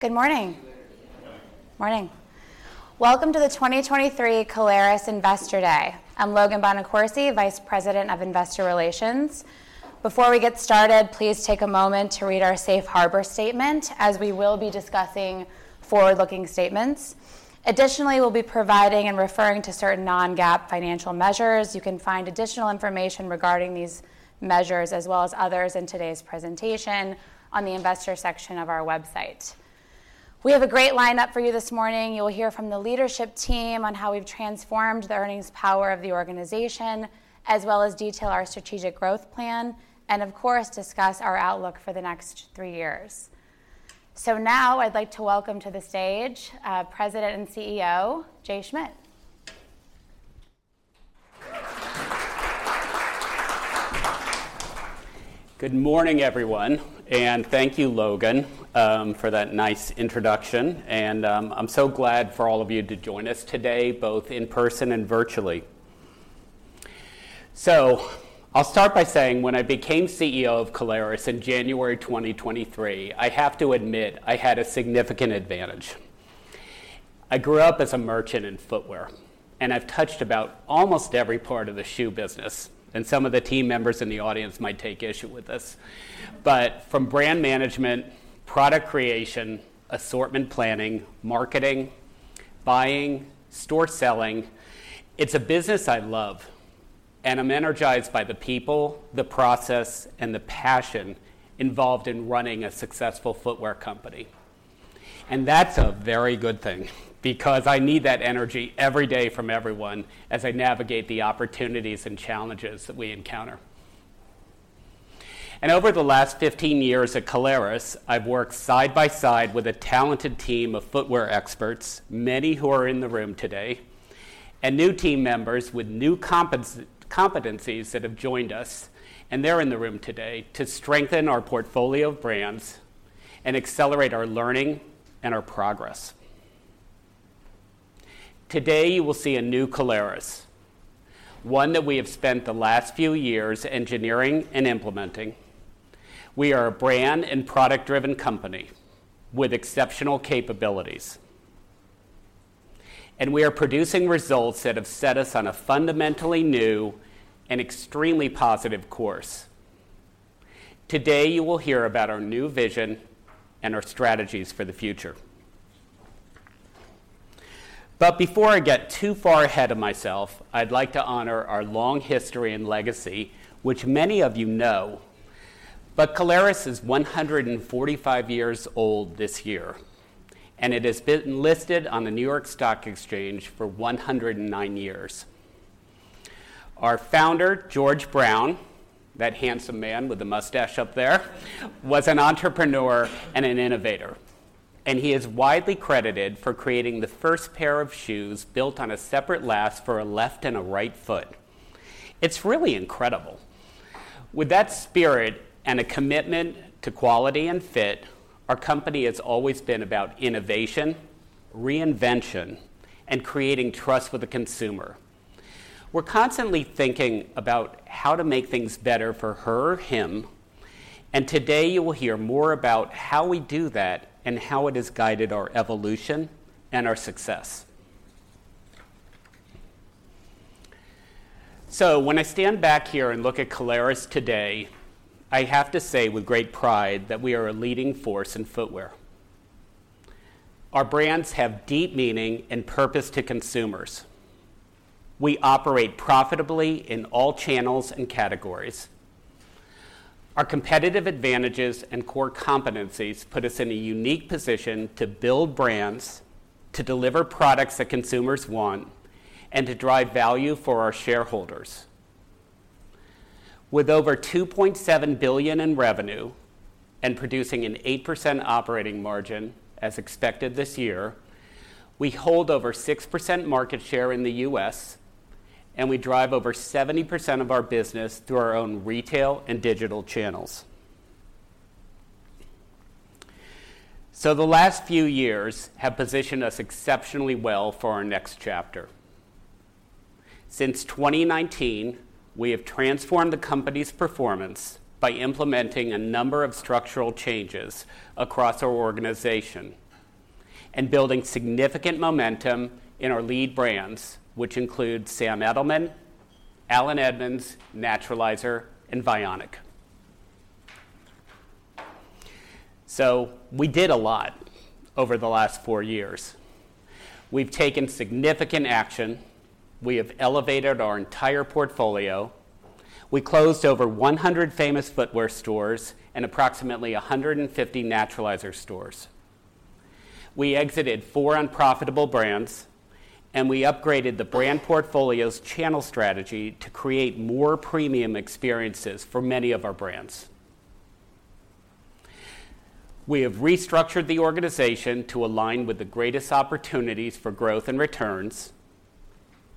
Good morning! Good morning. Morning. Welcome to the 2023 Caleres Investor Day. I'm Logan Bonacorsi, Vice President of Investor Relations. Before we get started, please take a moment to read our safe harbor statement, as we will be discussing forward-looking statements. Additionally, we'll be providing and referring to certain non-GAAP financial measures. You can find additional information regarding these measures, as well as others in today's presentation, on the investor section of our website. We have a great lineup for you this morning. You'll hear from the leadership team on how we've transformed the earnings power of the organization, as well as detail our strategic growth plan, and of course, discuss our outlook for the next three years. Now I'd like to welcome to the stage, President and CEO, Jay Schmidt. Good morning, everyone, and thank you, Logan, for that nice introduction, and, I'm so glad for all of you to join us today, both in person and virtually. So I'll start by saying, when I became CEO of Caleres in January 2023, I have to admit, I had a significant advantage. I grew up as a merchant in footwear, and I've touched about almost every part of the shoe business, and some of the team members in the audience might take issue with this. But from brand management, product creation, assortment planning, marketing, buying, store selling, it's a business I love, and I'm energized by the people, the process, and the passion involved in running a successful footwear company. And that's a very good thing, because I need that energy every day from everyone as I navigate the opportunities and challenges that we encounter. Over the last 15 years at Caleres, I've worked side by side with a talented team of footwear experts, many who are in the room today, and new team members with new competencies that have joined us, and they're in the room today, to strengthen our portfolio of brands and accelerate our learning and our progress. Today, you will see a new Caleres, one that we have spent the last few years engineering and implementing. We are a brand and product-driven company with exceptional capabilities, and we are producing results that have set us on a fundamentally new and extremely positive course. Today, you will hear about our new vision and our strategies for the future. Before I get too far ahead of myself, I'd like to honor our long history and legacy, which many of you know. But Caleres is 145 years old this year, and it has been listed on the New York Stock Exchange for 109 years. Our founder, George Brown, that handsome man with the mustache up there, was an entrepreneur and an innovator, and he is widely credited for creating the first pair of shoes built on a separate last for a left and a right foot. It's really incredible. With that spirit and a commitment to quality and fit, our company has always been about innovation, reinvention, and creating trust with the consumer. We're constantly thinking about how to make things better for her or him, and today you will hear more about how we do that and how it has guided our evolution and our success. So when I stand back here and look at Caleres today, I have to say with great pride that we are a leading force in footwear. Our brands have deep meaning and purpose to consumers. We operate profitably in all channels and categories. Our competitive advantages and core competencies put us in a unique position to build brands, to deliver products that consumers want, and to drive value for our shareholders. With over $2.7 billion in revenue and producing an 8% operating margin, as expected this year, we hold over 6% market share in the U.S., and we drive over 70% of our business through our own retail and digital channels. So the last few years have positioned us exceptionally well for our next chapter. Since 2019, we have transformed the company's performance by implementing a number of structural changes across our organization and building significant momentum in our lead brands, which include Sam Edelman, Allen Edmonds, Naturalizer, and Vionic. We did a lot over the last four years. We've taken significant action. We have elevated our entire portfolio. We closed over 100 Famous Footwear stores and approximately 150 Naturalizer stores. We exited four unprofitable brands, and we upgraded the brand portfolio's channel strategy to create more premium experiences for many of our brands. We have restructured the organization to align with the greatest opportunities for growth and returns,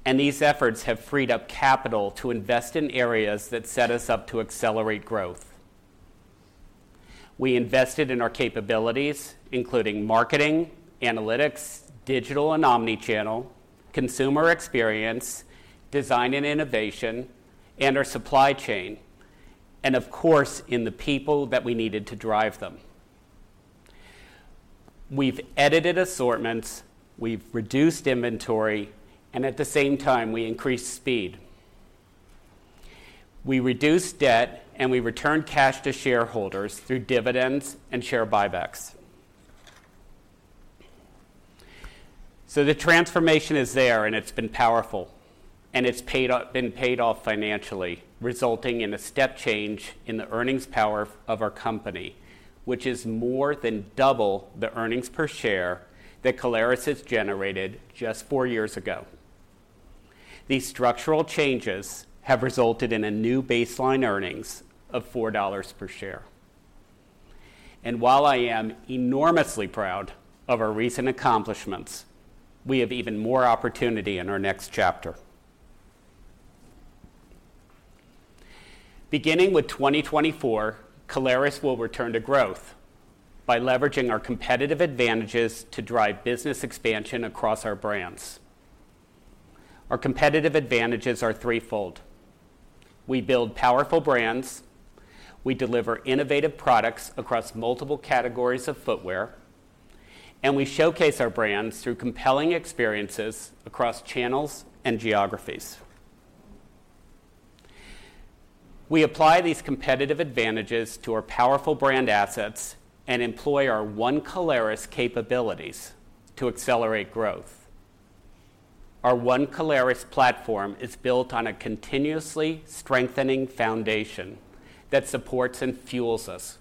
and these efforts have freed up capital to invest in areas that set us up to accelerate growth. We invested in our capabilities, including marketing, analytics, digital and omnichannel, consumer experience, design and innovation, and our supply chain... of course, in the people that we needed to drive them. We've edited assortments, we've reduced inventory, and at the same time, we increased speed. We reduced debt, and we returned cash to shareholders through dividends and share buybacks. The transformation is there, and it's been powerful, and it's paid off financially, resulting in a step change in the earnings power of our company, which is more than double the earnings per share that Caleres has generated just 4 years ago. These structural changes have resulted in a new baseline earnings of $4 per share. While I am enormously proud of our recent accomplishments, we have even more opportunity in our next chapter. Beginning with 2024, Caleres will return to growth by leveraging our competitive advantages to drive business expansion across our brands. Our competitive advantages are threefold: We build powerful brands, we deliver innovative products across multiple categories of footwear, and we showcase our brands through compelling experiences across channels and geographies. We apply these competitive advantages to our powerful brand assets and employ our One Caleres capabilities to accelerate growth. Our One Caleres platform is built on a continuously strengthening foundation that supports and fuels us.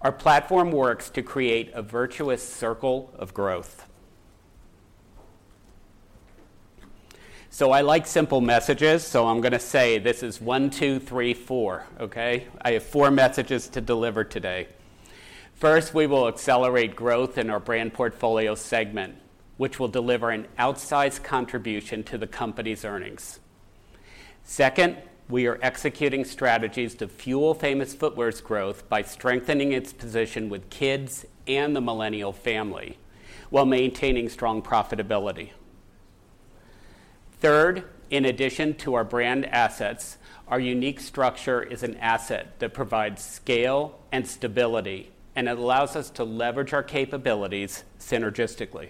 Our platform works to create a virtuous circle of growth. So I like simple messages, so I'm gonna say this is one, two, three, four, okay? I have four messages to deliver today. First, we will accelerate growth in our brand portfolio segment, which will deliver an outsized contribution to the company's earnings. Second, we are executing strategies to fuel Famous Footwear's growth by strengthening its position with kids and the Millennial family, while maintaining strong profitability. Third, in addition to our brand assets, our unique structure is an asset that provides scale and stability, and it allows us to leverage our capabilities synergistically.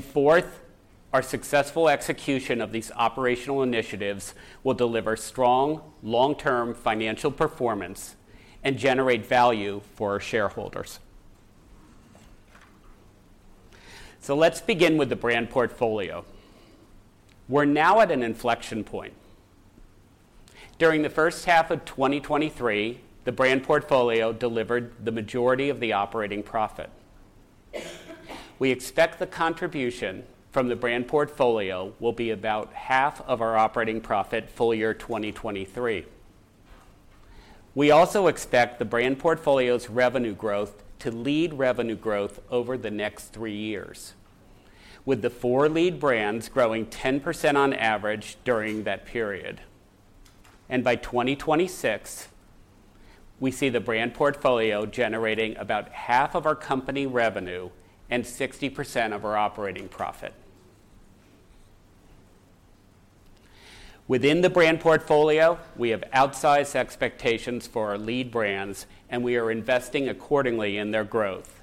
Fourth, our successful execution of these operational initiatives will deliver strong, long-term financial performance and generate value for our shareholders. Let's begin with the brand portfolio. We're now at an inflection point. During the first half of 2023, the brand portfolio delivered the majority of the operating profit. We expect the contribution from the brand portfolio will be about half of our operating profit full year 2023. We also expect the brand portfolio's revenue growth to lead revenue growth over the next three years, with the four lead brands growing 10% on average during that period. By 2026, we see the brand portfolio generating about half of our company revenue and 60% of our operating profit. Within the brand portfolio, we have outsized expectations for our lead brands, and we are investing accordingly in their growth.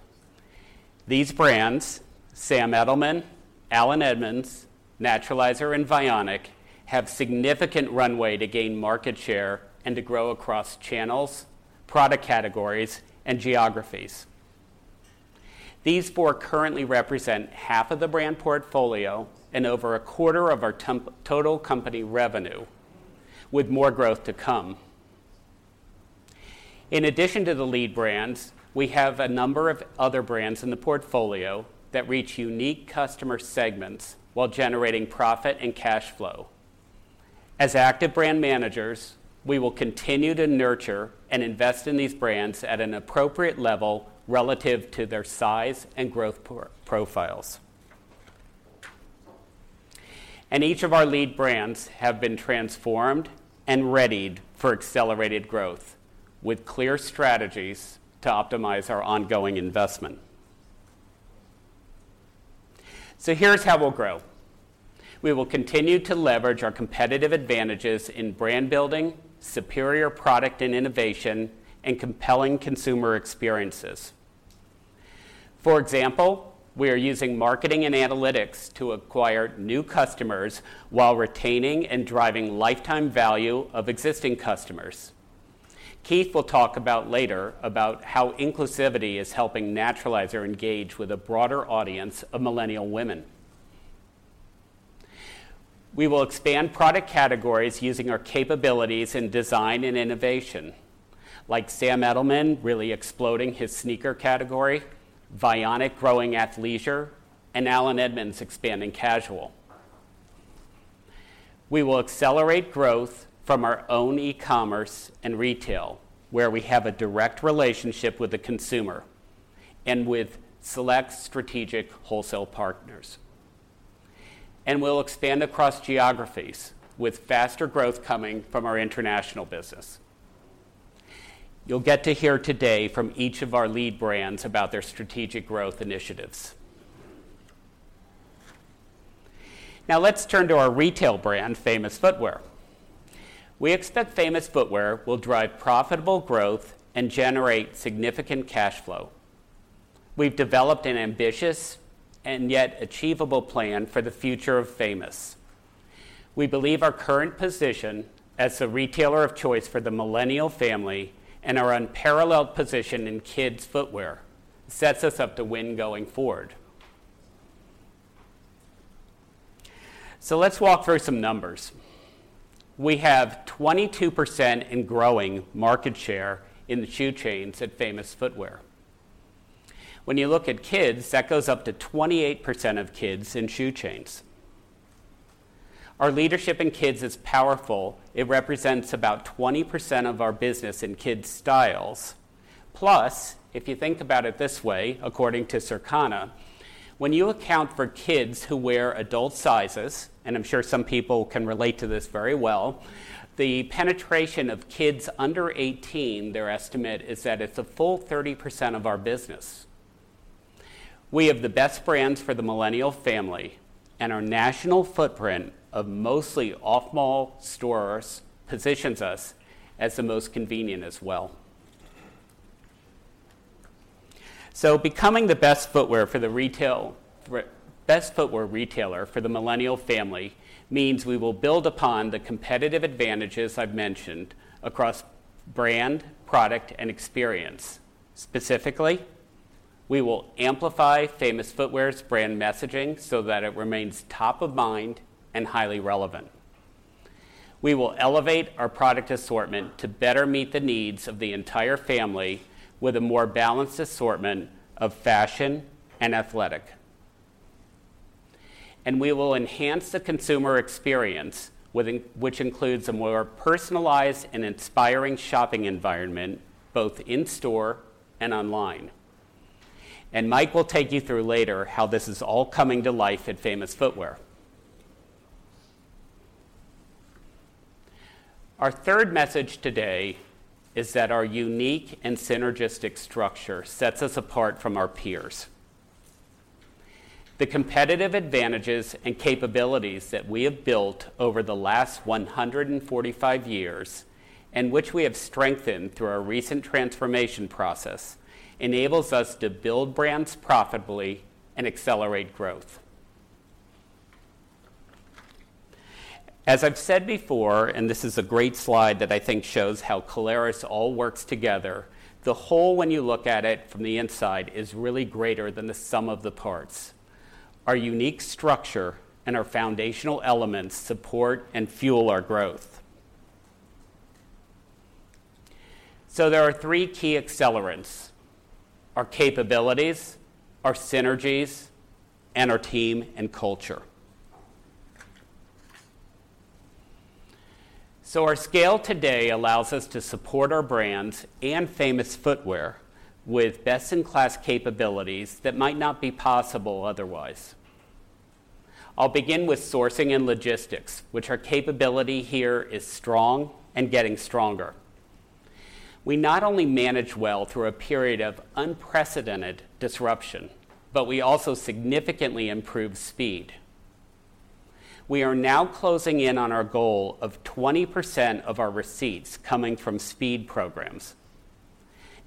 These brands, Sam Edelman, Allen Edmonds, Naturalizer, and Vionic, have significant runway to gain market share and to grow across channels, product categories, and geographies. These four currently represent half of the brand portfolio and over a quarter of our total company revenue, with more growth to come. In addition to the lead brands, we have a number of other brands in the portfolio that reach unique customer segments while generating profit and cash flow. As active brand managers, we will continue to nurture and invest in these brands at an appropriate level relative to their size and growth profiles. Each of our lead brands have been transformed and readied for accelerated growth, with clear strategies to optimize our ongoing investment. Here's how we'll grow: We will continue to leverage our competitive advantages in brand building, superior product and innovation, and compelling consumer experiences. For example, we are using marketing and analytics to acquire new customers while retaining and driving lifetime value of existing customers. Keith will talk about later how inclusivity is helping Naturalizer engage with a broader audience of Millennial women. We will expand product categories using our capabilities in design and innovation, like Sam Edelman really exploding his sneaker category, Vionic growing athleisure, and Allen Edmonds expanding casual. We will accelerate growth from our own e-commerce and retail, where we have a direct relationship with the consumer and with select strategic wholesale partners. We'll expand across geographies, with faster growth coming from our international business. You'll get to hear today from each of our lead brands about their strategic growth initiatives... Now let's turn to our retail brand, Famous Footwear. We expect Famous Footwear will drive profitable growth and generate significant cash flow. We've developed an ambitious and yet achievable plan for the future of Famous. We believe our current position as the retailer of choice for the Millennial family, and our unparalleled position in kids' footwear, sets us up to win going forward. Let's walk through some numbers. We have 22% and growing market share in the shoe chains at Famous Footwear. When you look at kids, that goes up to 28% of kids in shoe chains. Our leadership in kids is powerful. It represents about 20% of our business in kids' styles. Plus, if you think about it this way, according to Circana, when you account for kids who wear adult sizes, and I'm sure some people can relate to this very well, the penetration of kids under 18, their estimate is that it's a full 30% of our business. We have the best brands for the Millennial family, and our national footprint of mostly off-mall stores positions us as the most convenient as well. So becoming the best footwear retailer for the Millennial family means we will build upon the competitive advantages I've mentioned across brand, product, and experience. Specifically, we will amplify Famous Footwear's brand messaging so that it remains top of mind and highly relevant. We will elevate our product assortment to better meet the needs of the entire family with a more balanced assortment of fashion and athletic. We will enhance the consumer experience, which includes a more personalized and inspiring shopping environment, both in-store and online. Mike will take you through later how this is all coming to life at Famous Footwear. Our third message today is that our unique and synergistic structure sets us apart from our peers. The competitive advantages and capabilities that we have built over the last 145 years, and which we have strengthened through our recent transformation process, enables us to build brands profitably and accelerate growth. As I've said before, and this is a great slide that I think shows how Caleres all works together, the whole, when you look at it from the inside, is really greater than the sum of the parts. Our unique structure and our foundational elements support and fuel our growth. So there are three key accelerants: our capabilities, our synergies, and our team and culture. So our scale today allows us to support our brands and Famous Footwear with best-in-class capabilities that might not be possible otherwise. I'll begin with sourcing and logistics, which our capability here is strong and getting stronger. We not only managed well through a period of unprecedented disruption, but we also significantly improved speed. We are now closing in on our goal of 20% of our receipts coming from speed programs,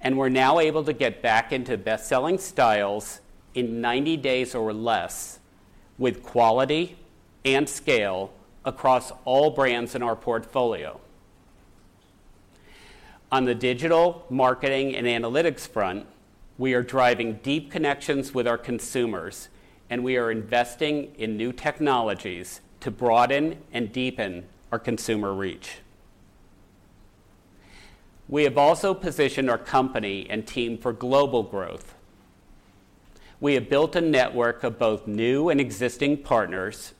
and we're now able to get back into best-selling styles in 90 days or less, with quality and scale across all brands in our portfolio. On the digital marketing and analytics front, we are driving deep connections with our consumers, and we are investing in new technologies to broaden and deepen our consumer reach. We have also positioned our company and team for global growth. We have built a network of both new and existing partners,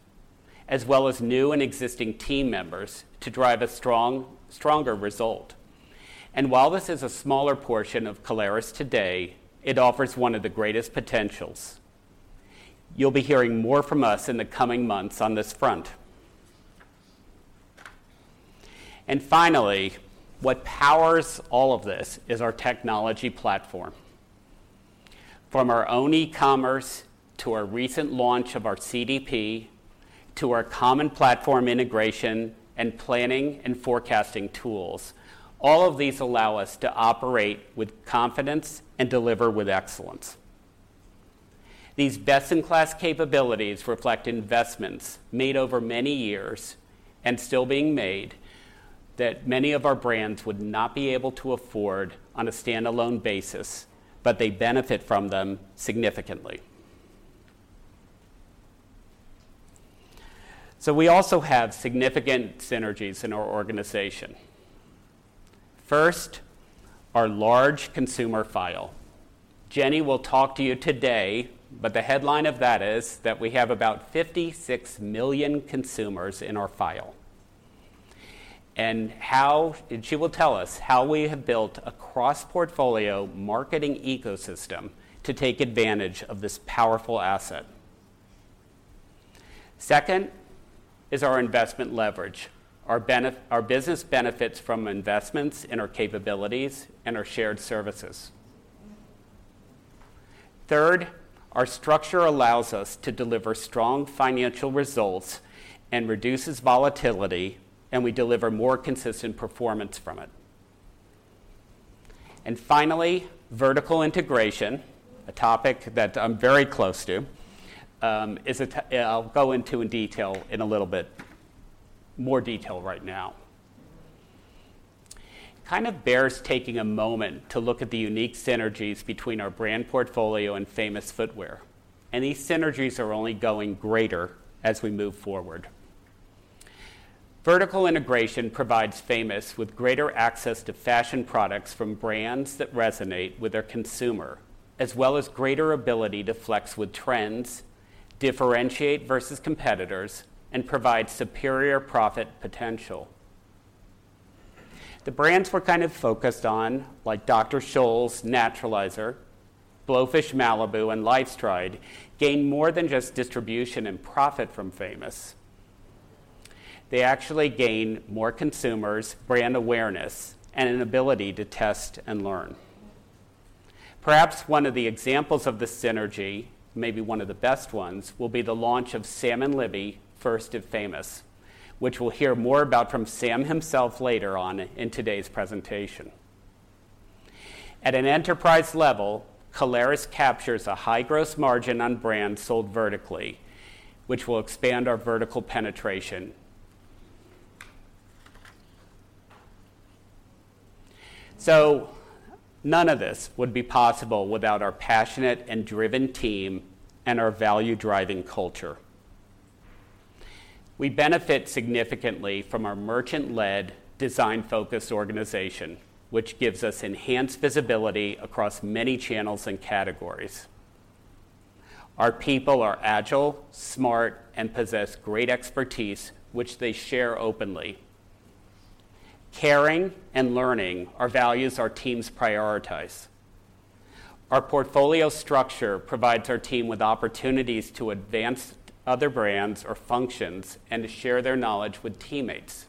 as well as new and existing team members, to drive a strong, stronger result. While this is a smaller portion of Caleres today, it offers one of the greatest potentials. You'll be hearing more from us in the coming months on this front. Finally, what powers all of this is our technology platform. From our own e-commerce, to our recent launch of our CDP, to our common platform integration and planning and forecasting tools, all of these allow us to operate with confidence and deliver with excellence. These best-in-class capabilities reflect investments made over many years, and still being made, that many of our brands would not be able to afford on a standalone basis, but they benefit from them significantly. So we also have significant synergies in our organization. First, our large consumer file. Jenny will talk to you today, but the headline of that is that we have about 56 million consumers in our file. And she will tell us how we have built a cross-portfolio marketing ecosystem to take advantage of this powerful asset. Second is our investment leverage. Our business benefits from investments in our capabilities and our shared services. Third, our structure allows us to deliver strong financial results and reduces volatility, and we deliver more consistent performance from it. And finally, vertical integration, a topic that I'm very close to, I'll go into in detail in a little bit more detail right now. It kind of bears taking a moment to look at the unique synergies between our brand portfolio and Famous Footwear, and these synergies are only going greater as we move forward. Vertical integration provides Famous with greater access to fashion products from brands that resonate with their consumer, as well as greater ability to flex with trends, differentiate versus competitors, and provide superior profit potential. The brands we're kind of focused on, like Dr. Scholl's, Naturalizer, Blowfish Malibu, and LifeStride, gain more than just distribution and profit from Famous. They actually gain more consumers, brand awareness, and an ability to test and learn. Perhaps one of the examples of this synergy, maybe one of the best ones, will be the launch of Sam & Libby, first of Famous, which we'll hear more about from Sam himself later on in today's presentation. At an enterprise level, Caleres captures a high gross margin on brands sold vertically, which will expand our vertical penetration. So none of this would be possible without our passionate and driven team and our value-driving culture. We benefit significantly from our merchant-led, design-focused organization, which gives us enhanced visibility across many channels and categories. Our people are agile, smart, and possess great expertise, which they share openly. Caring and learning are values our teams prioritize. Our portfolio structure provides our team with opportunities to advance other brands or functions and to share their knowledge with teammates.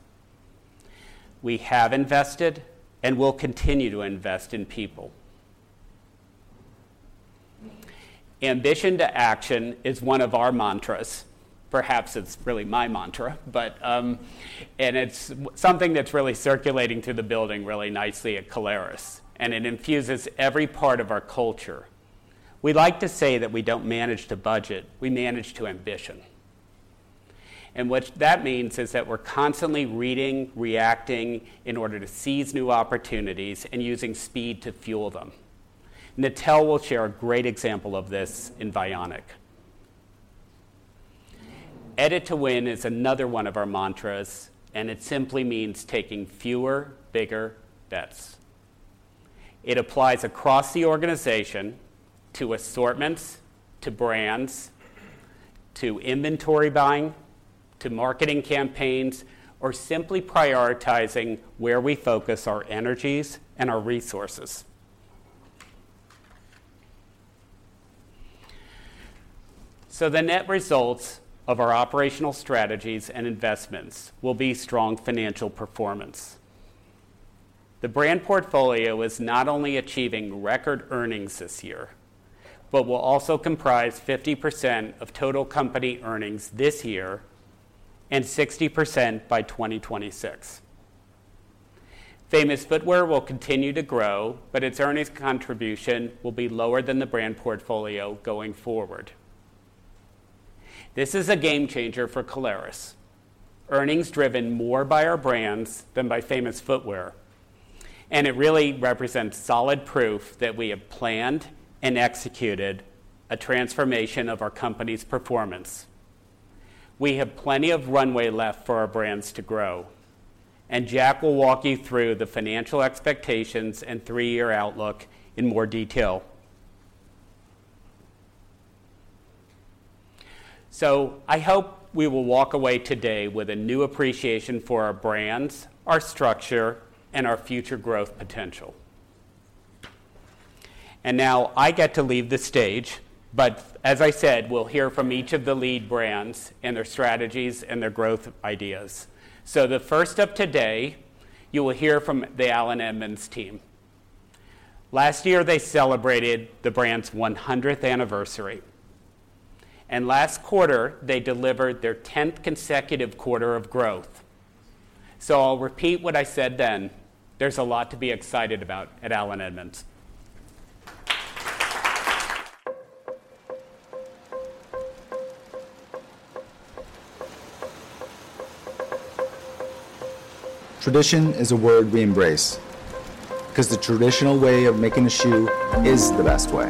We have invested and will continue to invest in people. Ambition to Action is one of our mantras. Perhaps it's really my mantra, but and it's something that's really circulating through the building really nicely at Caleres, and it infuses every part of our culture. We like to say that we don't manage to budget, we manage to ambition. And what that means is that we're constantly reading, reacting, in order to seize new opportunities and using speed to fuel them. Natelle will share a great example of this in Vionic. Edit to Win is another one of our mantras, and it simply means taking fewer, bigger bets. It applies across the organization to assortments, to brands, to inventory buying, to marketing campaigns, or simply prioritizing where we focus our energies and our resources. So the net results of our operational strategies and investments will be strong financial performance. The brand portfolio is not only achieving record earnings this year, but will also comprise 50% of total company earnings this year and 60% by 2026. Famous Footwear will continue to grow, but its earnings contribution will be lower than the brand portfolio going forward. This is a game changer for Caleres, earnings driven more by our brands than by Famous Footwear, and it really represents solid proof that we have planned and executed a transformation of our company's performance. We have plenty of runway left for our brands to grow, and Jack will walk you through the financial expectations and three-year outlook in more detail. I hope we will walk away today with a new appreciation for our brands, our structure, and our future growth potential. Now I get to leave the stage, but as I said, we'll hear from each of the lead brands and their strategies and their growth ideas. The first up today, you will hear from the Allen Edmonds team. Last year, they celebrated the brand's 100th anniversary, and last quarter, they delivered their 10th consecutive quarter of growth. So I'll repeat what I said then: There's a lot to be excited about at Allen Edmonds. Tradition is a word we embrace, 'cause the traditional way of making a shoe is the best way.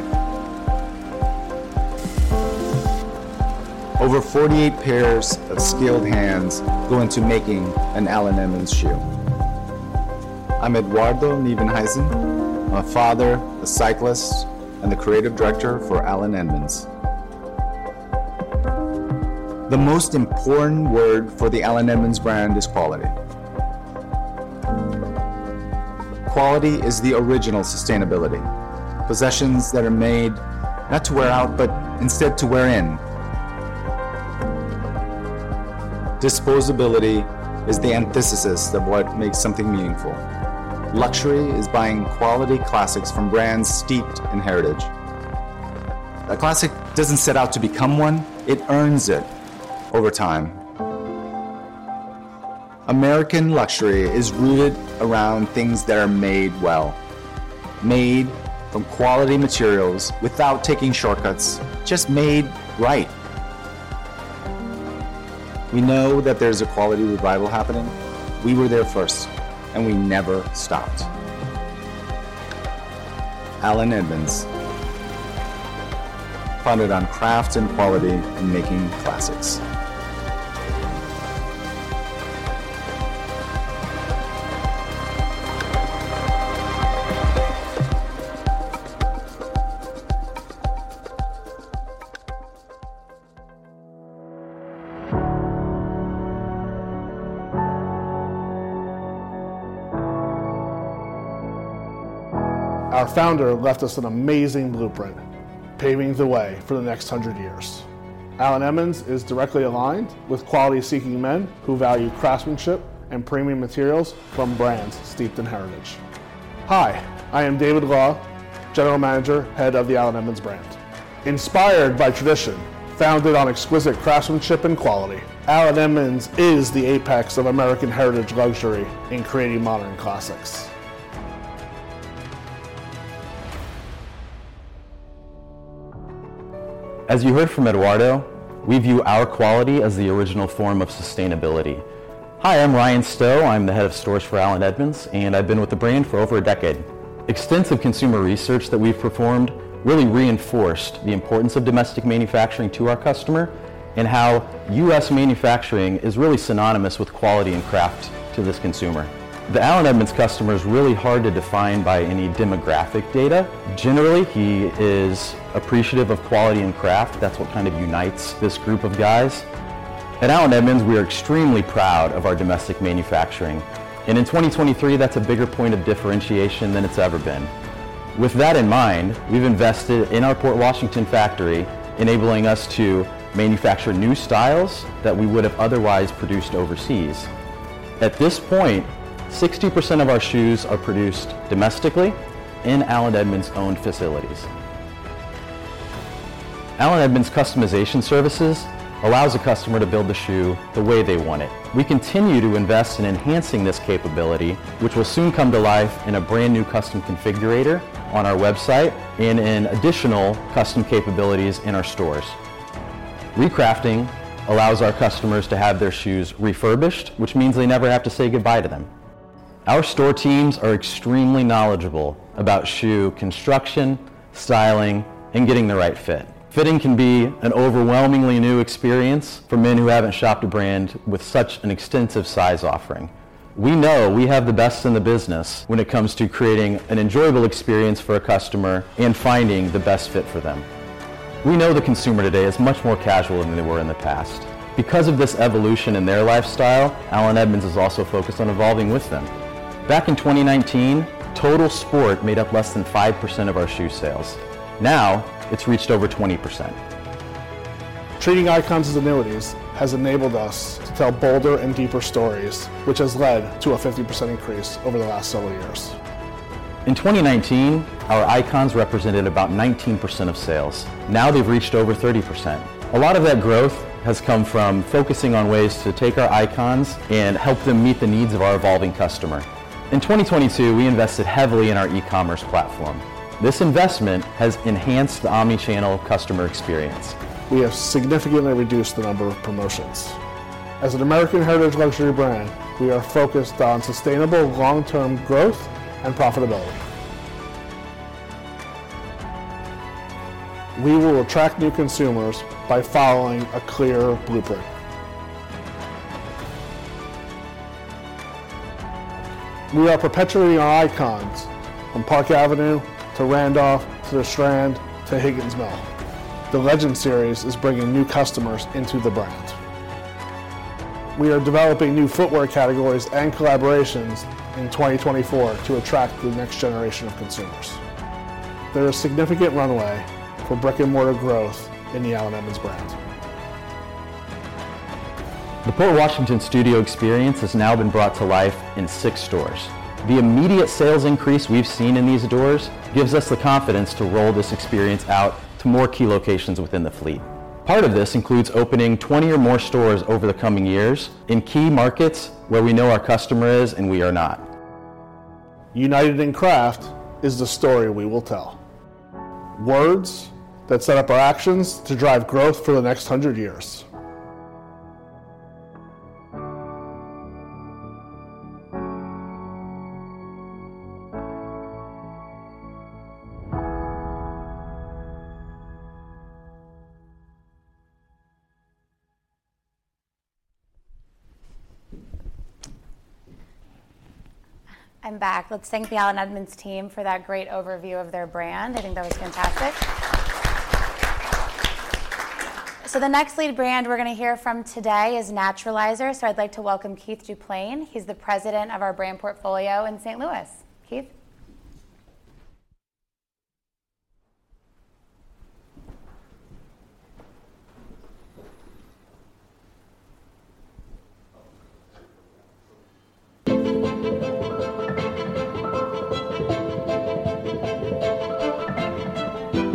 Over 48 pairs of skilled hands go into making an Allen Edmonds shoe. I'm Eduardo Nieuwenhuyzen. I'm a father, a cyclist, and the creative director for Allen Edmonds. The most important word for the Allen Edmonds brand is quality. Quality is the original sustainability, possessions that are made not to wear out, but instead to wear in... Disposability is the antithesis of what makes something meaningful. Luxury is buying quality classics from brands steeped in heritage. A classic doesn't set out to become one, it earns it over time. American luxury is rooted around things that are made well, made from quality materials without taking shortcuts, just made right. We know that there's a quality revival happening. We were there first, and we never stopped. Allen Edmonds, founded on craft and quality in making classics. Our founder left us an amazing blueprint, paving the way for the next hundred years. Allen Edmonds is directly aligned with quality-seeking men, who value craftsmanship and premium materials from brands steeped in heritage. Hi, I am David Law, General Manager, Head of the Allen Edmonds brand. Inspired by tradition, founded on exquisite craftsmanship and quality, Allen Edmonds is the apex of American heritage luxury in creating modern classics. As you heard from Eduardo, we view our quality as the original form of sustainability. Hi, I'm Ryan Stowe. I'm the Head of Stores for Allen Edmonds, and I've been with the brand for over a decade. Extensive consumer research that we've performed really reinforced the importance of domestic manufacturing to our customer, and how U.S. manufacturing is really synonymous with quality and craft to this consumer. The Allen Edmonds customer is really hard to define by any demographic data. Generally, he is appreciative of quality and craft. That's what kind of unites this group of guys. At Allen Edmonds, we are extremely proud of our domestic manufacturing, and in 2023, that's a bigger point of differentiation than it's ever been. With that in mind, we've invested in our Port Washington factory, enabling us to manufacture new styles that we would have otherwise produced overseas. At this point, 60% of our shoes are produced domestically in Allen Edmonds-owned facilities. Allen Edmonds customization services allows a customer to build the shoe the way they want it. We continue to invest in enhancing this capability, which will soon come to life in a brand-new custom configurator on our website and in additional custom capabilities in our stores. Recrafting allows our customers to have their shoes refurbished, which means they never have to say goodbye to them. Our store teams are extremely knowledgeable about shoe construction, styling, and getting the right fit. Fitting can be an overwhelmingly new experience for men who haven't shopped a brand with such an extensive size offering. We know we have the best in the business when it comes to creating an enjoyable experience for a customer and finding the best fit for them. We know the consumer today is much more casual than they were in the past. Because of this evolution in their lifestyle, Allen Edmonds is also focused on evolving with them. Back in 2019, total sport made up less than 5% of our shoe sales. Now, it's reached over 20%. Treating icons as annuities has enabled us to tell bolder and deeper stories, which has led to a 50% increase over the last several years. In 2019, our icons represented about 19% of sales. Now, they've reached over 30%. A lot of that growth has come from focusing on ways to take our icons and help them meet the needs of our evolving customer. In 2022, we invested heavily in our e-commerce platform. This investment has enhanced the omnichannel customer experience. We have significantly reduced the number of promotions. As an American heritage luxury brand, we are focused on sustainable long-term growth and profitability. We will attract new consumers by following a clear blueprint. We are perpetuating our icons, from Park Avenue, to Randolph, to the Strand, to Higgins Mill. The Legends Series is bringing new customers into the brand. We are developing new footwear categories and collaborations in 2024 to attract the next generation of consumers. There is significant runway for brick-and-mortar growth in the Allen Edmonds brand. The Port Washington studio experience has now been brought to life in six stores. The immediate sales increase we've seen in these stores gives us the confidence to roll this experience out to more key locations within the fleet. Part of this includes opening 20 or more stores over the coming years in key markets where we know our customer is, and we are not. United in Craft is the story we will tell. Words that set up our actions to drive growth for the next hundred years. I'm back. Let's thank the Allen Edmonds team for that great overview of their brand. I think that was fantastic. The next lead brand we're going to hear from today is Naturalizer. I'd like to welcome Keith Duplain. He's the President of our brand portfolio in St. Louis. Keith?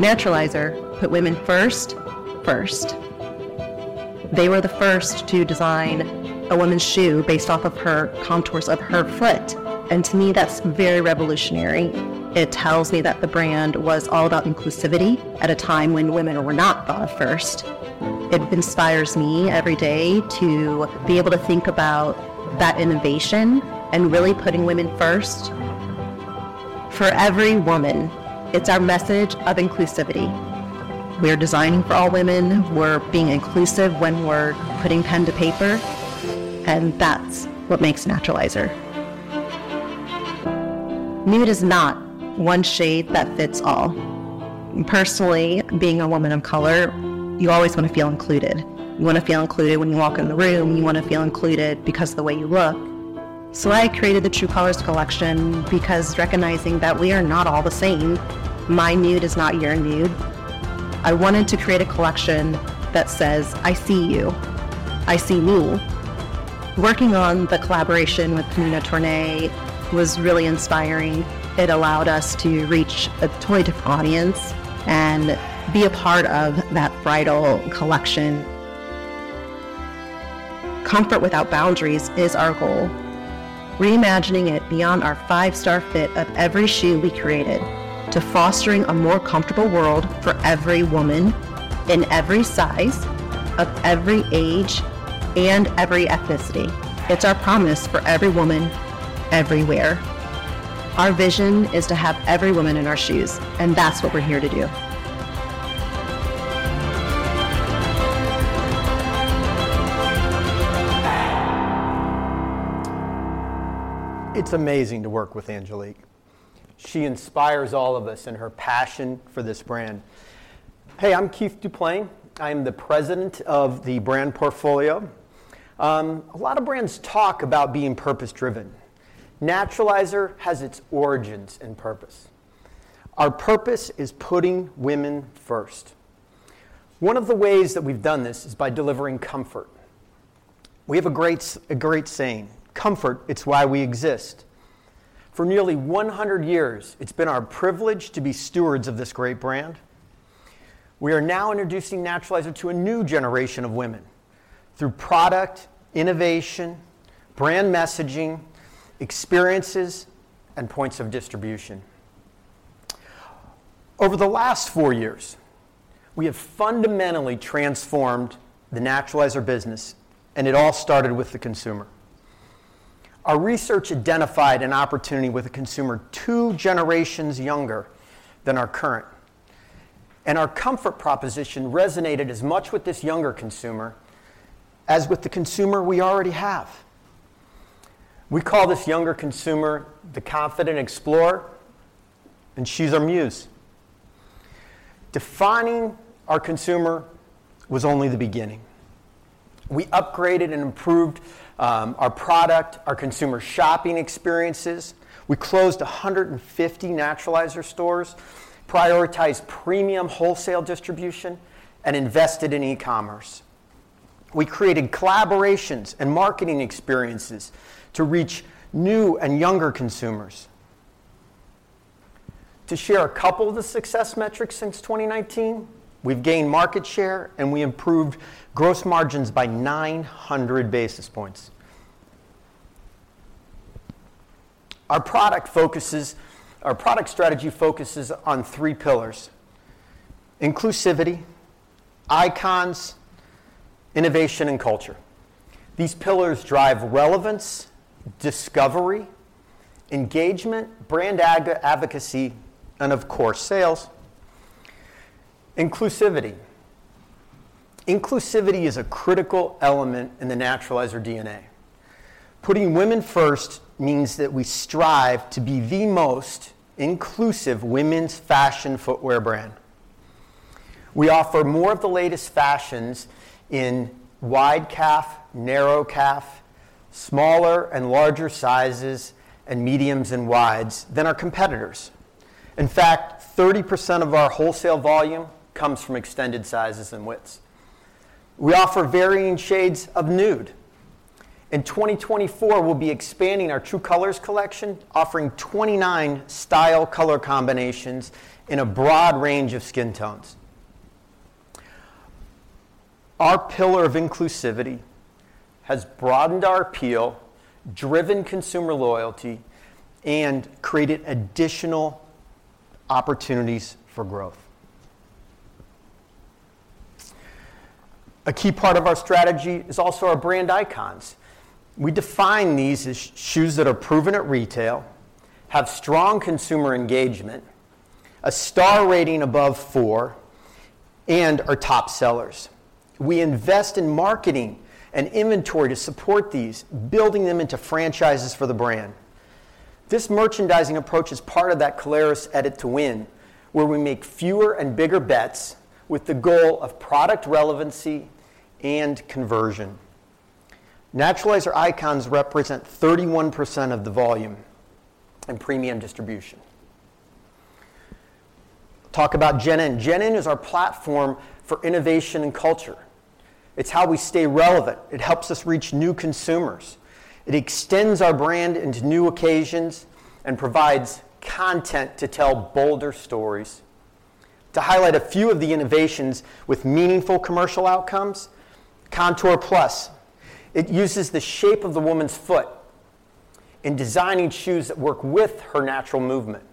Naturalizer put women first, first. They were the first to design a woman's shoe based off of her contours of her foot, and to me, that's very revolutionary. It tells me that the brand was all about inclusivity at a time when women were not thought of first. It inspires me every day to be able to think about that innovation and really putting women first. For every woman, it's our message of inclusivity. We are designing for all women. We're being inclusive when we're putting pen to paper, and that's what makes Naturalizer. Nude is not one shade that fits all. Personally, being a woman of color, you always want to feel included. You want to feel included when you walk in the room. You want to feel included because of the way you look. So I created the True Colors collection because recognizing that we are not all the same, my nude is not your nude. I wanted to create a collection that says, "I see you. I see you." Working on the collaboration with Pnina Tornai was really inspiring. It allowed us to reach a totally different audience and be a part of that bridal collection. Comfort without boundaries is our goal. Reimagining it beyond our five-star fit of every shoe we created, to fostering a more comfortable world for every woman, in every size, of every age, and every ethnicity. It's our promise for every woman everywhere. Our vision is to have every woman in our shoes, and that's what we're here to do. It's amazing to work with Angelique. She inspires all of us in her passion for this brand. Hey, I'm Keith Duplain. I'm the President of the Brand Portfolio. A lot of brands talk about being purpose-driven. Naturalizer has its origins in purpose. Our purpose is putting women first. One of the ways that we've done this is by delivering comfort. We have a great saying: "Comfort, it's why we exist." For nearly 100 years, it's been our privilege to be stewards of this great brand. We are now introducing Naturalizer to a new generation of women through product, innovation, brand messaging, experiences, and points of distribution. Over the last 4 years, we have fundamentally transformed the Naturalizer business, and it all started with the consumer. Our research identified an opportunity with a consumer two generations younger than our current, and our comfort proposition resonated as much with this younger consumer as with the consumer we already have. We call this younger consumer the Confident Explorer, and she's our muse. Defining our consumer was only the beginning. We upgraded and improved our product, our consumer shopping experiences. We closed 150 Naturalizer stores, prioritized premium wholesale distribution, and invested in e-commerce. We created collaborations and marketing experiences to reach new and younger consumers. To share a couple of the success metrics since 2019, we've gained market share, and we improved gross margins by 900 basis points. Our product strategy focuses on three pillars: inclusivity, icons, innovation, and culture. These pillars drive relevance, discovery, engagement, brand advocacy, and of course, sales. Inclusivity. Inclusivity is a critical element in the Naturalizer DNA. Putting women first means that we strive to be the most inclusive women's fashion footwear brand. We offer more of the latest fashions in wide calf, narrow calf, smaller and larger sizes, and mediums and wides than our competitors. In fact, 30% of our wholesale volume comes from extended sizes and widths. We offer varying shades of nude. In 2024, we'll be expanding our True Colors collection, offering 29 style color combinations in a broad range of skin tones. Our pillar of inclusivity has broadened our appeal, driven consumer loyalty, and created additional opportunities for growth. A key part of our strategy is also our brand icons. We define these as shoes that are proven at retail, have strong consumer engagement, a star rating above four, and are top sellers. We invest in marketing and inventory to support these, building them into franchises for the brand. This merchandising approach is part of that Caleres Edit to Win, where we make fewer and bigger bets with the goal of product relevancy and conversion. Naturalizer icons represent 31% of the volume in premium distribution. Talk about Gen N. Gen N is our platform for innovation and culture. It's how we stay relevant. It helps us reach new consumers. It extends our brand into new occasions and provides content to tell bolder stories. To highlight a few of the innovations with meaningful commercial outcomes, Contour+, it uses the shape of the woman's foot in designing shoes that work with her natural movement.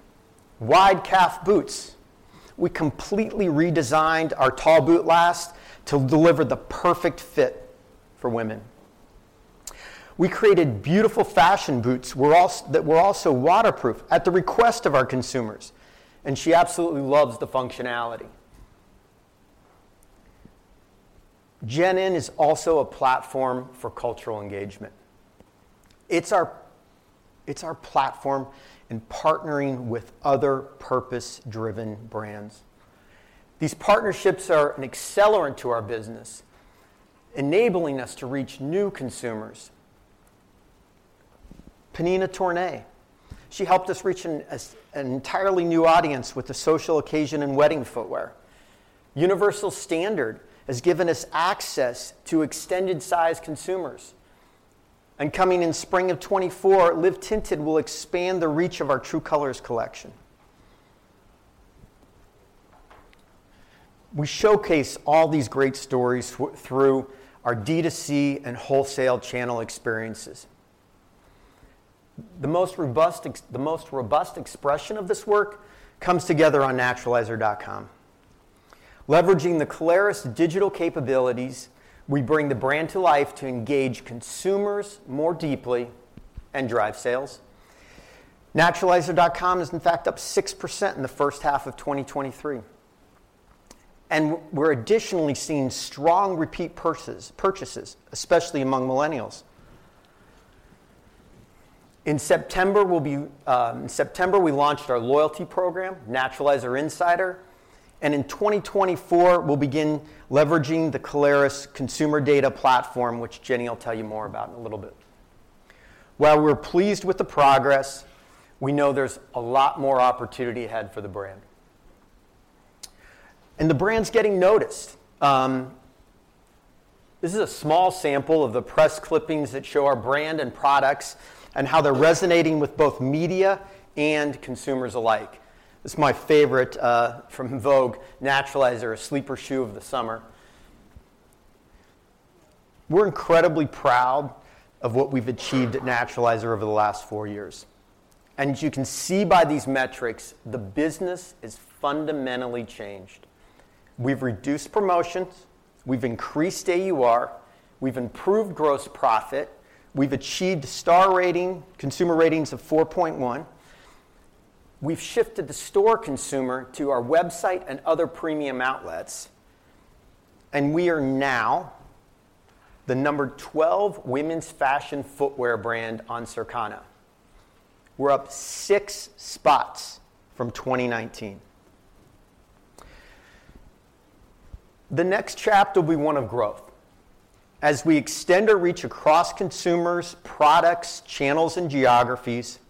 Wide calf boots, we completely redesigned our tall boot last to deliver the perfect fit for women. We created beautiful fashion boots that were also waterproof, at the request of our consumers, and she absolutely loves the functionality. Gen N is also a platform for cultural engagement. It's our platform in partnering with other purpose-driven brands. These partnerships are an accelerant to our business, enabling us to reach new consumers. Pnina Tornai, she helped us reach an entirely new audience with the social occasion and wedding footwear. Universal Standard has given us access to extended size consumers. Coming in spring of 2024, Live Tinted will expand the reach of our True Colors collection. We showcase all these great stories through our D2C and wholesale channel experiences. The most robust expression of this work comes together on naturalizer.com. Leveraging the Caleres digital capabilities, we bring the brand to life to engage consumers more deeply and drive sales. Naturalizer.com is in fact up 6% in the first half of 2023, and we're additionally seeing strong repeat purchases, especially among Millennials. In September, we'll be, in September, we launched our loyalty program, Naturalizer Insider, and in 2024, we'll begin leveraging the Caleres consumer data platform, which Jenny will tell you more about in a little bit. While we're pleased with the progress, we know there's a lot more opportunity ahead for the brand. The brand's getting noticed. This is a small sample of the press clippings that show our brand and products and how they're resonating with both media and consumers alike. This is my favorite from Vogue: "Naturalizer, sleeper shoe of the summer." We're incredibly proud of what we've achieved at Naturalizer over the last 4 years, and as you can see by these metrics, the business is fundamentally changed. We've reduced promotions, we've increased AUR, we've improved gross profit, we've achieved star rating, consumer ratings of 4.1, we've shifted the store consumer to our website and other premium outlets, and we are now the number 12 women's fashion footwear brand on Circana. We're up 6 spots from 2019. The next chapter we want to grow. As we extend our reach across consumers, products, channels, and geographies,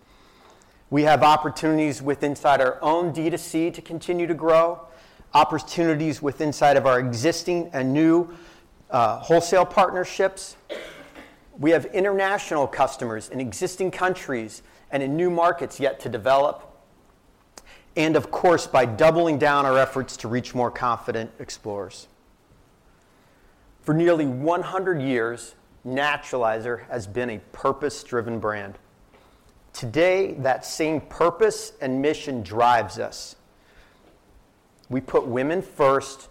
we have opportunities with inside our own D2C to continue to grow, opportunities with inside of our existing and new wholesale partnerships. We have international customers in existing countries and in new markets yet to develop, and of course, by doubling down our efforts to reach more Confident Explorers. For nearly 100 years, Naturalizer has been a purpose-driven brand. Today, that same purpose and mission drives us. We put women first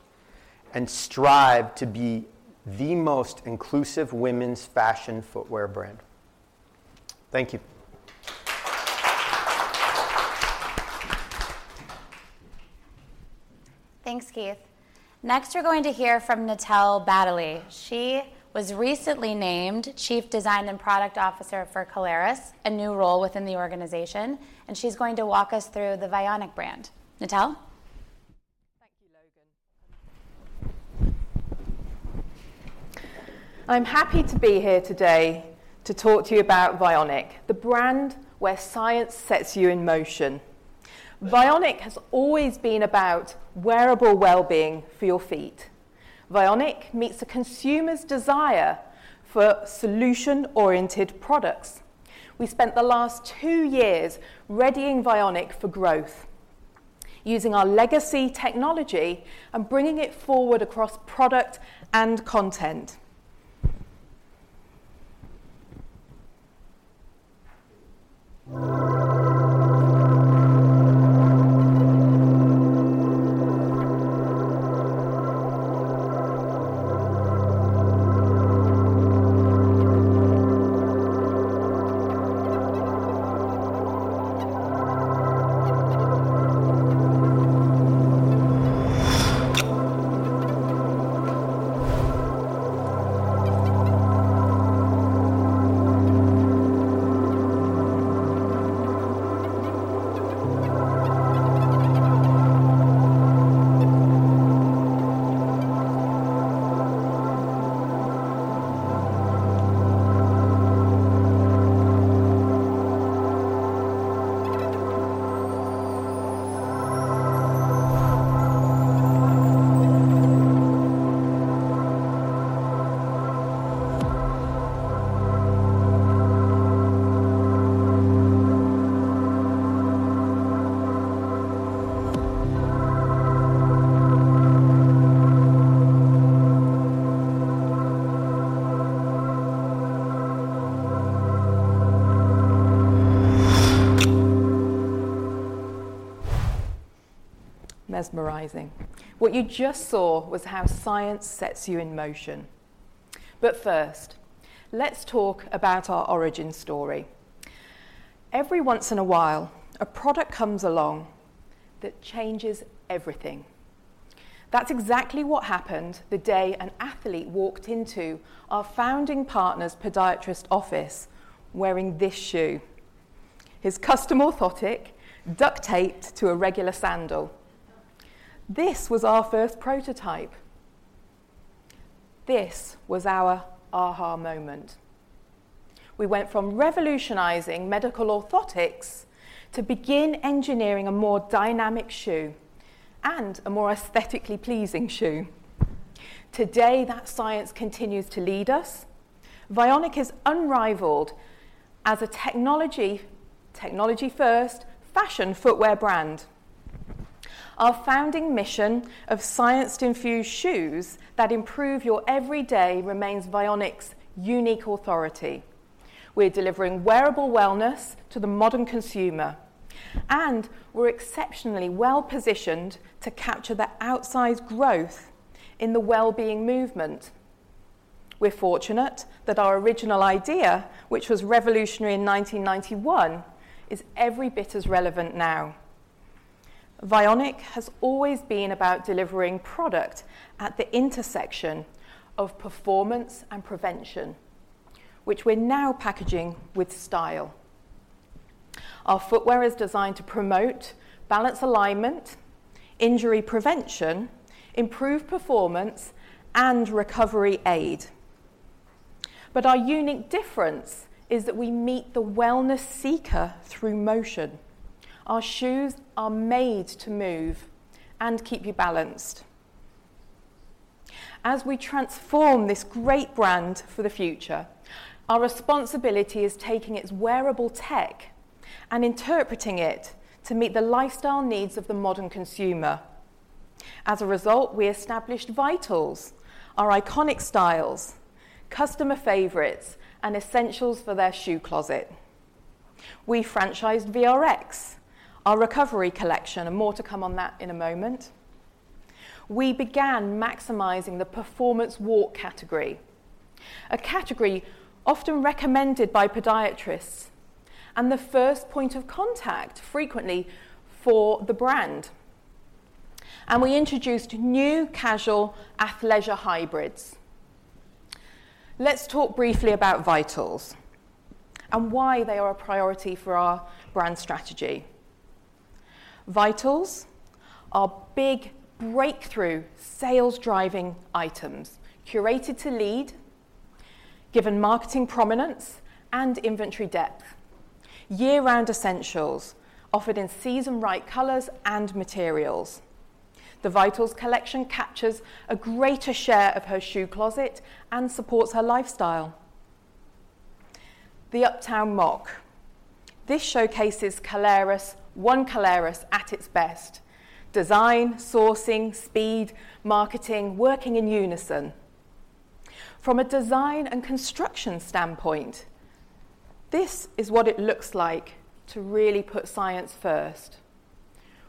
and strive to be the most inclusive women's fashion footwear brand. Thank you. Thanks, Keith. Next, you're going to hear from Natelle Baddeley. She was recently named Chief Design and Product Officer for Caleres, a new role within the organization, and she's going to walk us through the Vionic brand. Natelle? Thank you, Logan. I'm happy to be here today to talk to you about Vionic, the brand where science sets you in motion. Vionic has always been about wearable well-being for your feet. Vionic meets the consumer's desire for solution-oriented products. We spent the last two years readying Vionic for growth, using our legacy technology and bringing it forward across product and content. ... Mesmerizing. What you just saw was how science sets you in motion. But first, let's talk about our origin story. Every once in a while, a product comes along that changes everything. That's exactly what happened the day an athlete walked into our founding partner's podiatrist office wearing this shoe, his custom orthotic duct-taped to a regular sandal. This was our first prototype. This was our aha moment. We went from revolutionizing medical orthotics to begin engineering a more dynamic shoe, and a more aesthetically pleasing shoe. Today, that science continues to lead us. Vionic is unrivaled as a technology, technology-first fashion footwear brand. Our founding mission of science-infused shoes that improve your every day remains Vionic's unique authority. We're delivering wearable wellness to the modern consumer, and we're exceptionally well-positioned to capture the outsized growth in the wellbeing movement. We're fortunate that our original idea, which was revolutionary in 1991, is every bit as relevant now. Vionic has always been about delivering product at the intersection of performance and prevention, which we're now packaging with style. Our footwear is designed to promote balance alignment, injury prevention, improved performance, and recovery aid. But our unique difference is that we meet the wellness seeker through motion. Our shoes are made to move and keep you balanced. As we transform this great brand for the future, our responsibility is taking its wearable tech and interpreting it to meet the lifestyle needs of the modern consumer. As a result, we established Vitals, our iconic styles, customer favorites, and essentials for their shoe closet. We franchised VRX, our recovery collection, and more to come on that in a moment. We began maximizing the performance walk category, a category often recommended by podiatrists, and the first point of contact frequently for the brand. We introduced new casual athleisure hybrids. Let's talk briefly about Vitals and why they are a priority for our brand strategy. Vitals are big breakthrough, sales-driving items, curated to lead, given marketing prominence and inventory depth. Year-round essentials offered in season-right colors and materials. The Vitals collection captures a greater share of her shoe closet and supports her lifestyle. The Uptown Moc. This showcases Caleres, One Caleres at its best: design, sourcing, speed, marketing, working in unison. From a design and construction standpoint, this is what it looks like to really put science first.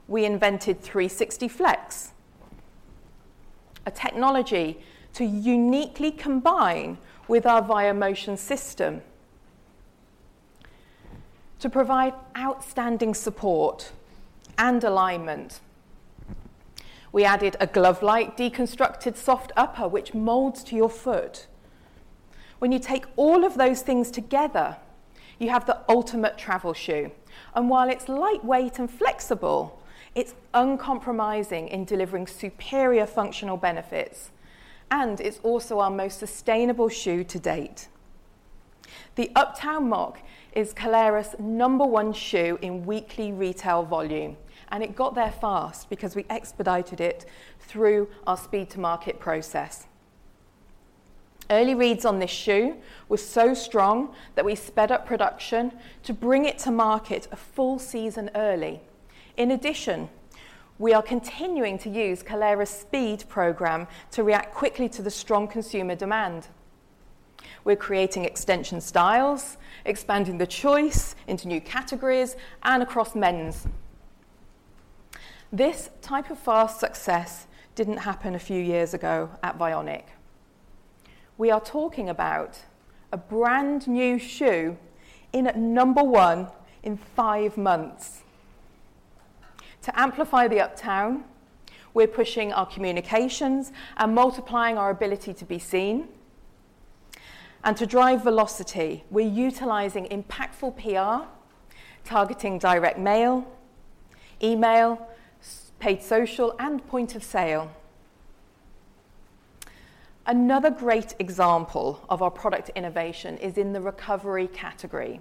We invented 360 Flex, a technology to uniquely combine with our Vio-Motion System to provide outstanding support and alignment. We added a glove-like deconstructed soft upper, which molds to your foot. When you take all of those things together, you have the ultimate travel shoe, and while it's lightweight and flexible, it's uncompromising in delivering superior functional benefits, and it's also our most sustainable shoe to date. The Uptown Moc is Caleres' number one shoe in weekly retail volume, and it got there fast because we expedited it through our speed-to-market process. Early reads on this shoe were so strong that we sped up production to bring it to market a full season early. In addition, we are continuing to use Caleres Speed Program to react quickly to the strong consumer demand. We're creating extension styles, expanding the choice into new categories and across men's. This type of fast success didn't happen a few years ago at Vionic. We are talking about a brand-new shoe in at number one in five months. To amplify the Uptown, we're pushing our communications and multiplying our ability to be seen, and to drive velocity, we're utilizing impactful PR, targeting direct mail, email, paid social, and point of sale. Another great example of our product innovation is in the recovery category.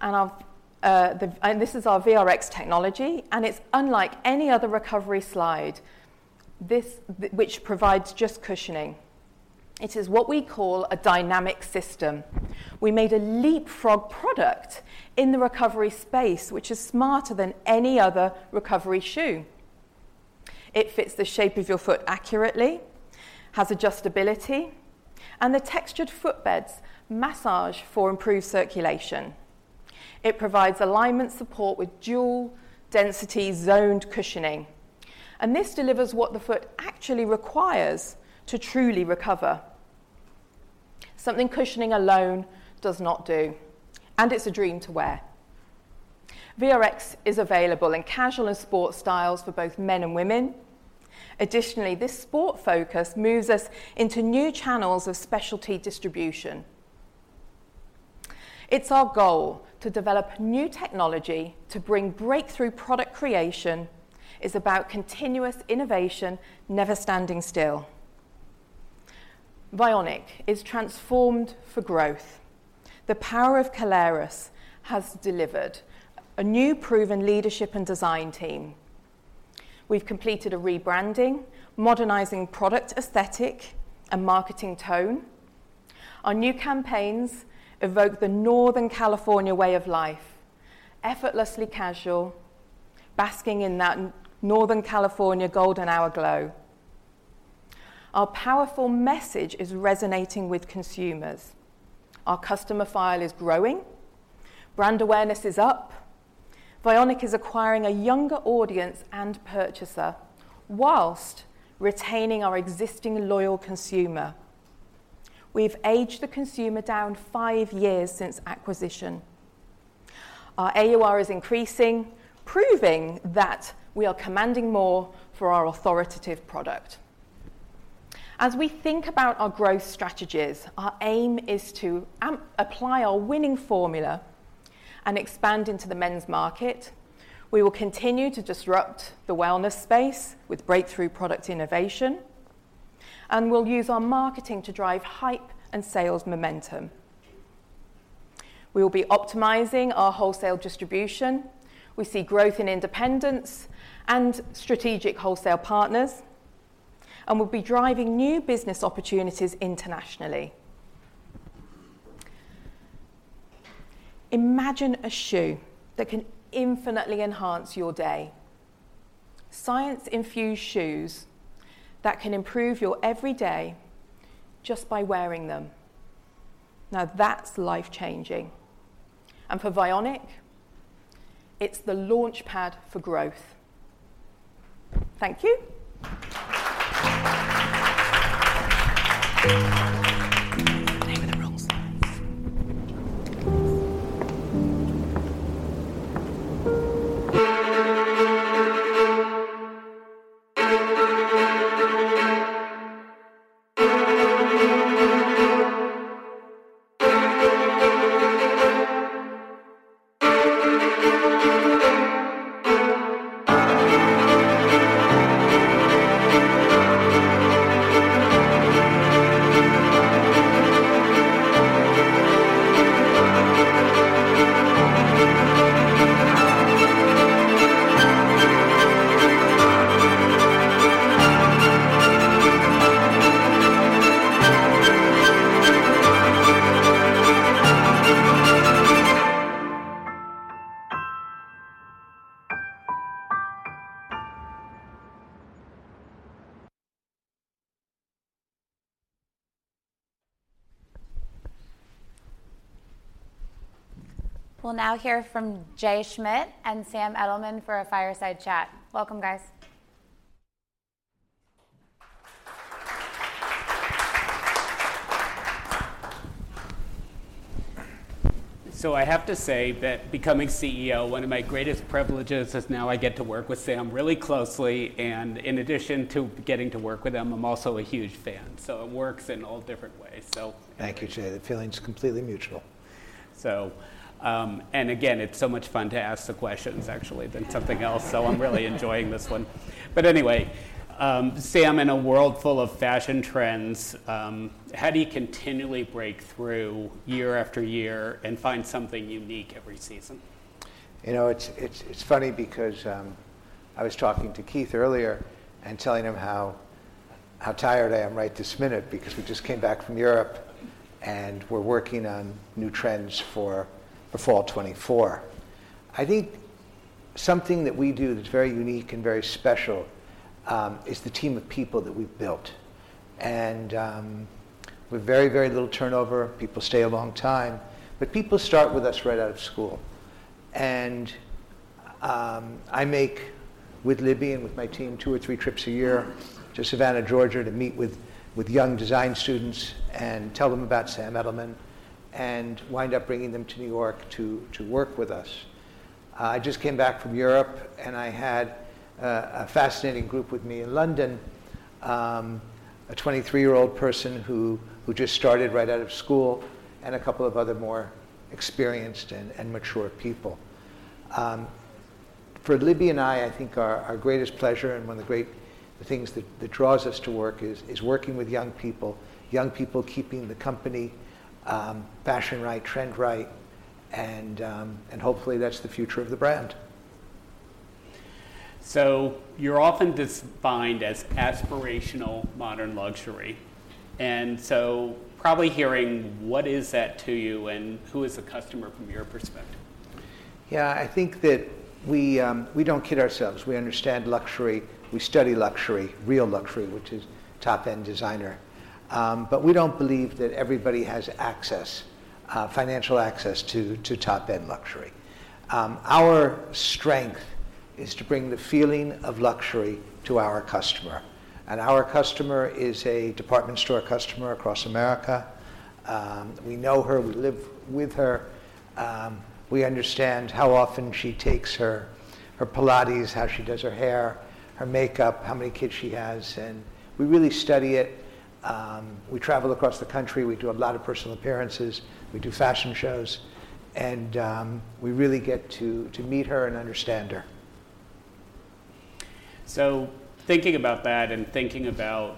And this is our VRX technology, and it's unlike any other recovery slide, which provides just cushioning. It is what we call a dynamic system. We made a leapfrog product in the recovery space, which is smarter than any other recovery shoe. It fits the shape of your foot accurately, has adjustability, and the textured footbeds massage for improved circulation. It provides alignment support with dual density zoned cushioning, and this delivers what the foot actually requires to truly recover, something cushioning alone does not do, and it's a dream to wear. VRX is available in casual and sport styles for both men and women. Additionally, this sport focus moves us into new channels of specialty distribution. It's our goal to develop new technology, to bring breakthrough product creation, is about continuous innovation, never standing still. Vionic is transformed for growth. The power of Caleres has delivered a new proven leadership and design team. We've completed a rebranding, modernizing product aesthetic and marketing tone. Our new campaigns evoke the Northern California way of life: effortlessly casual, basking in that Northern California golden hour glow. Our powerful message is resonating with consumers. Our customer file is growing, brand awareness is up. Vionic is acquiring a younger audience and purchaser, while retaining our existing loyal consumer. We've aged the consumer down five years since acquisition. Our AUR is increasing, proving that we are commanding more for our authoritative product. As we think about our growth strategies, our aim is to apply our winning formula and expand into the men's market. We will continue to disrupt the wellness space with breakthrough product innovation, and we'll use our marketing to drive hype and sales momentum. We will be optimizing our wholesale distribution. We see growth in independents and strategic wholesale partners, and we'll be driving new business opportunities internationally. Imagine a shoe that can infinitely enhance your day. Science-infused shoes that can improve your every day just by wearing them. Now, that's life-changing! And for Vionic, it's the launchpad for growth. Thank you. We'll now hear from Jay Schmidt and Sam Edelman for a fireside chat. Welcome, guys. So I have to say that becoming CEO, one of my greatest privileges is now I get to work with Sam really closely, and in addition to getting to work with him, I'm also a huge fan, so it works in all different ways. So- Thank you, Jay. The feeling's completely mutual. So, and again, it's so much fun to ask the questions actually, than something else. So I'm really enjoying this one. But anyway, Sam, in a world full of fashion trends, how do you continually break through year after year and find something unique every season? You know, it's funny because I was talking to Keith earlier and telling him how tired I am right this minute, because we just came back from Europe, and we're working on new trends for fall 2024. I think something that we do that's very unique and very special is the team of people that we've built. And with very, very little turnover, people stay a long time, but people start with us right out of school. And I make, with Libby and with my team, two or three trips a year to Savannah, Georgia, to meet with young design students and tell them about Sam Edelman, and wind up bringing them to New York to work with us. I just came back from Europe, and I had a fascinating group with me in London. A 23-year-old person who just started right out of school, and a couple of other more experienced and mature people. For Libby and I, I think our greatest pleasure and one of the great things that draws us to work is working with young people. Young people keeping the company, fashion right, trend right, and hopefully that's the future of the brand. So you're often defined as aspirational, modern luxury, and so probably hearing, what is that to you, and who is the customer from your perspective? Yeah, I think that we, we don't kid ourselves. We understand luxury, we study luxury, real luxury, which is top-end designer. But we don't believe that everybody has access, financial access to top-end luxury. Our strength is to bring the feeling of luxury to our customer, and our customer is a department store customer across America. We know her, we live with her. We understand how often she takes her Pilates, how she does her hair, her makeup, how many kids she has, and we really study it. We travel across the country. We do a lot of personal appearances, we do fashion shows, and we really get to meet her and understand her. So thinking about that and thinking about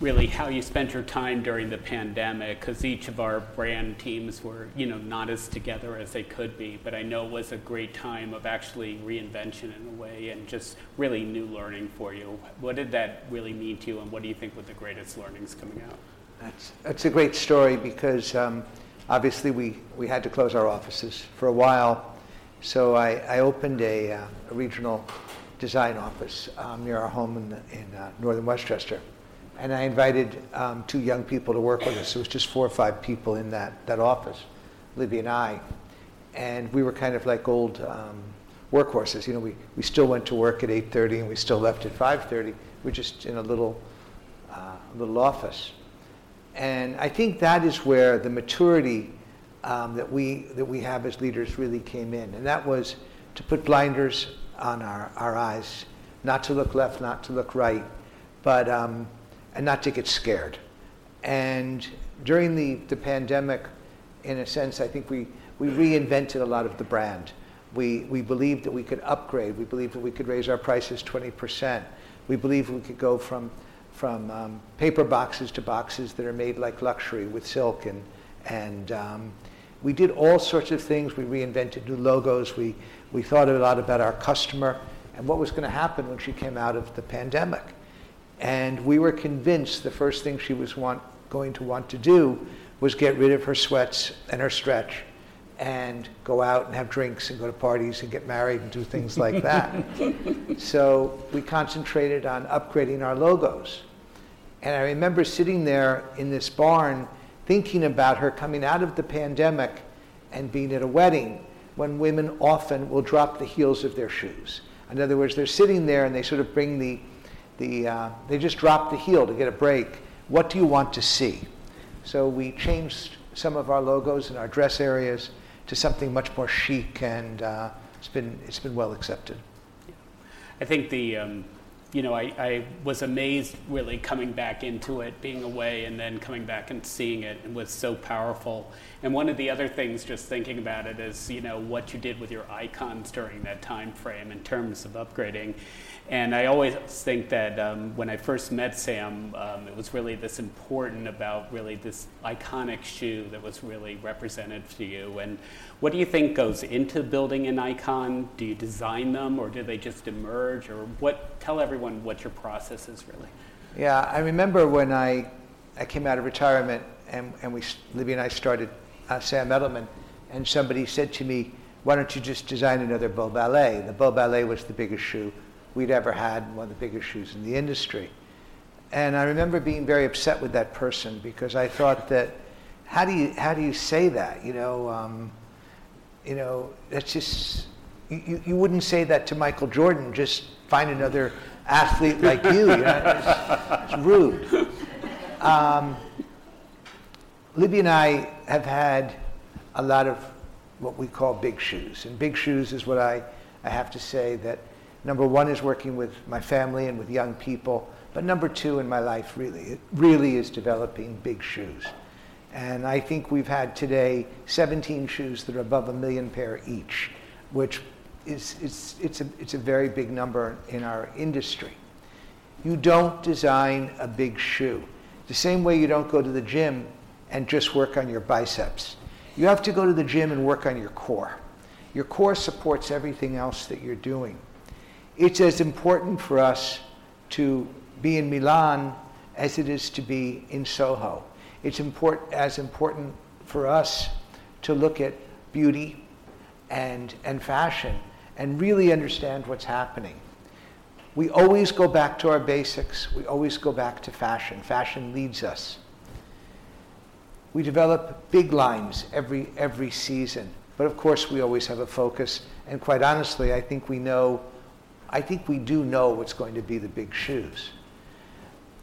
really how you spent your time during the pandemic, 'cause each of our brand teams were, you know, not as together as they could be, but I know it was a great time of actually reinvention in a way, and just really new learning for you. What did that really mean to you, and what do you think were the greatest learnings coming out? That's a great story because, obviously, we had to close our offices for a while. I opened a regional design office near our home in Northern Westchester, and I invited two young people to work with us. It was just four or five people in that office, Libby and I, and we were kind of like old workhorses. You know, we still went to work at 8:30, and we still left at 5:30. We were just in a little, little office. I think that is where the maturity that we have as leaders really came in, and that was to put blinders on our eyes. Not to look left, not to look right, but, you know, not to get scared. During the pandemic, in a sense, I think we reinvented a lot of the brand. We believed that we could upgrade. We believed that we could raise our prices 20%. We believed we could go from paper boxes to boxes that are made like luxury with silk, and we did all sorts of things. We reinvented new logos. We thought a lot about our customer and what was gonna happen when she came out of the pandemic. We were convinced the first thing she was going to want to do was get rid of her sweats and her stretch, and go out and have drinks, and go to parties, and get married, and do things like that. So we concentrated on upgrading our logos. And I remember sitting there in this barn, thinking about her coming out of the pandemic and being at a wedding, when women often will drop the heels of their shoes. In other words, they're sitting there, and they sort of bring the, the They just drop the heel to get a break. What do you want to see? So we changed some of our logos and our dress areas to something much more chic, and it's been, it's been well-accepted. Yeah. I think the, you know, I was amazed, really, coming back into it, being away and then coming back and seeing it. It was so powerful. And one of the other things, just thinking about it, is, you know, what you did with your icons during that time frame in terms of upgrading. And I always think that, when I first met Sam, it was really this important about really this iconic shoe that was really representative to you. And what do you think goes into building an icon? Do you design them, or do they just emerge, or what? Tell everyone what your process is, really. Yeah, I remember when I came out of retirement, and Libby and I started Sam Edelman, and somebody said to me, "Why don't you just design another Bow Ballet?" The Bow Ballet was the biggest shoe we'd ever had and one of the biggest shoes in the industry. And I remember being very upset with that person because I thought that: How do you, how do you say that? You know, that's just... you wouldn't say that to Michael Jordan. "Just find another athlete like you." It's rude. Libby and I have had a lot of what we call big shoes, and big shoes is what I have to say, that number one is working with my family and with young people, but number two in my life, really, it really is developing big shoes. I think we've had today 17 shoes that are above a million pairs each, which is. It's a very big number in our industry. You don't design a big shoe, the same way you don't go to the gym and just work on your biceps. You have to go to the gym and work on your core. Your core supports everything else that you're doing. It's as important for us to be in Milan as it is to be in Soho. It's as important for us to look at beauty and fashion and really understand what's happening. We always go back to our basics. We always go back to fashion. Fashion leads us. We develop big lines every season. But of course, we always have a focus, and quite honestly, I think we know... I think we do know what's going to be the big shoes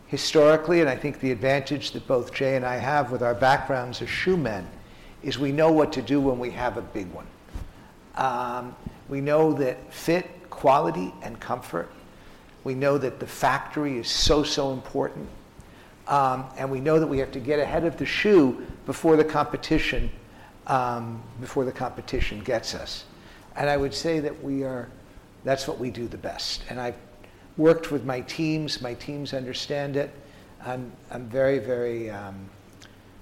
historically, and I think the advantage that both Jay and I have with our backgrounds as shoemen is we know what to do when we have a big one. We know that fit, quality, and comfort, we know that the factory is so, so important, and we know that we have to get ahead of the shoe before the competition before the competition gets us. And I would say that we are- that's what we do the best. And I've worked with my teams, my teams understand it. I'm, I'm very, very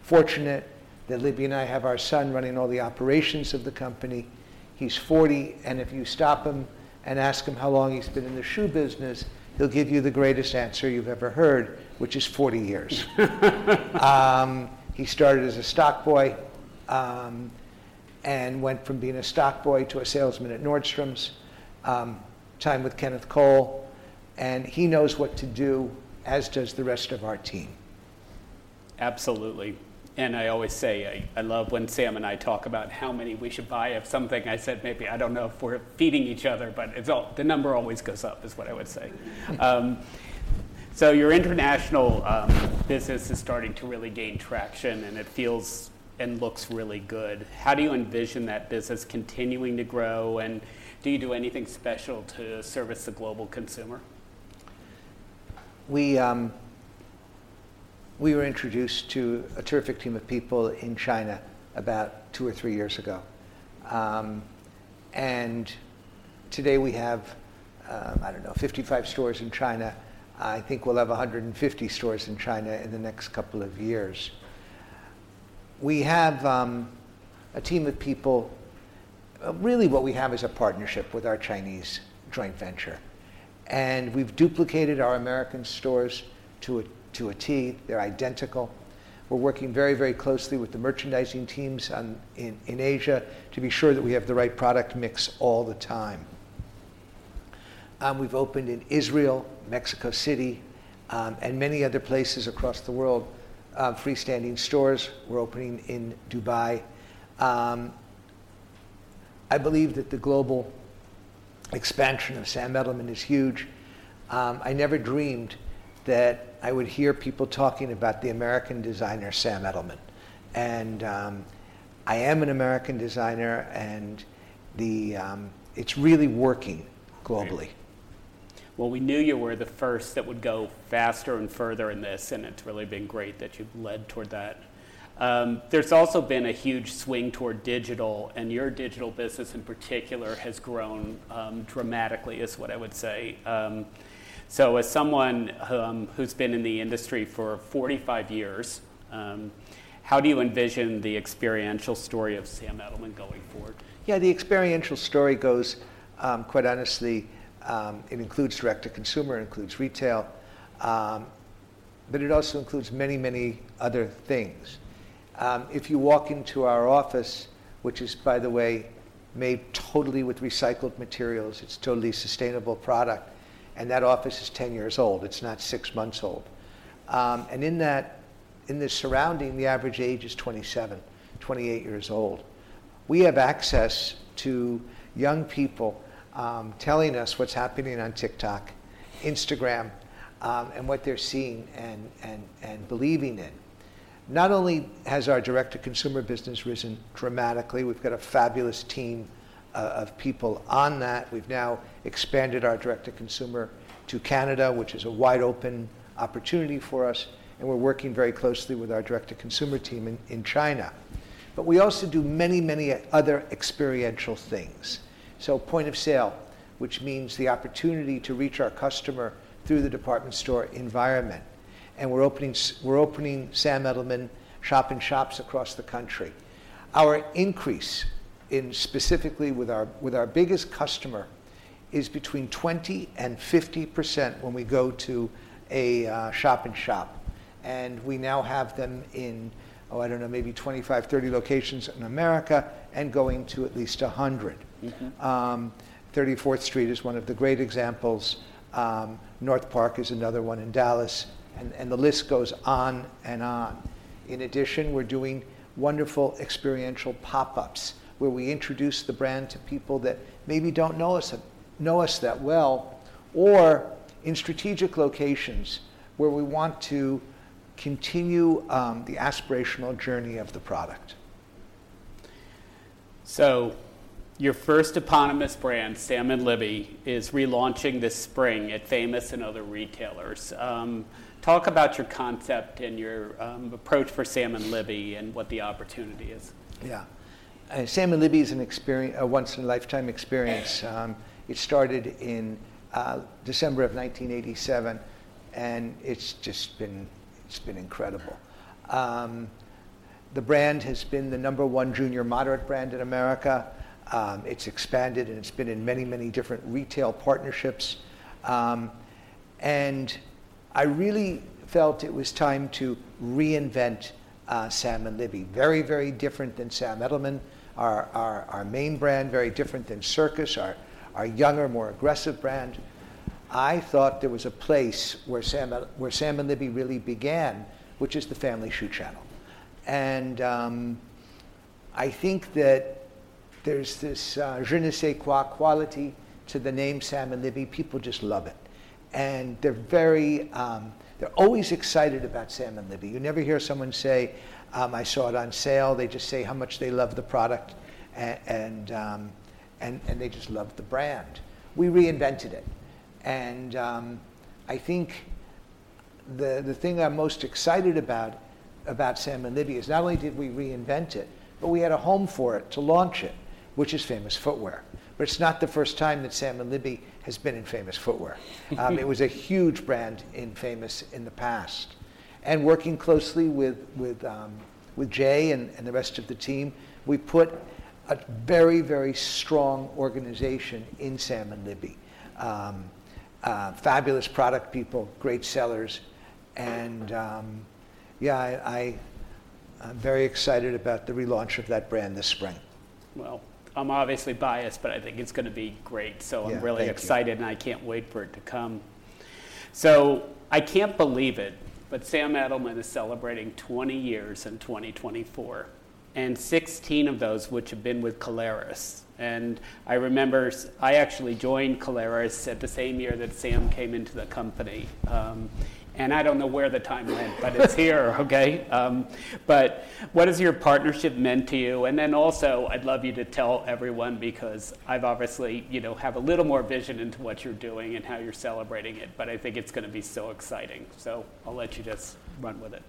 fortunate that Libby and I have our son running all the operations of the company. He's 40, and if you stop him and ask him how long he's been in the shoe business, he'll give you the greatest answer you've ever heard, which is 40 years. He started as a stock boy, and went from being a stock boy to a salesman at Nordstrom, time with Kenneth Cole, and he knows what to do, as does the rest of our team. Absolutely. I always say I love when Sam and I talk about how many we should buy of something. I said, "Maybe I don't know if we're feeding each other," but the number always goes up, is what I would say. So your international business is starting to really gain traction, and it feels and looks really good. How do you envision that business continuing to grow, and do you do anything special to service the global consumer? We were introduced to a terrific team of people in China about 2 or 3 years ago. And today we have, I don't know, 55 stores in China. I think we'll have 150 stores in China in the next couple of years. We have a team of people. Really what we have is a partnership with our Chinese joint venture, and we've duplicated our American stores to a T. They're identical. We're working very, very closely with the merchandising teams in Asia to be sure that we have the right product mix all the time. We've opened in Israel, Mexico City, and many other places across the world. Freestanding stores, we're opening in Dubai. I believe that the global expansion of Sam Edelman is huge. I never dreamed that I would hear people talking about the American designer, Sam Edelman. I am an American designer, and the... It's really working globally. Great. Well, we knew you were the first that would go faster and further in this, and it's really been great that you've led toward that. There's also been a huge swing toward digital, and your digital business in particular has grown dramatically, is what I would say. So as someone who's been in the industry for 45 years, how do you envision the experiential story of Sam Edelman going forward? Yeah, the experiential story goes. Quite honestly, it includes direct-to-consumer, it includes retail, but it also includes many, many other things. If you walk into our office, which is, by the way, made totally with recycled materials, it's totally sustainable product, and that office is 10 years old, it's not 6 months old. And in that, in the surrounding, the average age is 27, 28 years old. We have access to young people, telling us what's happening on TikTok, Instagram, and what they're seeing and believing in. Not only has our direct-to-consumer business risen dramatically, we've got a fabulous team of people on that. We've now expanded our direct-to-consumer to Canada, which is a wide open opportunity for us, and we're working very closely with our direct-to-consumer team in China. But we also do many, many other experiential things. So point of sale, which means the opportunity to reach our customer through the department store environment, and we're opening Sam Edelman shop-in-shops across the country. Our increase in, specifically with our, with our biggest customer, is between 20% and 50% when we go to a shop-in-shop, and we now have them in, oh, I don't know, maybe 25-30 locations in America and going to at least 100. Thirty-Fourth Street is one of the great examples, NorthPark is another one in Dallas, and the list goes on and on. In addition, we're doing wonderful experiential pop-ups, where we introduce the brand to people that maybe don't know us, know us that well, or in strategic locations where we want to continue the aspirational journey of the product. Your first eponymous brand, Sam & Libby, is relaunching this spring at Famous and other retailers. Talk about your concept and your approach for Sam & Libby and what the opportunity is. Yeah. Sam & Libby is a once in a lifetime experience. It started in December of 1987, and it's just been, it's been incredible. The brand has been the number one junior moderate brand in America. It's expanded, and it's been in many, many different retail partnerships. And I really felt it was time to reinvent Sam & Libby. Very, very different than Sam Edelman, our main brand, very different than Circus, our younger, more aggressive brand. I thought there was a place where Sam & Libby really began, which is the family shoe channel. I think that there's this je ne sais quoi quality to the name Sam & Libby. People just love it, and they're very, they're always excited about Sam & Libby. You never hear someone say, "I saw it on sale," they just say how much they love the product and they just love the brand. We reinvented it, and I think the thing I'm most excited about, about Sam & Libby is not only did we reinvent it, but we had a home for it, to launch it, which is Famous Footwear. But it's not the first time that Sam & Libby has been in Famous Footwear. It was a huge brand in Famous Footwear in the past. And working closely with Jay and the rest of the team, we put a very, very strong organization in Sam & Libby. Fabulous product people, great sellers, and yeah, I'm very excited about the relaunch of that brand this spring. Well, I'm obviously biased, but I think it's gonna be great. Yeah, thank you. I'm really excited, and I can't wait for it to come. I can't believe it, but Sam Edelman is celebrating 20 years in 2024, and 16 of those which have been with Caleres. I remember s- I actually joined Caleres at the same year that Sam came into the company. I don't know where the time went... but it's here, okay? What has your partnership meant to you? I'd love you to tell everyone, because I've obviously... you know, have a little more vision into what you're doing and how you're celebrating it, but I think it's gonna be so exciting. I'll let you just run with it.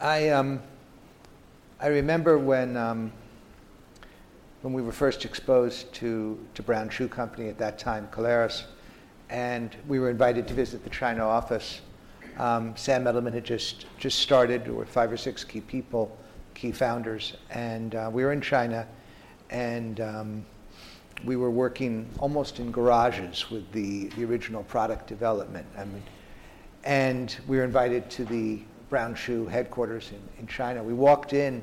I remember when we were first exposed to Brown Shoe Company, at that time, Caleres, and we were invited to visit the China office. Sam Edelman had just started with five or six key people, key founders, and we were in China, and we were working almost in garages with the original product development. We were invited to the Brown Shoe headquarters in China. We walked in,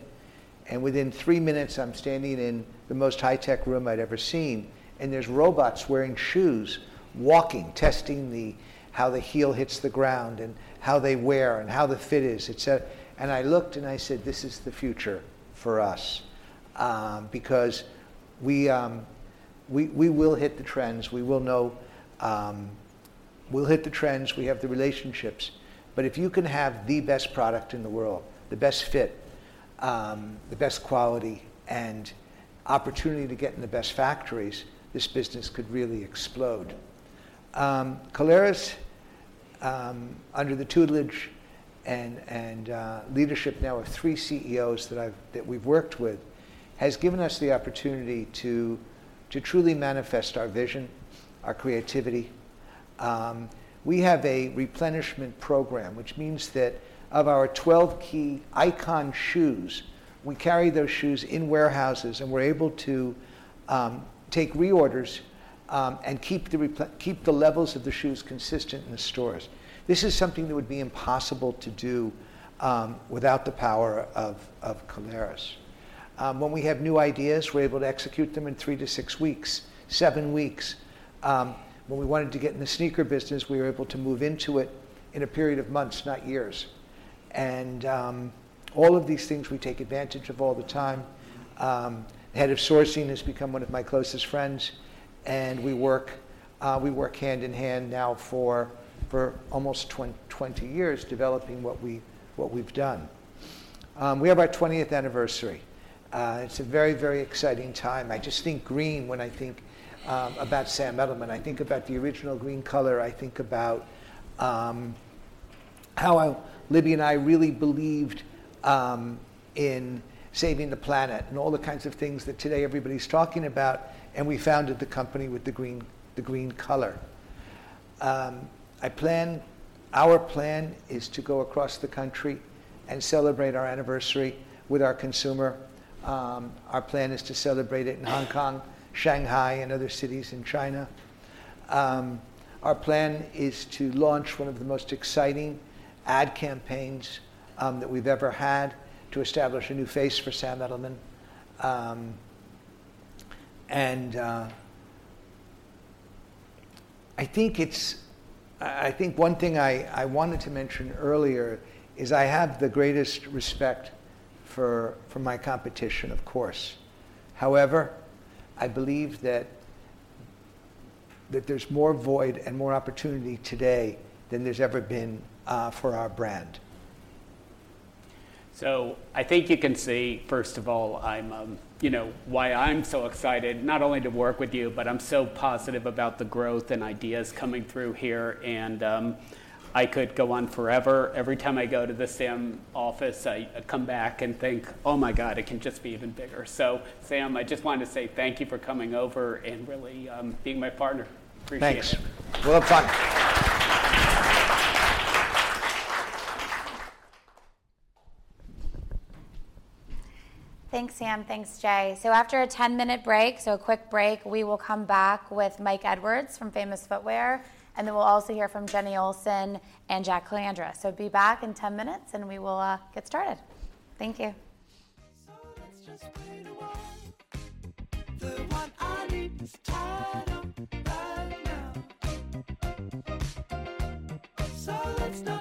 and within three minutes, I'm standing in the most high-tech room I'd ever seen, and there's robots wearing shoes, walking, testing how the heel hits the ground and how they wear and how the fit is, et cetera. I looked, and I said, "This is the future for us." Because we will hit the trends. We will know... We'll hit the trends. We have the relationships. But if you can have the best product in the world, the best fit, the best quality, and opportunity to get in the best factories, this business could really explode. Caleres, under the tutelage and leadership now of three CEOs that we've worked with, has given us the opportunity to truly manifest our vision, our creativity. We have a replenishment program, which means that of our 12 key icon shoes, we carry those shoes in warehouses, and we're able to take reorders, and keep the levels of the shoes consistent in the stores. This is something that would be impossible to do, without the power of Caleres. When we have new ideas, we're able to execute them in three to six weeks, seven weeks. When we wanted to get in the sneaker business, we were able to move into it in a period of months, not years. All of these things we take advantage of all the time. Head of sourcing has become one of my closest friends, and we work, we work hand-in-hand now for almost 20 years, developing what we, what we've done. We have our 20th anniversary. It's a very, very exciting time. I just think green when I think about Sam Edelman. I think about the original green color. I think about how I- Libby and I really believed in saving the planet and all the kinds of things that today everybody's talking about, and we founded the company with the green, the green color. Our plan is to go across the country and celebrate our anniversary with our consumer. Our plan is to celebrate it in Hong Kong, Shanghai, and other cities in China. Our plan is to launch one of the most exciting ad campaigns that we've ever had, to establish a new face for Sam Edelman. I think one thing I wanted to mention earlier is I have the greatest respect for my competition, of course. However, I believe that there's more void and more opportunity today than there's ever been for our brand. So I think you can see, first of all, I'm, you know, why I'm so excited, not only to work with you, but I'm so positive about the growth and ideas coming through here, and, I could go on forever. Every time I go to the Sam office, I come back and think, "Oh, my God, it can just be even bigger." So Sam, I just wanted to say thank you for coming over and really, being my partner. Appreciate it. Thanks. Well. Thanks, Sam. Thanks, Jay. So after a 10-minute break, so a quick break, we will come back with Mike Edwards from Famous Footwear, and then we'll also hear from Jenny Olsen and Jack Calandra. So be back in 10 minutes, and we will get started. Thank you. Let's just wait a while.... 'Cause I can't make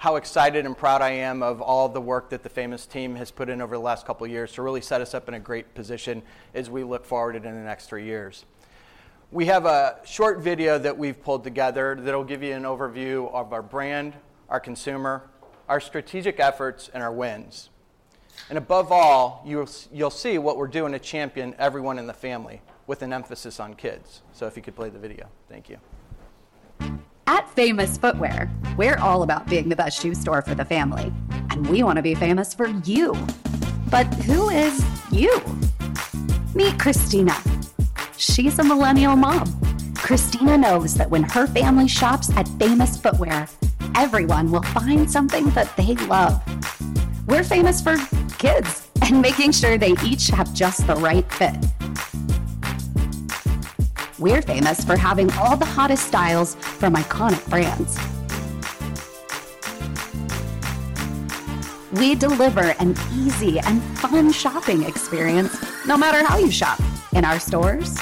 how excited and proud I am of all the work that the Famous team has put in over the last couple of years to really set us up in a great position as we look forward in the next three years. We have a short video that we've pulled together that'll give you an overview of our brand, our consumer, our strategic efforts, and our wins. And above all, you'll see what we're doing to champion everyone in the family, with an emphasis on kids. So if you could play the video. Thank you. At Famous Footwear, we're all about being the best shoe store for the family, and we wanna be famous for you. But who is you? Meet Christina. She's a Millennial mom. Christina knows that when her family shops at Famous Footwear, everyone will find something that they love. We're famous for kids and making sure they each have just the right fit. We're famous for having all the hottest styles from iconic brands. We deliver an easy and fun shopping experience, no matter how you shop: in our stores,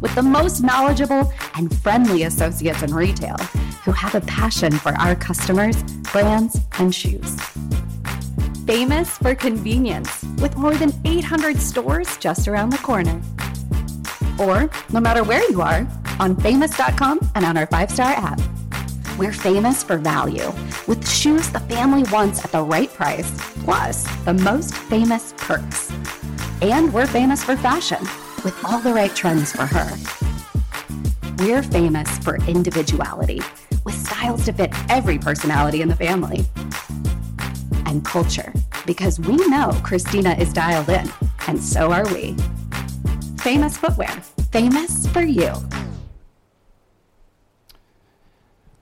with the most knowledgeable and friendly associates in retail, who have a passion for our customers, brands, and shoes. Famous for convenience, with more than 800 stores just around the corner. Or no matter where you are, on famous.com and on our five-star app. We're famous for value, with shoes the family wants at the right price, plus the most famous perks. We're famous for fashion, with all the right trends for her. We're famous for individuality, with styles to fit every personality in the family... and culture, because we know Christina is dialed in, and so are we. Famous Footwear, famous for you.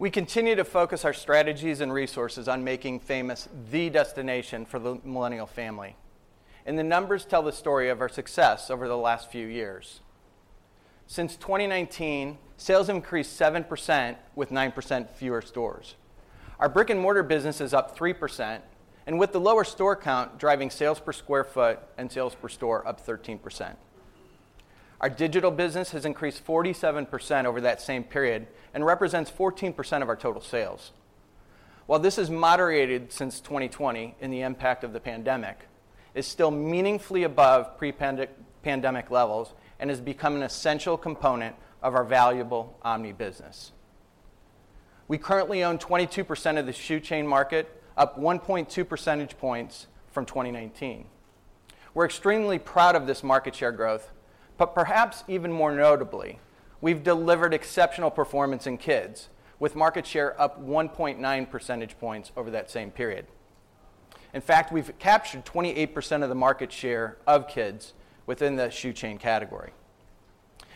We continue to focus our strategies and resources on making Famous the destination for the Millennial family, and the numbers tell the story of our success over the last few years. Since 2019, sales increased 7%, with 9% fewer stores. Our brick-and-mortar business is up 3%, and with the lower store count, driving sales per square foot and sales per store up 13%. Our digital business has increased 47% over that same period and represents 14% of our total sales. While this has moderated since 2020 in the impact of the pandemic, it's still meaningfully above pre-pandemic levels and has become an essential component of our valuable omni business. We currently own 22% of the shoe chain market, up 1.2 percentage points from 2019. We're extremely proud of this market share growth, but perhaps even more notably, we've delivered exceptional performance in kids, with market share up 1.9 percentage points over that same period. In fact, we've captured 28% of the market share of kids within the shoe chain category,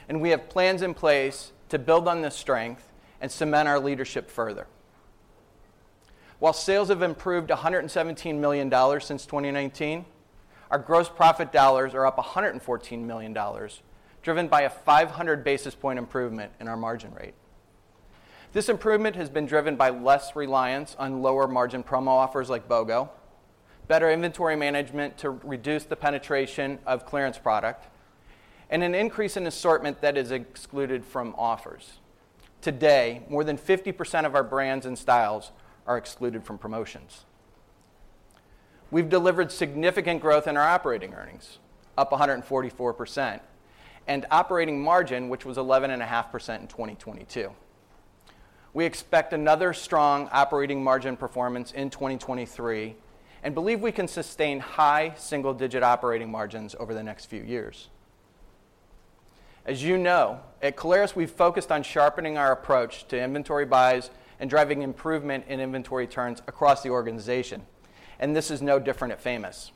and we have plans in place to build on this strength and cement our leadership further. While sales have improved $117 million since 2019, our gross profit dollars are up $114 million, driven by a 500 basis point improvement in our margin rate. This improvement has been driven by less reliance on lower-margin promo offers like BOGO, better inventory management to reduce the penetration of clearance product, and an increase in assortment that is excluded from offers. Today, more than 50% of our brands and styles are excluded from promotions. We've delivered significant growth in our operating earnings, up 144%, and operating margin, which was 11.5% in 2022. We expect another strong operating margin performance in 2023 and believe we can sustain high single-digit operating margins over the next few years. As you know, at Caleres, we've focused on sharpening our approach to inventory buys and driving improvement in inventory turns across the organization, and this is no different at Famous Footwear.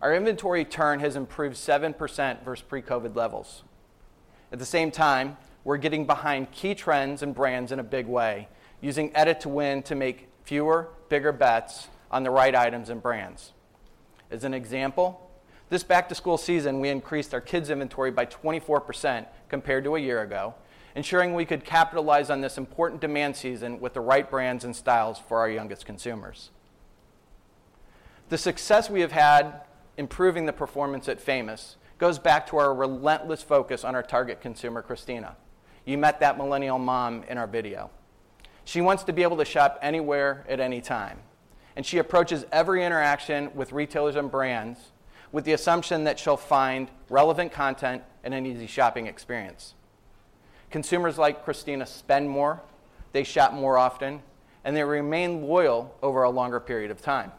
Our inventory turn has improved 7% versus pre-COVID levels. At the same time, we're getting behind key trends and brands in a big way, using Edit to Win to make fewer, bigger bets on the right items and brands. As an example, this back-to-school season, we increased our kids' inventory by 24% compared to a year ago, ensuring we could capitalize on this important demand season with the right brands and styles for our youngest consumers. The success we have had improving the performance at Famous goes back to our relentless focus on our target consumer, Christina. You met that Millennial mom in our video. She wants to be able to shop anywhere, at any time, and she approaches every interaction with retailers and brands with the assumption that she'll find relevant content and an easy shopping experience. Consumers like Christina spend more, they shop more often, and they remain loyal over a longer period of time.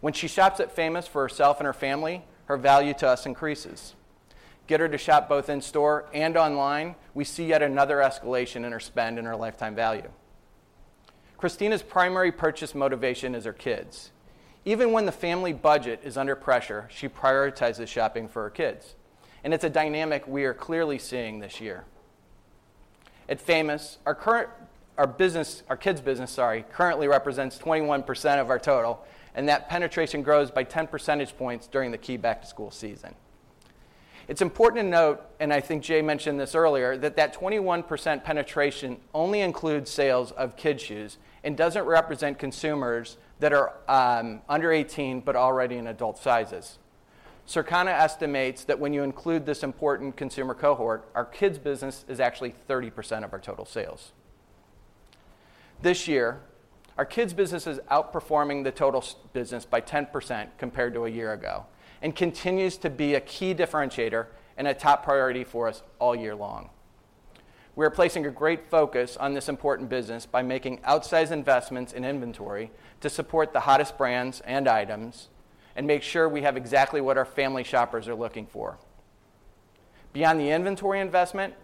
When she shops at Famous for herself and her family, her value to us increases. Get her to shop both in-store and online, we see yet another escalation in her spend and her lifetime value. Christina's primary purchase motivation is her kids. Even when the family budget is under pressure, she prioritizes shopping for her kids, and it's a dynamic we are clearly seeing this year. At Famous, our kids' business, sorry, currently represents 21% of our total, and that penetration grows by 10 percentage points during the key back-to-school season. It's important to note, and I think Jay mentioned this earlier, that that 21% penetration only includes sales of kids' shoes and doesn't represent consumers that are under 18 but already in adult sizes. Circana estimates that when you include this important consumer cohort, our kids' business is actually 30% of our total sales. This year, our kids' business is outperforming the total business by 10% compared to a year ago and continues to be a key differentiator and a top priority for us all year long. We are placing a great focus on this important business by making outsize investments in inventory to support the hottest brands and items and make sure we have exactly what our family shoppers are looking for. Beyond the inventory investment,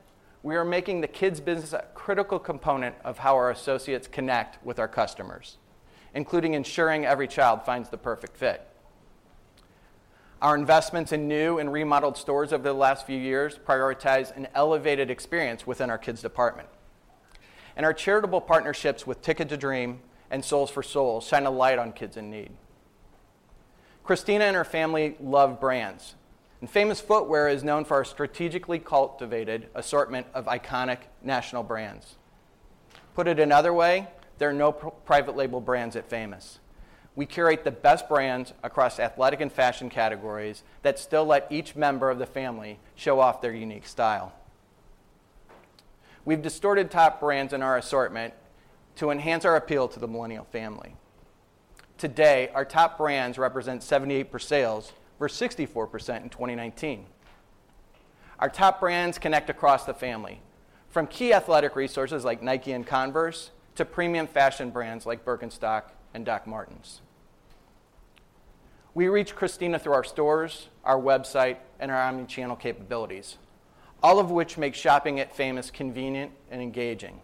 we are making the kids' business a critical component of how our associates connect with our customers, including ensuring every child finds the perfect fit. Our investments in new and remodeled stores over the last few years prioritize an elevated experience within our kids' department. Our charitable partnerships with Ticket to Dream and Soles4Souls shine a light on kids in need. Christina and her family love brands, and Famous Footwear is known for our strategically cultivated assortment of iconic national brands. Put it another way, there are no private label brands at Famous. We curate the best brands across athletic and fashion categories that still let each member of the family show off their unique style. We've distorted top brands in our assortment to enhance our appeal to the Millennial family. Today, our top brands represent 78% per sales, or 64% in 2019. Our top brands connect across the family, from key athletic resources like Nike and Converse to premium fashion brands like Birkenstock and Dr. Martens. We reach Christina through our stores, our website, and our omnichannel capabilities, all of which make shopping at Famous convenient and engaging.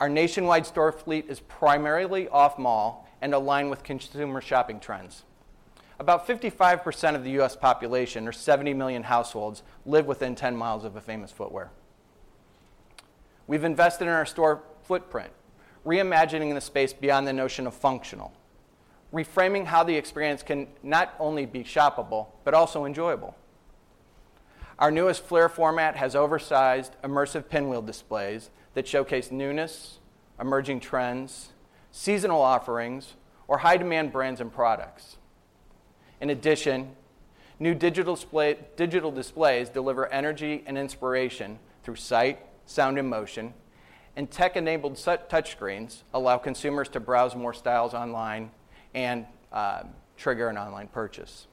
Our nationwide store fleet is primarily off-mall and aligned with consumer shopping trends. About 55% of the U.S. population, or 70 million households, live within 10 miles of a Famous Footwear. We've invested in our store footprint, reimagining the space beyond the notion of functional, reframing how the experience can not only be shoppable, but also enjoyable. Our newest Flair format has oversized, immersive pinwheel displays that showcase newness, emerging trends, seasonal offerings, or high-demand brands and products. In addition, new digital displays deliver energy and inspiration through sight, sound, and motion, and tech-enabled set touchscreens allow consumers to browse more styles online and trigger an online purchase.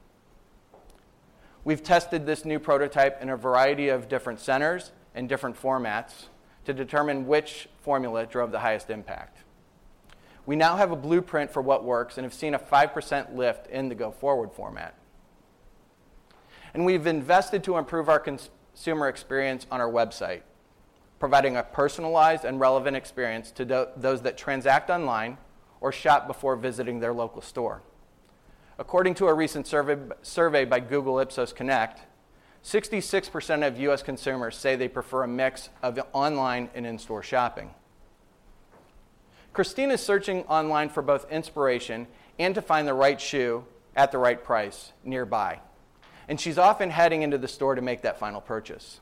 We've tested this new prototype in a variety of different centers and different formats to determine which formula drove the highest impact. We now have a blueprint for what works and have seen a 5% lift in the go-forward format. We've invested to improve our consumer experience on our website, providing a personalized and relevant experience to those that transact online or shop before visiting their local store. According to a recent survey by Google Ipsos Connect, 66% of U.S. consumers say they prefer a mix of online and in-store shopping. Christina's searching online for both inspiration and to find the right shoe at the right price nearby, and she's often heading into the store to make that final purchase.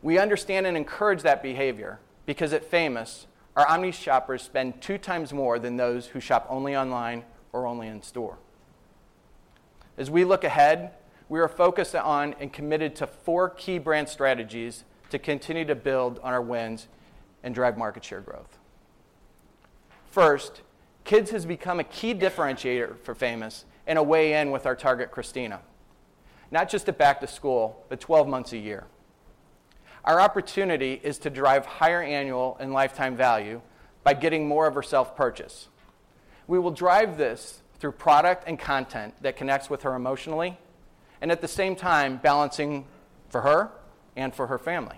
We understand and encourage that behavior, because at Famous, our omni shoppers spend 2 times more than those who shop only online or only in-store. As we look ahead, we are focused on and committed to four key brand strategies to continue to build on our wins and drive market share growth. First, kids has become a key differentiator for Famous and a way in with our target, Christina. Not just at back to school, but 12 months a year. Our opportunity is to drive higher annual and lifetime value by getting more of her self-purchase. We will drive this through product and content that connects with her emotionally, and at the same time, balancing for her and for her family.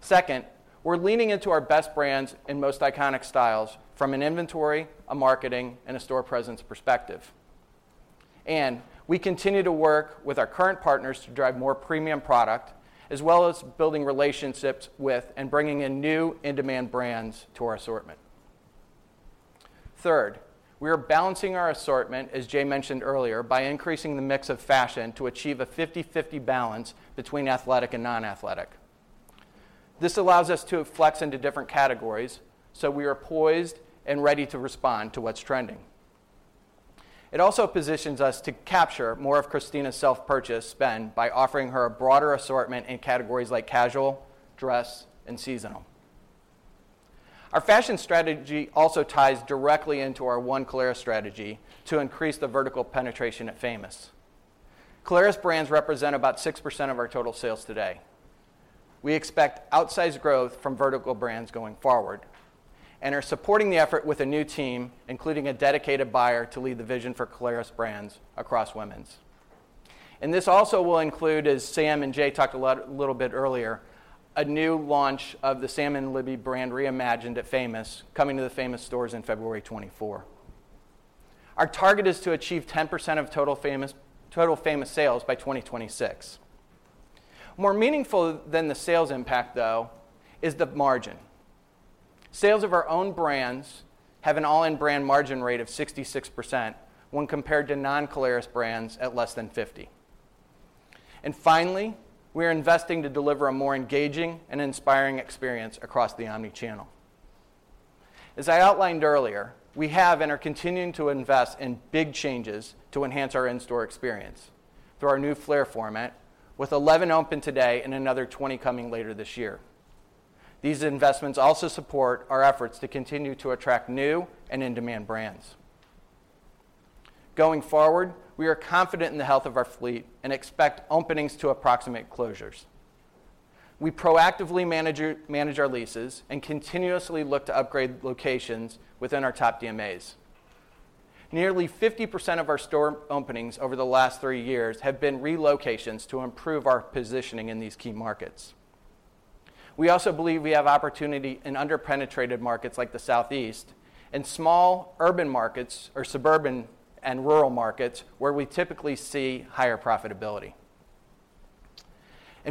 Second, we're leaning into our best brands and most iconic styles from an inventory, a marketing, and a store presence perspective. And we continue to work with our current partners to drive more premium product, as well as building relationships with and bringing in new in-demand brands to our assortment. Third, we are balancing our assortment, as Jay mentioned earlier, by increasing the mix of fashion to achieve a 50/50 balance between athletic and non-athletic. This allows us to flex into different categories, so we are poised and ready to respond to what's trending. It also positions us to capture more of Christina's self-purchase spend by offering her a broader assortment in categories like casual, dress, and seasonal. Our fashion strategy also ties directly into our One Caleres strategy to increase the vertical penetration at Famous. Caleres brands represent about 6% of our total sales today. We expect outsized growth from vertical brands going forward and are supporting the effort with a new team, including a dedicated buyer, to lead the vision for Caleres brands across women's. This also will include, as Sam and Jay talked a little bit earlier, a new launch of the Sam & Libby brand reimagined at Famous, coming to the Famous stores in February 2024. Our target is to achieve 10% of total Famous sales by 2026. More meaningful than the sales impact, though, is the margin. Sales of our own brands have an all-in-brand margin rate of 66% when compared to non-Caleres brands at less than 50%. And finally, we are investing to deliver a more engaging and inspiring experience across the omnichannel. As I outlined earlier, we have and are continuing to invest in big changes to enhance our in-store experience through our new Flair format, with 11 open today and another 20 coming later this year. These investments also support our efforts to continue to attract new and in-demand brands. Going forward, we are confident in the health of our fleet and expect openings to approximate closures. We proactively manage our leases and continuously look to upgrade locations within our top DMAs. Nearly 50% of our store openings over the last three years have been relocations to improve our positioning in these key markets. We also believe we have opportunity in under-penetrated markets like the Southeast and small urban markets or suburban and rural markets, where we typically see higher profitability.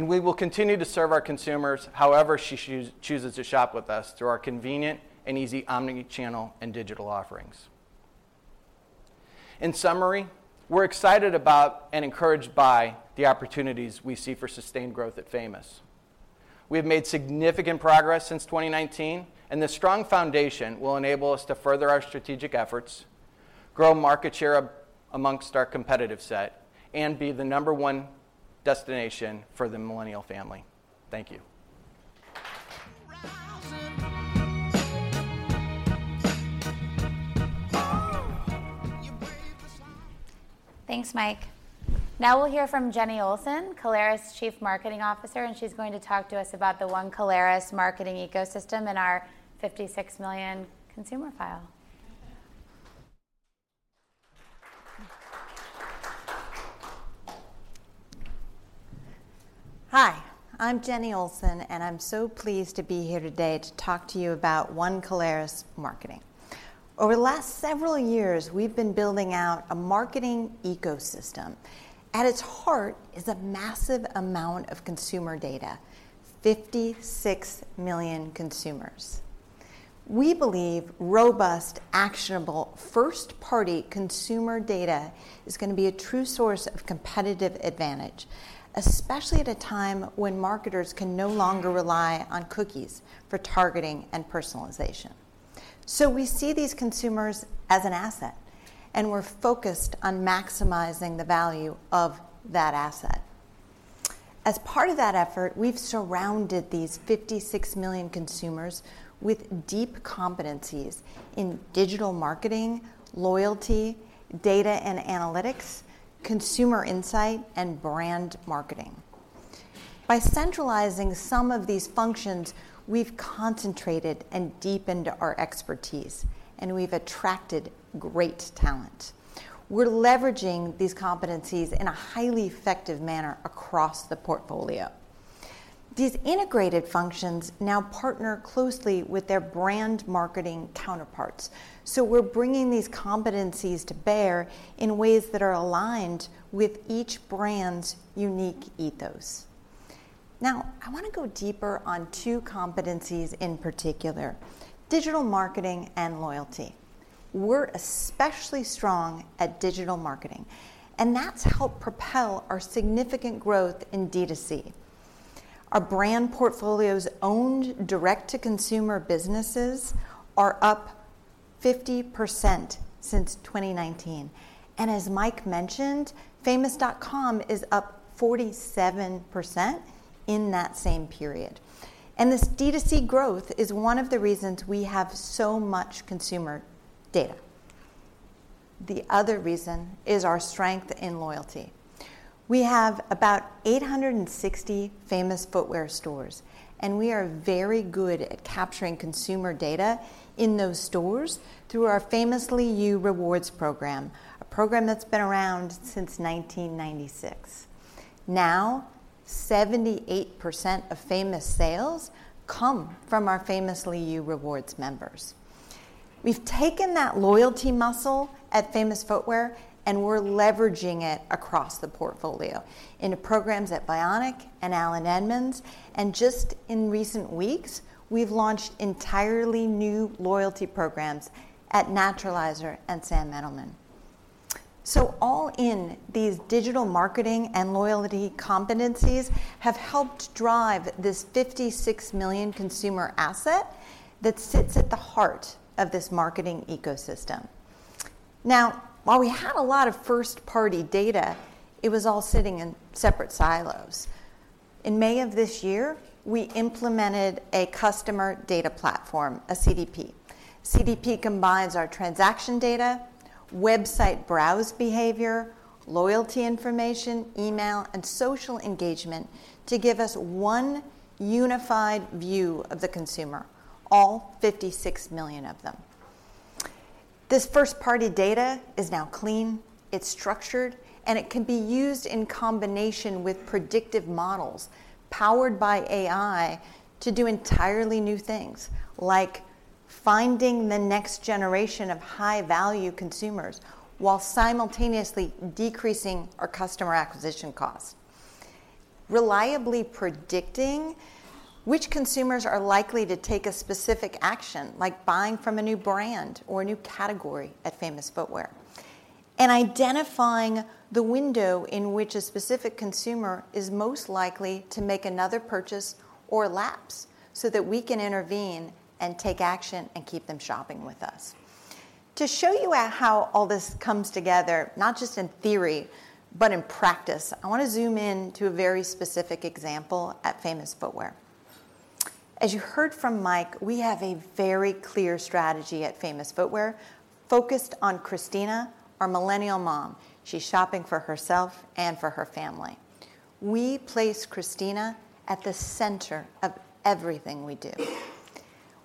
We will continue to serve our consumers, however she chooses to shop with us, through our convenient and easy omnichannel and digital offerings. In summary, we're excited about and encouraged by the opportunities we see for sustained growth at Famous. We have made significant progress since 2019, and this strong foundation will enable us to further our strategic efforts, grow market share amongst our competitive set, and be the number one destination for the Millennial family. Thank you. Thanks, Mike. Now we'll hear from Jenny Olsen, Caleres' Chief Marketing Officer, and she's going to talk to us about the One Caleres marketing ecosystem and our 56 million consumer file. Hi, I'm Jenny Olsen, and I'm so pleased to be here today to talk to you about One Caleres marketing. ...Over the last several years, we've been building out a marketing ecosystem. At its heart is a massive amount of consumer data, 56 million consumers. We believe robust, actionable, first-party consumer data is gonna be a true source of competitive advantage, especially at a time when marketers can no longer rely on cookies for targeting and personalization. So we see these consumers as an asset, and we're focused on maximizing the value of that asset. As part of that effort, we've surrounded these 56 million consumers with deep competencies in digital marketing, loyalty, data and analytics, consumer insight, and brand marketing. By centralizing some of these functions, we've concentrated and deepened our expertise, and we've attracted great talent. We're leveraging these competencies in a highly effective manner across the portfolio. These integrated functions now partner closely with their brand marketing counterparts, so we're bringing these competencies to bear in ways that are aligned with each brand's unique ethos. Now, I wanna go deeper on two competencies in particular: digital marketing and loyalty. We're especially strong at digital marketing, and that's helped propel our significant growth in D2C. Our brand portfolio's owned direct-to-consumer businesses are up 50% since 2019. As Mike mentioned, famousfootwear.com is up 47% in that same period. This D2C growth is one of the reasons we have so much consumer data. The other reason is our strength in loyalty. We have about 860 Famous Footwear stores, and we are very good at capturing consumer data in those stores through our Famously You Rewards program, a program that's been around since 1996. Now, 78% of Famous sales come from our Famously You Rewards members. We've taken that loyalty muscle at Famous Footwear, and we're leveraging it across the portfolio into programs at Vionic and Allen Edmonds, and just in recent weeks, we've launched entirely new loyalty programs at Naturalizer and Sam Edelman. All in, these digital marketing and loyalty competencies have helped drive this 56 million consumer asset that sits at the heart of this marketing ecosystem. While we had a lot of first-party data, it was all sitting in separate silos. In May of this year, we implemented a customer data platform, a CDP. CDP combines our transaction data, website browse behavior, loyalty information, email, and social engagement to give us one unified view of the consumer, all 56 million of them. This First-Party Data is now clean, it's structured, and it can be used in combination with predictive models powered by AI to do entirely new things, like finding the next generation of high-value consumers, while simultaneously decreasing our customer acquisition costs. Reliably predicting which consumers are likely to take a specific action, like buying from a new brand or a new category at Famous Footwear. And identifying the window in which a specific consumer is most likely to make another purchase or lapse, so that we can intervene and take action and keep them shopping with us. To show you how all this comes together, not just in theory, but in practice, I wanna zoom in to a very specific example at Famous Footwear. As you heard from Mike, we have a very clear strategy at Famous Footwear, focused on Christina, our Millennial mom. She's shopping for herself and for her family. We place Christina at the center of everything we do.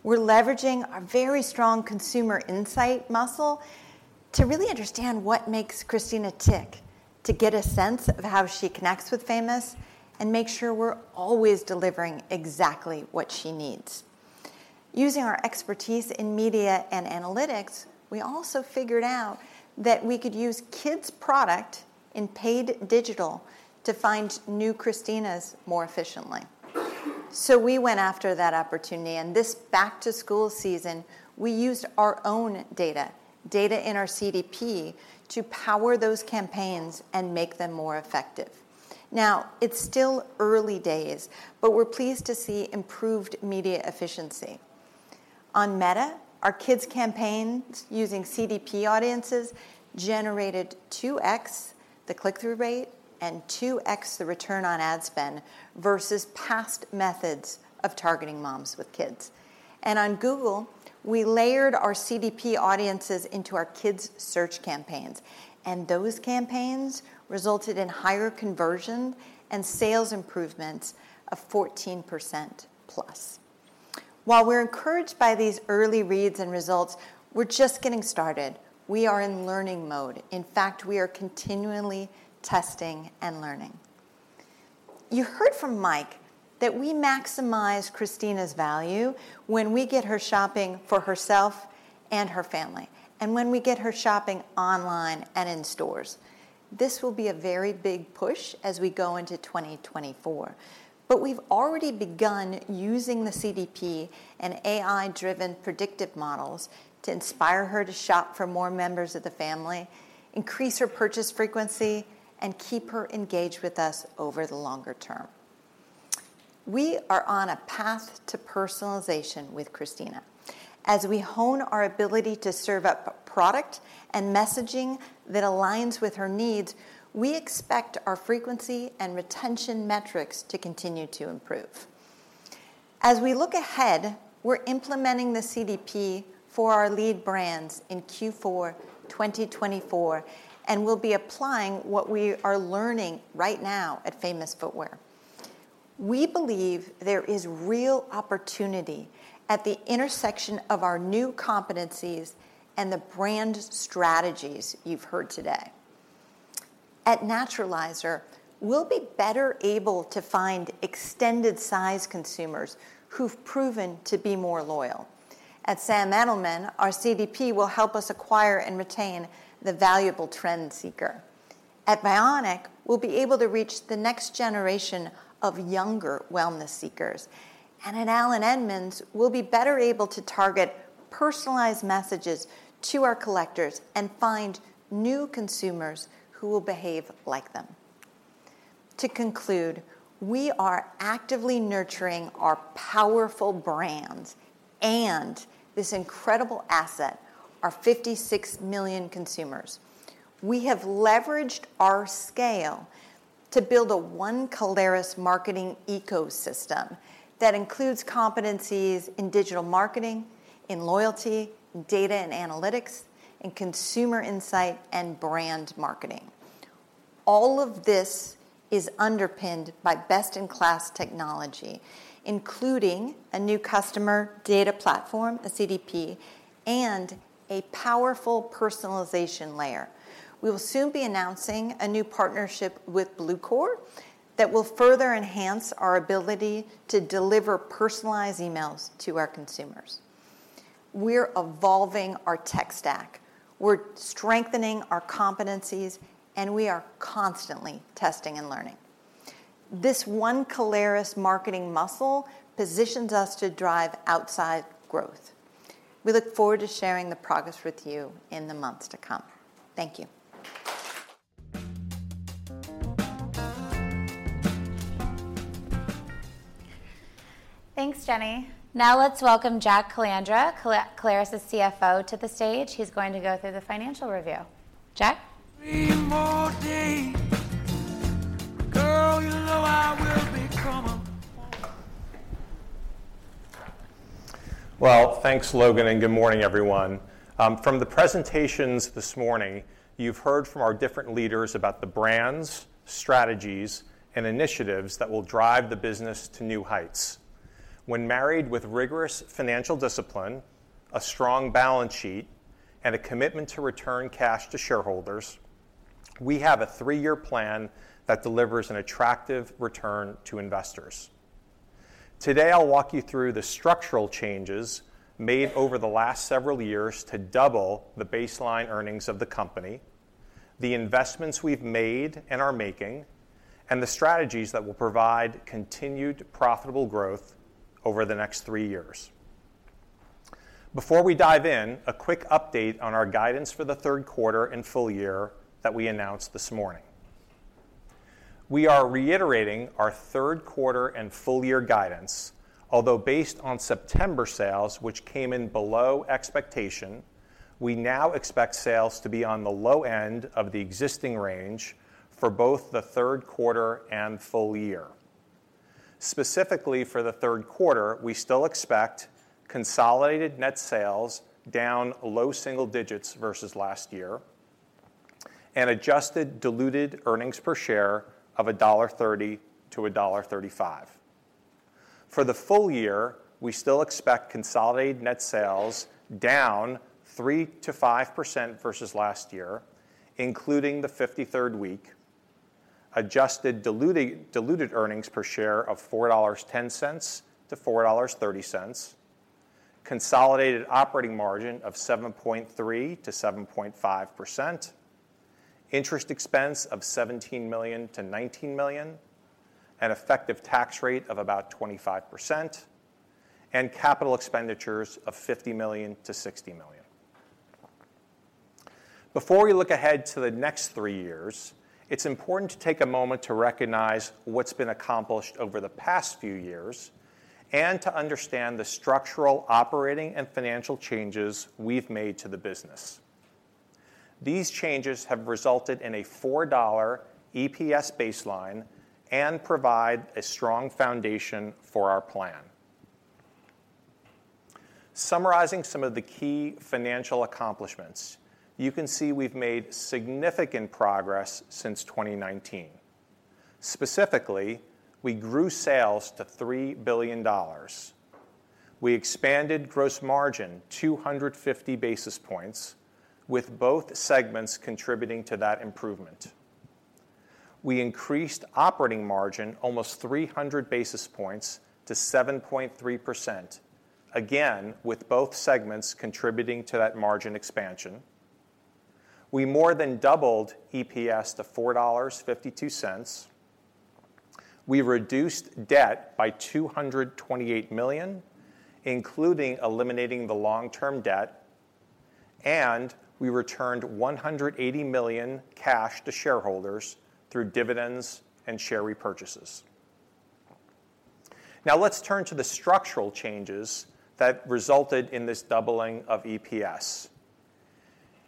We're leveraging our very strong consumer insight muscle to really understand what makes Christina tick, to get a sense of how she connects with Famous, and make sure we're always delivering exactly what she needs. Using our expertise in media and analytics, we also figured out that we could use kids' product in paid digital to find new Christinas more efficiently. So we went after that opportunity, and this back-to-school season, we used our own data, data in our CDP, to power those campaigns and make them more effective. Now, it's still early days, but we're pleased to see improved media efficiency. On Meta, our kids' campaigns using CDP audiences generated 2x the click-through rate and 2x the return on ad spend versus past methods of targeting moms with kids. On Google, we layered our CDP audiences into our kids' search campaigns, and those campaigns resulted in higher conversion and sales improvements of 14% plus. While we're encouraged by these early reads and results, we're just getting started. We are in learning mode. In fact, we are continually testing and learning. You heard from Mike that we maximize Christina's value when we get her shopping for herself and her family, and when we get her shopping online and in stores. This will be a very big push as we go into 2024. We've already begun using the CDP and AI-driven predictive models to inspire her to shop for more members of the family, increase her purchase frequency, and keep her engaged with us over the longer term. We are on a path to personalization with Christina. As we hone our ability to serve up product and messaging that aligns with her needs, we expect our frequency and retention metrics to continue to improve. As we look ahead, we're implementing the CDP for our lead brands in Q4 2024, and we'll be applying what we are learning right now at Famous Footwear. We believe there is real opportunity at the intersection of our new competencies and the brand strategies you've heard today. At Naturalizer, we'll be better able to find extended size consumers who've proven to be more loyal. At Sam Edelman, our CDP will help us acquire and retain the valuable trend seeker. At Vionic, we'll be able to reach the next generation of younger wellness seekers. And at Allen Edmonds, we'll be better able to target personalized messages to our collectors and find new consumers who will behave like them. To conclude, we are actively nurturing our powerful brands and this incredible asset, our 56 million consumers. We have leveraged our scale to build a One Caleres marketing ecosystem that includes competencies in digital marketing, in loyalty, data and analytics, in consumer insight, and brand marketing. All of this is underpinned by best-in-class technology, including a new customer data platform, a CDP, and a powerful personalization layer. We will soon be announcing a new partnership with Bluecore that will further enhance our ability to deliver personalized emails to our consumers. We're evolving our tech stack, we're strengthening our competencies, and we are constantly testing and learning. This One Caleres marketing muscle positions us to drive outside growth. We look forward to sharing the progress with you in the months to come. Thank you. Thanks, Jenny. Now let's welcome Jack Calandra, Caleres' CFO, to the stage. He's going to go through the financial review. Jack? Three more days. Girl, you know I will become unfaithful. Well, thanks, Logan, and good morning, everyone. From the presentations this morning, you've heard from our different leaders about the brands, strategies, and initiatives that will drive the business to new heights. When married with rigorous financial discipline, a strong balance sheet, and a commitment to return cash to shareholders, we have a three-year plan that delivers an attractive return to investors. Today, I'll walk you through the structural changes made over the last several years to double the baseline earnings of the company, the investments we've made and are making, and the strategies that will provide continued profitable growth over the next three years. Before we dive in, a quick update on our guidance for the third quarter and full year that we announced this morning. We are reiterating our third quarter and full year guidance, although based on September sales, which came in below expectation, we now expect sales to be on the low end of the existing range for both the third quarter and full year. Specifically, for the third quarter, we still expect consolidated net sales down low single digits versus last year, and adjusted diluted earnings per share of $1.30-$1.35. For the full year, we still expect consolidated net sales down 3%-5% versus last year, including the 53rd week, adjusted diluted earnings per share of $4.10-$4.30, consolidated operating margin of 7.3%-7.5%, interest expense of $17 million-$19 million, an effective tax rate of about 25%, and capital expenditures of $50 million-$60 million. Before we look ahead to the next three years, it's important to take a moment to recognize what's been accomplished over the past few years, and to understand the structural, operating, and financial changes we've made to the business. These changes have resulted in a $4 EPS baseline and provide a strong foundation for our plan. Summarizing some of the key financial accomplishments, you can see we've made significant progress since 2019. Specifically, we grew sales to $3 billion. We expanded gross margin 250 basis points, with both segments contributing to that improvement. We increased operating margin almost 300 basis points to 7.3%, again, with both segments contributing to that margin expansion. We more than doubled EPS to $4.52. We reduced debt by $228 million, including eliminating the long-term debt, and we returned $180 million cash to shareholders through dividends and share repurchases. Now, let's turn to the structural changes that resulted in this doubling of EPS.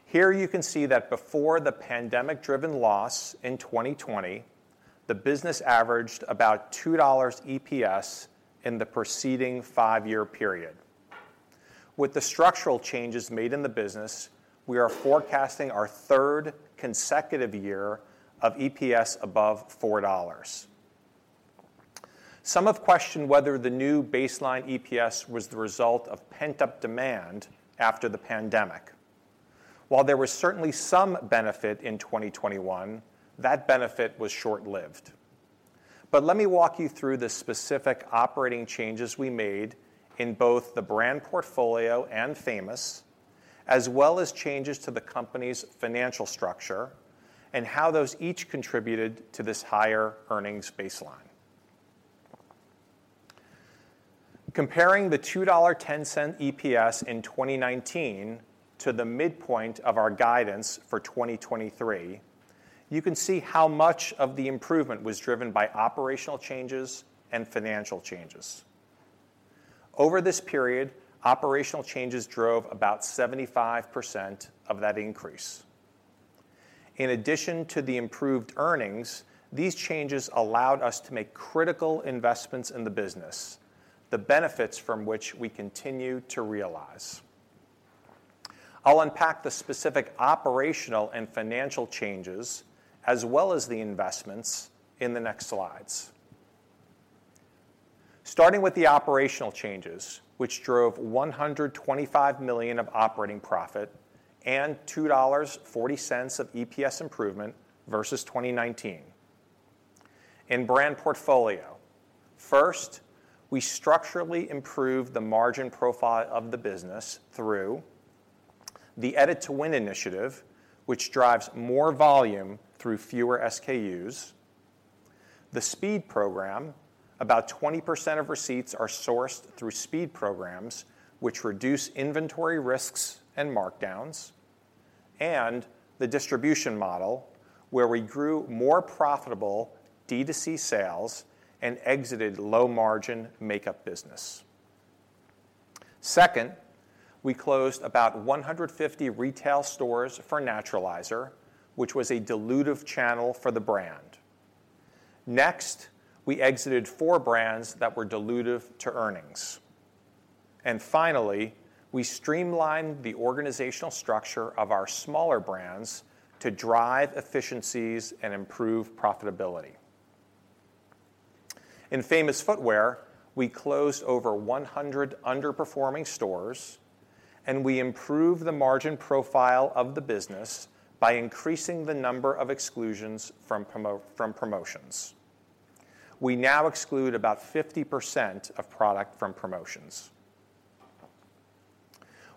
Here you can see that before the pandemic-driven loss in 2020, the business averaged about $2 EPS in the preceding 5-year period. With the structural changes made in the business, we are forecasting our third consecutive year of EPS above $4. Some have questioned whether the new baseline EPS was the result of pent-up demand after the pandemic. While there was certainly some benefit in 2021, that benefit was short-lived. But let me walk you through the specific operating changes we made in both the brand portfolio and Famous, as well as changes to the company's financial structure, and how those each contributed to this higher earnings baseline. Comparing the $2.10 EPS in 2019 to the midpoint of our guidance for 2023, you can see how much of the improvement was driven by operational changes and financial changes. Over this period, operational changes drove about 75% of that increase. In addition to the improved earnings, these changes allowed us to make critical investments in the business, the benefits from which we continue to realize. I'll unpack the specific operational and financial changes, as well as the investments in the next slides. Starting with the operational changes, which drove $125 million of operating profit and $2.40 of EPS improvement versus 2019. In brand portfolio, first, we structurally improved the margin profile of the business through the Edit to Win initiative, which drives more volume through fewer SKUs. The Speed Program, about 20% of receipts are sourced through Speed Programs, which reduce inventory risks and markdowns, and the distribution model, where we grew more profitable D2C sales and exited low-margin makeup business. Second, we closed about 150 retail stores for Naturalizer, which was a dilutive channel for the brand. Next, we exited four brands that were dilutive to earnings. Finally, we streamlined the organizational structure of our smaller brands to drive efficiencies and improve profitability. In Famous Footwear, we closed over 100 underperforming stores, and we improved the margin profile of the business by increasing the number of exclusions from from promotions. We now exclude about 50% of product from promotions.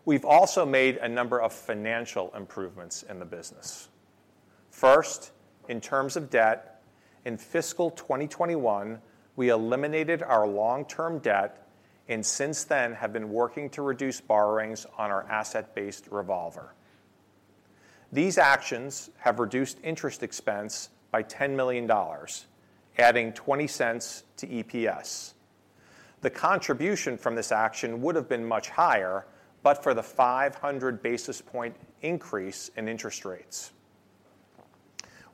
We've also made a number of financial improvements in the business. First, in terms of debt, in fiscal 2021, we eliminated our long-term debt, and since then have been working to reduce borrowings on our asset-based revolver. These actions have reduced interest expense by $10 million, adding $0.20 to EPS. The contribution from this action would have been much higher, but for the 500 basis point increase in interest rates.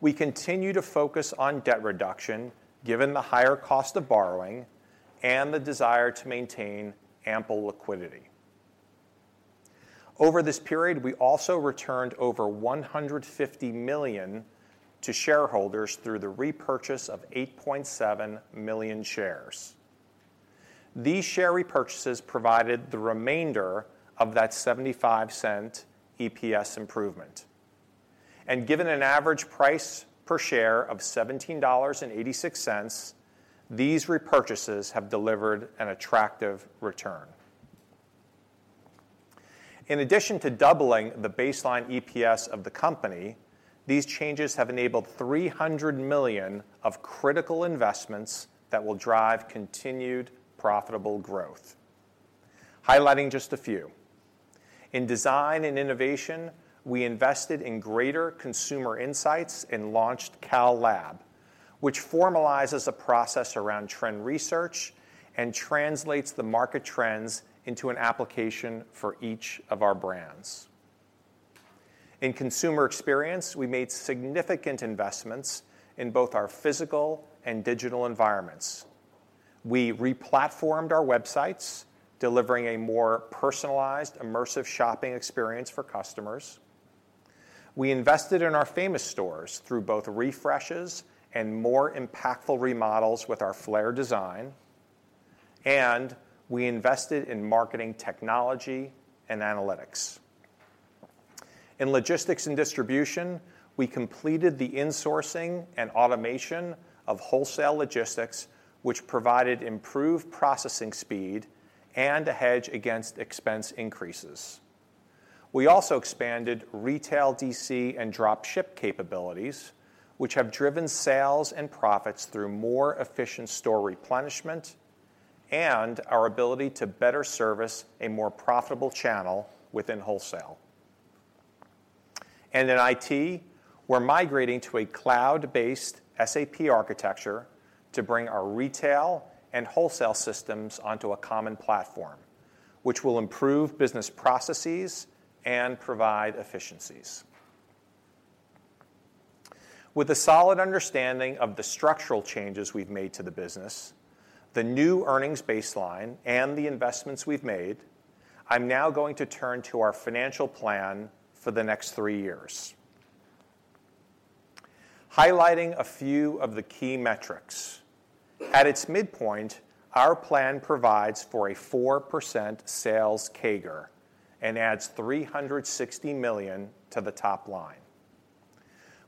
We continue to focus on debt reduction, given the higher cost of borrowing and the desire to maintain ample liquidity. Over this period, we also returned over $150 million to shareholders through the repurchase of 8.7 million shares. These share repurchases provided the remainder of that 75-cent EPS improvement, and given an average price per share of $17.86, these repurchases have delivered an attractive return. In addition to doubling the baseline EPS of the company, these changes have enabled $300 million of critical investments that will drive continued profitable growth. Highlighting just a few. In design and innovation, we invested in greater consumer insights and launched Cal Lab, which formalizes a process around trend research and translates the market trends into an application for each of our brands. In consumer experience, we made significant investments in both our physical and digital environments. We re-platformed our websites, delivering a more personalized, immersive shopping experience for customers.... We invested in our Famous stores through both refreshes and more impactful remodels with our Flair design, and we invested in marketing technology and analytics. In logistics and distribution, we completed the insourcing and automation of wholesale logistics, which provided improved processing speed and a hedge against expense increases. We also expanded retail DC and drop ship capabilities, which have driven sales and profits through more efficient store replenishment and our ability to better service a more profitable channel within wholesale. In IT, we're migrating to a cloud-based SAP architecture to bring our retail and wholesale systems onto a common platform, which will improve business processes and provide efficiencies. With a solid understanding of the structural changes we've made to the business, the new earnings baseline, and the investments we've made, I'm now going to turn to our financial plan for the next three years. Highlighting a few of the key metrics, at its midpoint, our plan provides for a 4% sales CAGR and adds $360 million to the top line.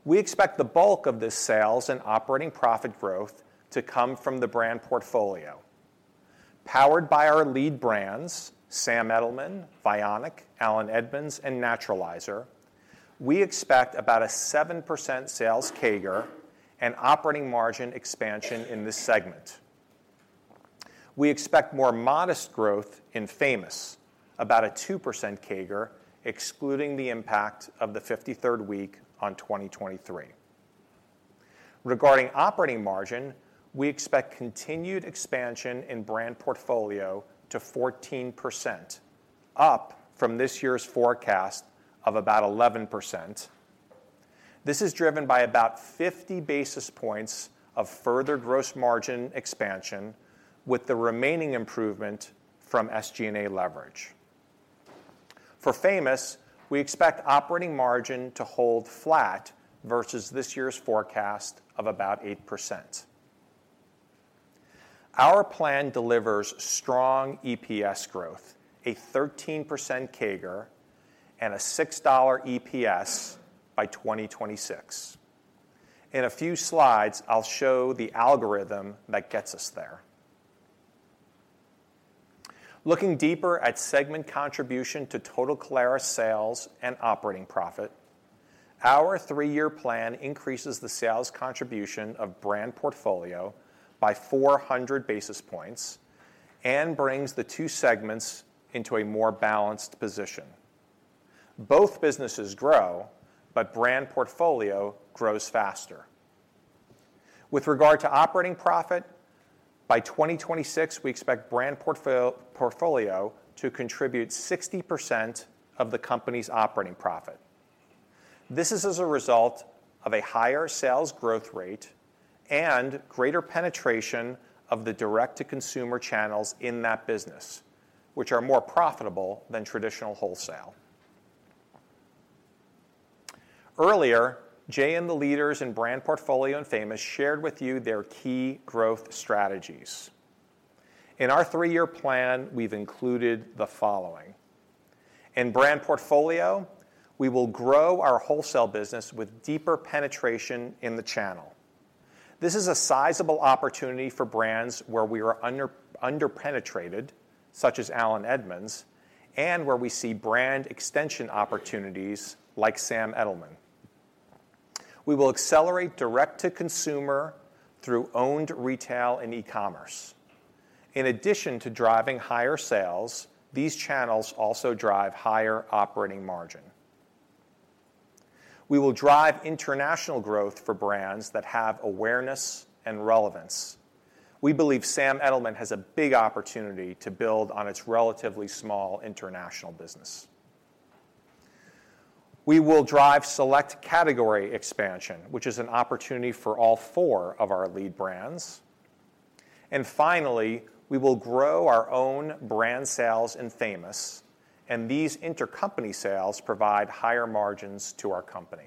We expect the bulk of this sales and operating profit growth to come from the brand portfolio. Powered by our lead brands, Sam Edelman, Vionic, Allen Edmonds, and Naturalizer, we expect about a 7% sales CAGR and operating margin expansion in this segment. We expect more modest growth in Famous, about a 2% CAGR, excluding the impact of the 53rd week on 2023. Regarding operating margin, we expect continued expansion in brand portfolio to 14%, up from this year's forecast of about 11%. This is driven by about 50 basis points of further gross margin expansion, with the remaining improvement from SG&A leverage. For Famous, we expect operating margin to hold flat versus this year's forecast of about 8%. Our plan delivers strong EPS growth, a 13% CAGR, and a $6 EPS by 2026. In a few slides, I'll show the algorithm that gets us there. Looking deeper at segment contribution to total Caleres sales and operating profit, our three-year plan increases the sales contribution of Brand Portfolio by 400 basis points and brings the two segments into a more balanced position. Both businesses grow, but Brand Portfolio grows faster. With regard to operating profit, by 2026, we expect Brand Portfolio to contribute 60% of the company's operating profit. This is as a result of a higher sales growth rate and greater penetration of the direct-to-consumer channels in that business, which are more profitable than traditional wholesale. Earlier, Jay and the leaders in brand portfolio and Famous shared with you their key growth strategies. In our three-year plan, we've included the following: in brand portfolio, we will grow our wholesale business with deeper penetration in the channel. This is a sizable opportunity for brands where we are under-penetrated, such as Allen Edmonds, and where we see brand extension opportunities like Sam Edelman. We will accelerate direct-to-consumer through owned retail and e-commerce. In addition to driving higher sales, these channels also drive higher operating margin. We will drive international growth for brands that have awareness and relevance. We believe Sam Edelman has a big opportunity to build on its relatively small international business. We will drive select category expansion, which is an opportunity for all four of our lead brands. Finally, we will grow our own brand sales in Famous, and these intercompany sales provide higher margins to our company.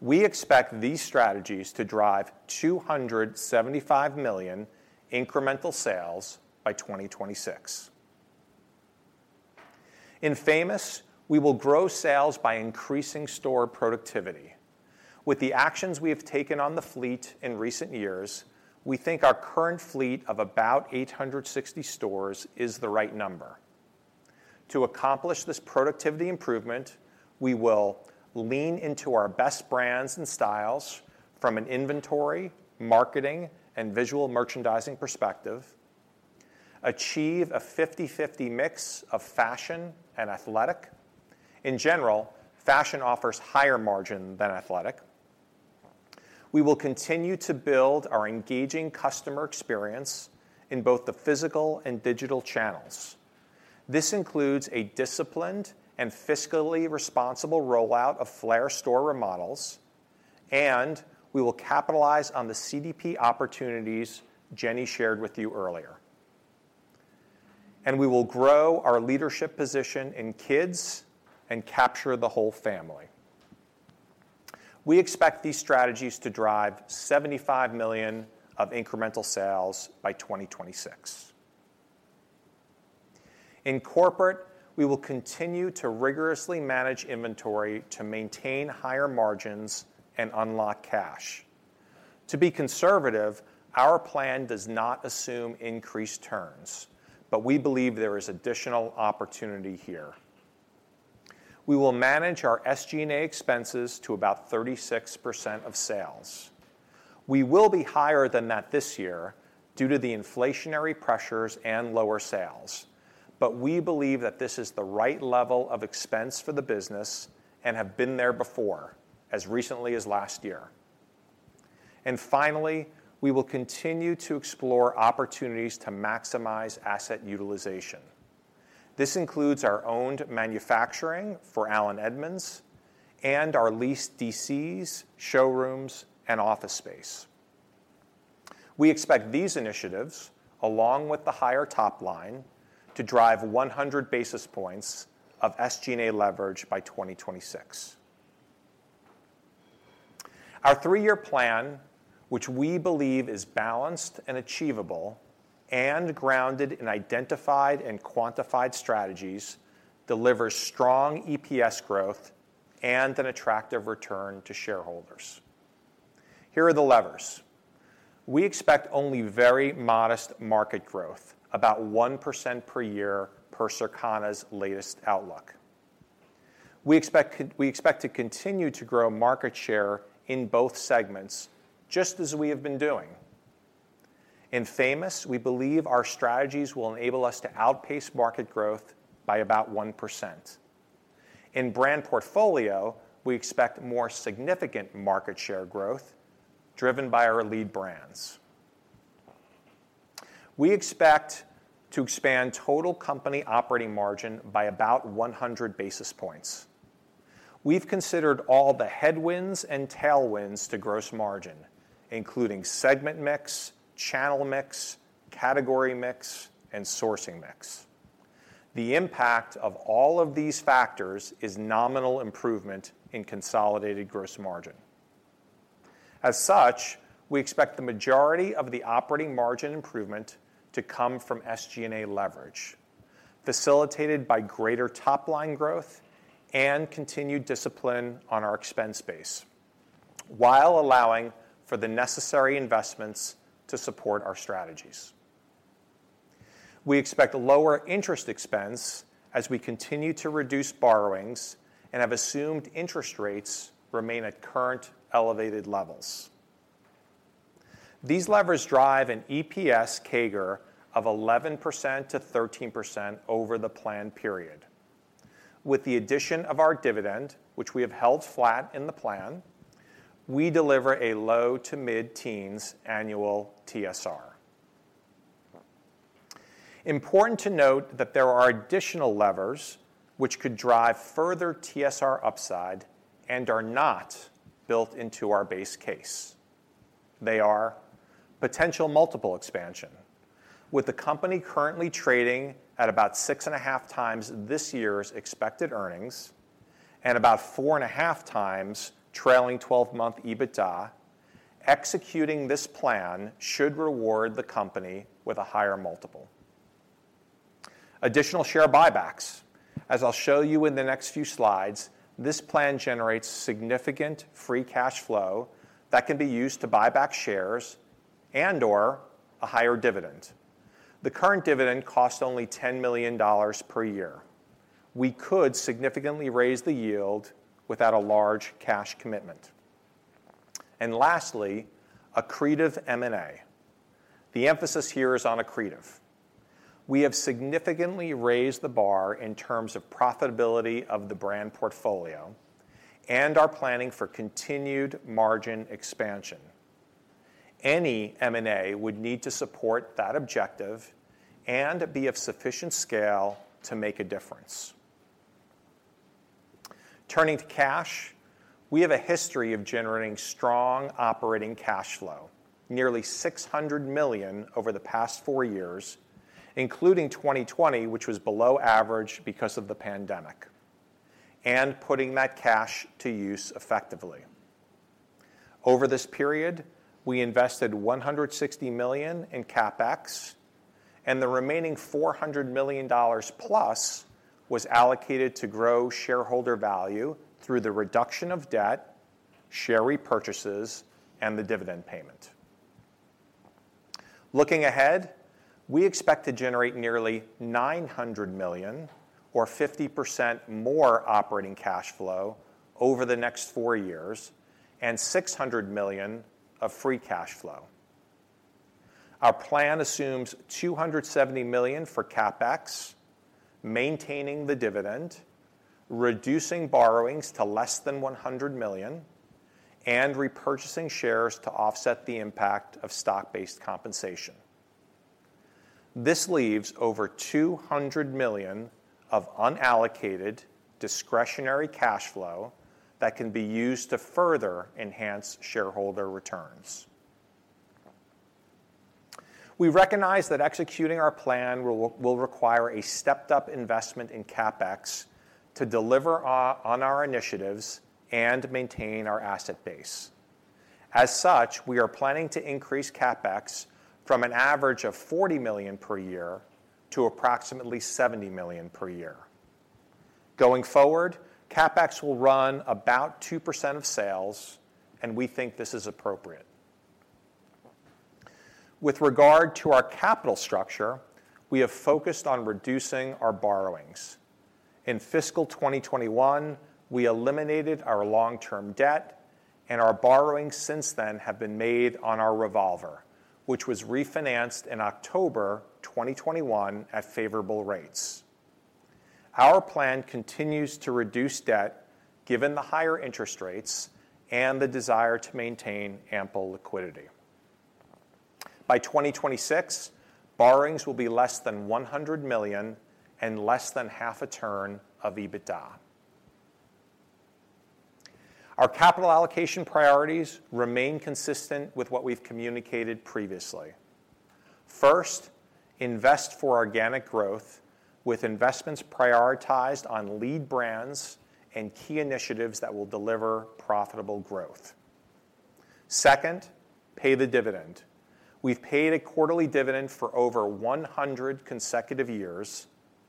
We expect these strategies to drive $275 million incremental sales by 2026. In Famous, we will grow sales by increasing store productivity. With the actions we have taken on the fleet in recent years, we think our current fleet of about 860 stores is the right number. To accomplish this productivity improvement, we will lean into our best brands and styles from an inventory, marketing, and visual merchandising perspective, achieve a 50/50 mix of fashion and athletic. In general, fashion offers higher margin than athletic. We will continue to build our engaging customer experience in both the physical and digital channels. This includes a disciplined and fiscally responsible rollout of Flair store remodels, and we will capitalize on the CDP opportunities Jenny shared with you earlier, and we will grow our leadership position in kids and capture the whole family. We expect these strategies to drive $75 million of incremental sales by 2026. In corporate, we will continue to rigorously manage inventory to maintain higher margins and unlock cash. To be conservative, our plan does not assume increased turns, but we believe there is additional opportunity here. We will manage our SG&A expenses to about 36% of sales. We will be higher than that this year due to the inflationary pressures and lower sales, but we believe that this is the right level of expense for the business and have been there before, as recently as last year. Finally, we will continue to explore opportunities to maximize asset utilization. This includes our owned manufacturing for Allen Edmonds and our leased DCs, showrooms, and office space. We expect these initiatives, along with the higher top line, to drive 100 basis points of SG&A leverage by 2026. Our three-year plan, which we believe is balanced and achievable, and grounded in identified and quantified strategies, delivers strong EPS growth and an attractive return to shareholders. Here are the levers. We expect only very modest market growth, about 1% per year per Circana's latest outlook. We expect to continue to grow market share in both segments, just as we have been doing. In Famous, we believe our strategies will enable us to outpace market growth by about 1%. In Brand Portfolio, we expect more significant market share growth driven by our lead brands. We expect to expand total company operating margin by about 100 basis points. We've considered all the headwinds and tailwinds to gross margin, including segment mix, channel mix, category mix, and sourcing mix. The impact of all of these factors is nominal improvement in consolidated gross margin. As such, we expect the majority of the operating margin improvement to come from SG&A leverage, facilitated by greater top-line growth and continued discipline on our expense base, while allowing for the necessary investments to support our strategies. We expect a lower interest expense as we continue to reduce borrowings and have assumed interest rates remain at current elevated levels. These levers drive an EPS CAGR of 11%-13% over the plan period. With the addition of our dividend, which we have held flat in the plan, we deliver a low to mid-teens annual TSR. Important to note that there are additional levers which could drive further TSR upside and are not built into our base case. They are potential multiple expansion. With the company currently trading at about 6.5x this year's expected earnings and about 4.5x trailing twelve-month EBITDA, executing this plan should reward the company with a higher multiple. Additional share buybacks. As I'll show you in the next few slides, this plan generates significant free cash flow that can be used to buy back shares and/or a higher dividend. The current dividend costs only $10 million per year. We could significantly raise the yield without a large cash commitment. And lastly, accretive M&A. The emphasis here is on accretive. We have significantly raised the bar in terms of profitability of the brand portfolio and are planning for continued margin expansion. Any M&A would need to support that objective and be of sufficient scale to make a difference. Turning to cash, we have a history of generating strong operating cash flow, nearly $600 million over the past 4 years, including 2020, which was below average because of the pandemic, and putting that cash to use effectively. Over this period, we invested $160 million in CapEx, and the remaining $400 million plus was allocated to grow shareholder value through the reduction of debt, share repurchases, and the dividend payment. Looking ahead, we expect to generate nearly $900 million or 50% more operating cash flow over the next 4 years and $600 million of free cash flow. Our plan assumes $270 million for CapEx, maintaining the dividend, reducing borrowings to less than $100 million, and repurchasing shares to offset the impact of stock-based compensation. This leaves over $200 million of unallocated discretionary cash flow that can be used to further enhance shareholder returns. We recognize that executing our plan will require a stepped-up investment in CapEx to deliver on our initiatives and maintain our asset base. As such, we are planning to increase CapEx from an average of $40 million per year to approximately $70 million per year. Going forward, CapEx will run about 2% of sales, and we think this is appropriate. With regard to our capital structure, we have focused on reducing our borrowings. In fiscal 2021, we eliminated our long-term debt, and our borrowings since then have been made on our revolver, which was refinanced in October 2021 at favorable rates. Our plan continues to reduce debt given the higher interest rates and the desire to maintain ample liquidity. By 2026, borrowings will be less than $100 million and less than 0.5x EBITDA. Our capital allocation priorities remain consistent with what we've communicated previously. First, invest for organic growth, with investments prioritized on lead brands and key initiatives that will deliver profitable growth. Second, pay the dividend. We've paid a quarterly dividend for over 100 consecutive years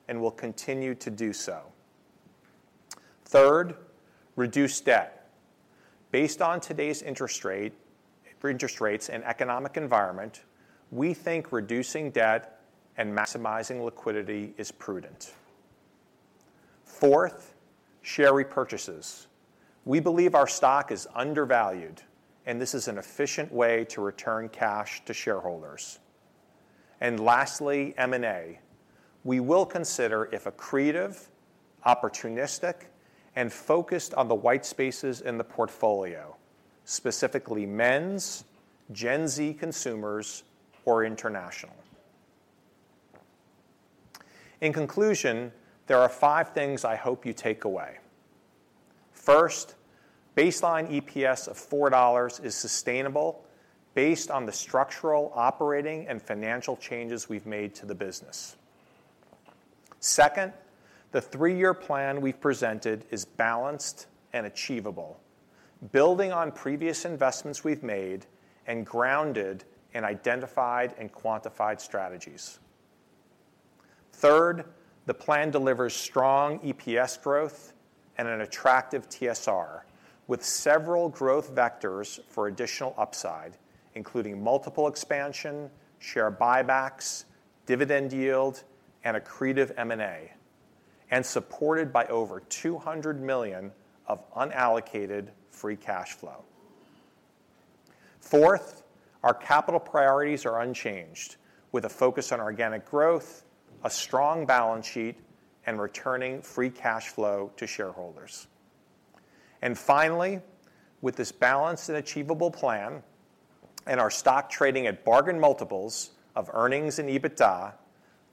and will continue to do so. Third, reduce debt. Based on today's interest rates and economic environment, we think reducing debt and maximizing liquidity is prudent. Fourth, share repurchases. We believe our stock is undervalued, and this is an efficient way to return cash to shareholders. And lastly, M&A. We will consider if accretive, opportunistic, and focused on the white spaces in the portfolio, specifically men's, Gen Z consumers, or international. In conclusion, there are five things I hope you take away. First, baseline EPS of $4 is sustainable based on the structural, operating, and financial changes we've made to the business. Second, the three-year plan we've presented is balanced and achievable, building on previous investments we've made and grounded in identified and quantified strategies. Third, the plan delivers strong EPS growth and an attractive TSR, with several growth vectors for additional upside, including multiple expansion, share buybacks, dividend yield, and accretive M&A, and supported by over $200 million of unallocated free cash flow. Fourth, our capital priorities are unchanged, with a focus on organic growth, a strong balance sheet, and returning free cash flow to shareholders. Finally, with this balanced and achievable plan and our stock trading at bargain multiples of earnings and EBITDA,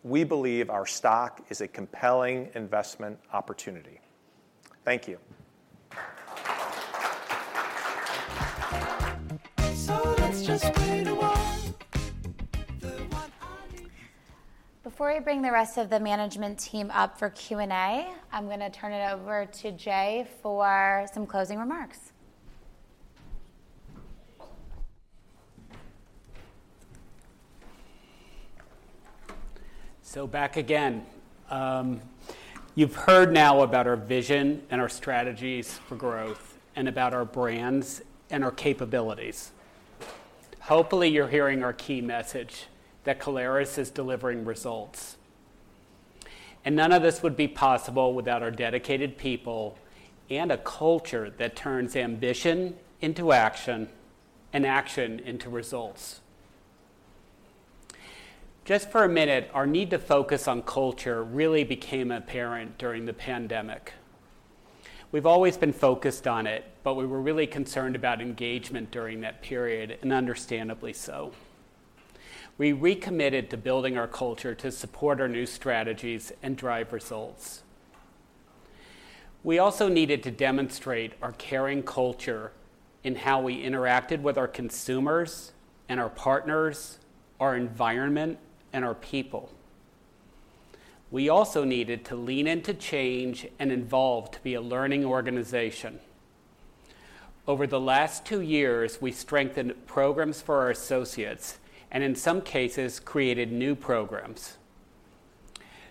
we believe our stock is a compelling investment opportunity. Thank you. Before I bring the rest of the management team up for Q&A, I'm gonna turn it over to Jay for some closing remarks. Back again. You've heard now about our vision and our strategies for growth and about our brands and our capabilities. Hopefully, you're hearing our key message, that Caleres is delivering results. None of this would be possible without our dedicated people and a culture that turns ambition into action and action into results. Just for a minute, our need to focus on culture really became apparent during the pandemic. We've always been focused on it, but we were really concerned about engagement during that period, and understandably so. We recommitted to building our culture to support our new strategies and drive results. We also needed to demonstrate our caring culture in how we interacted with our consumers and our partners, our environment, and our people. We also needed to lean into change and evolve to be a learning organization. Over the last two years, we strengthened programs for our associates and, in some cases, created new programs.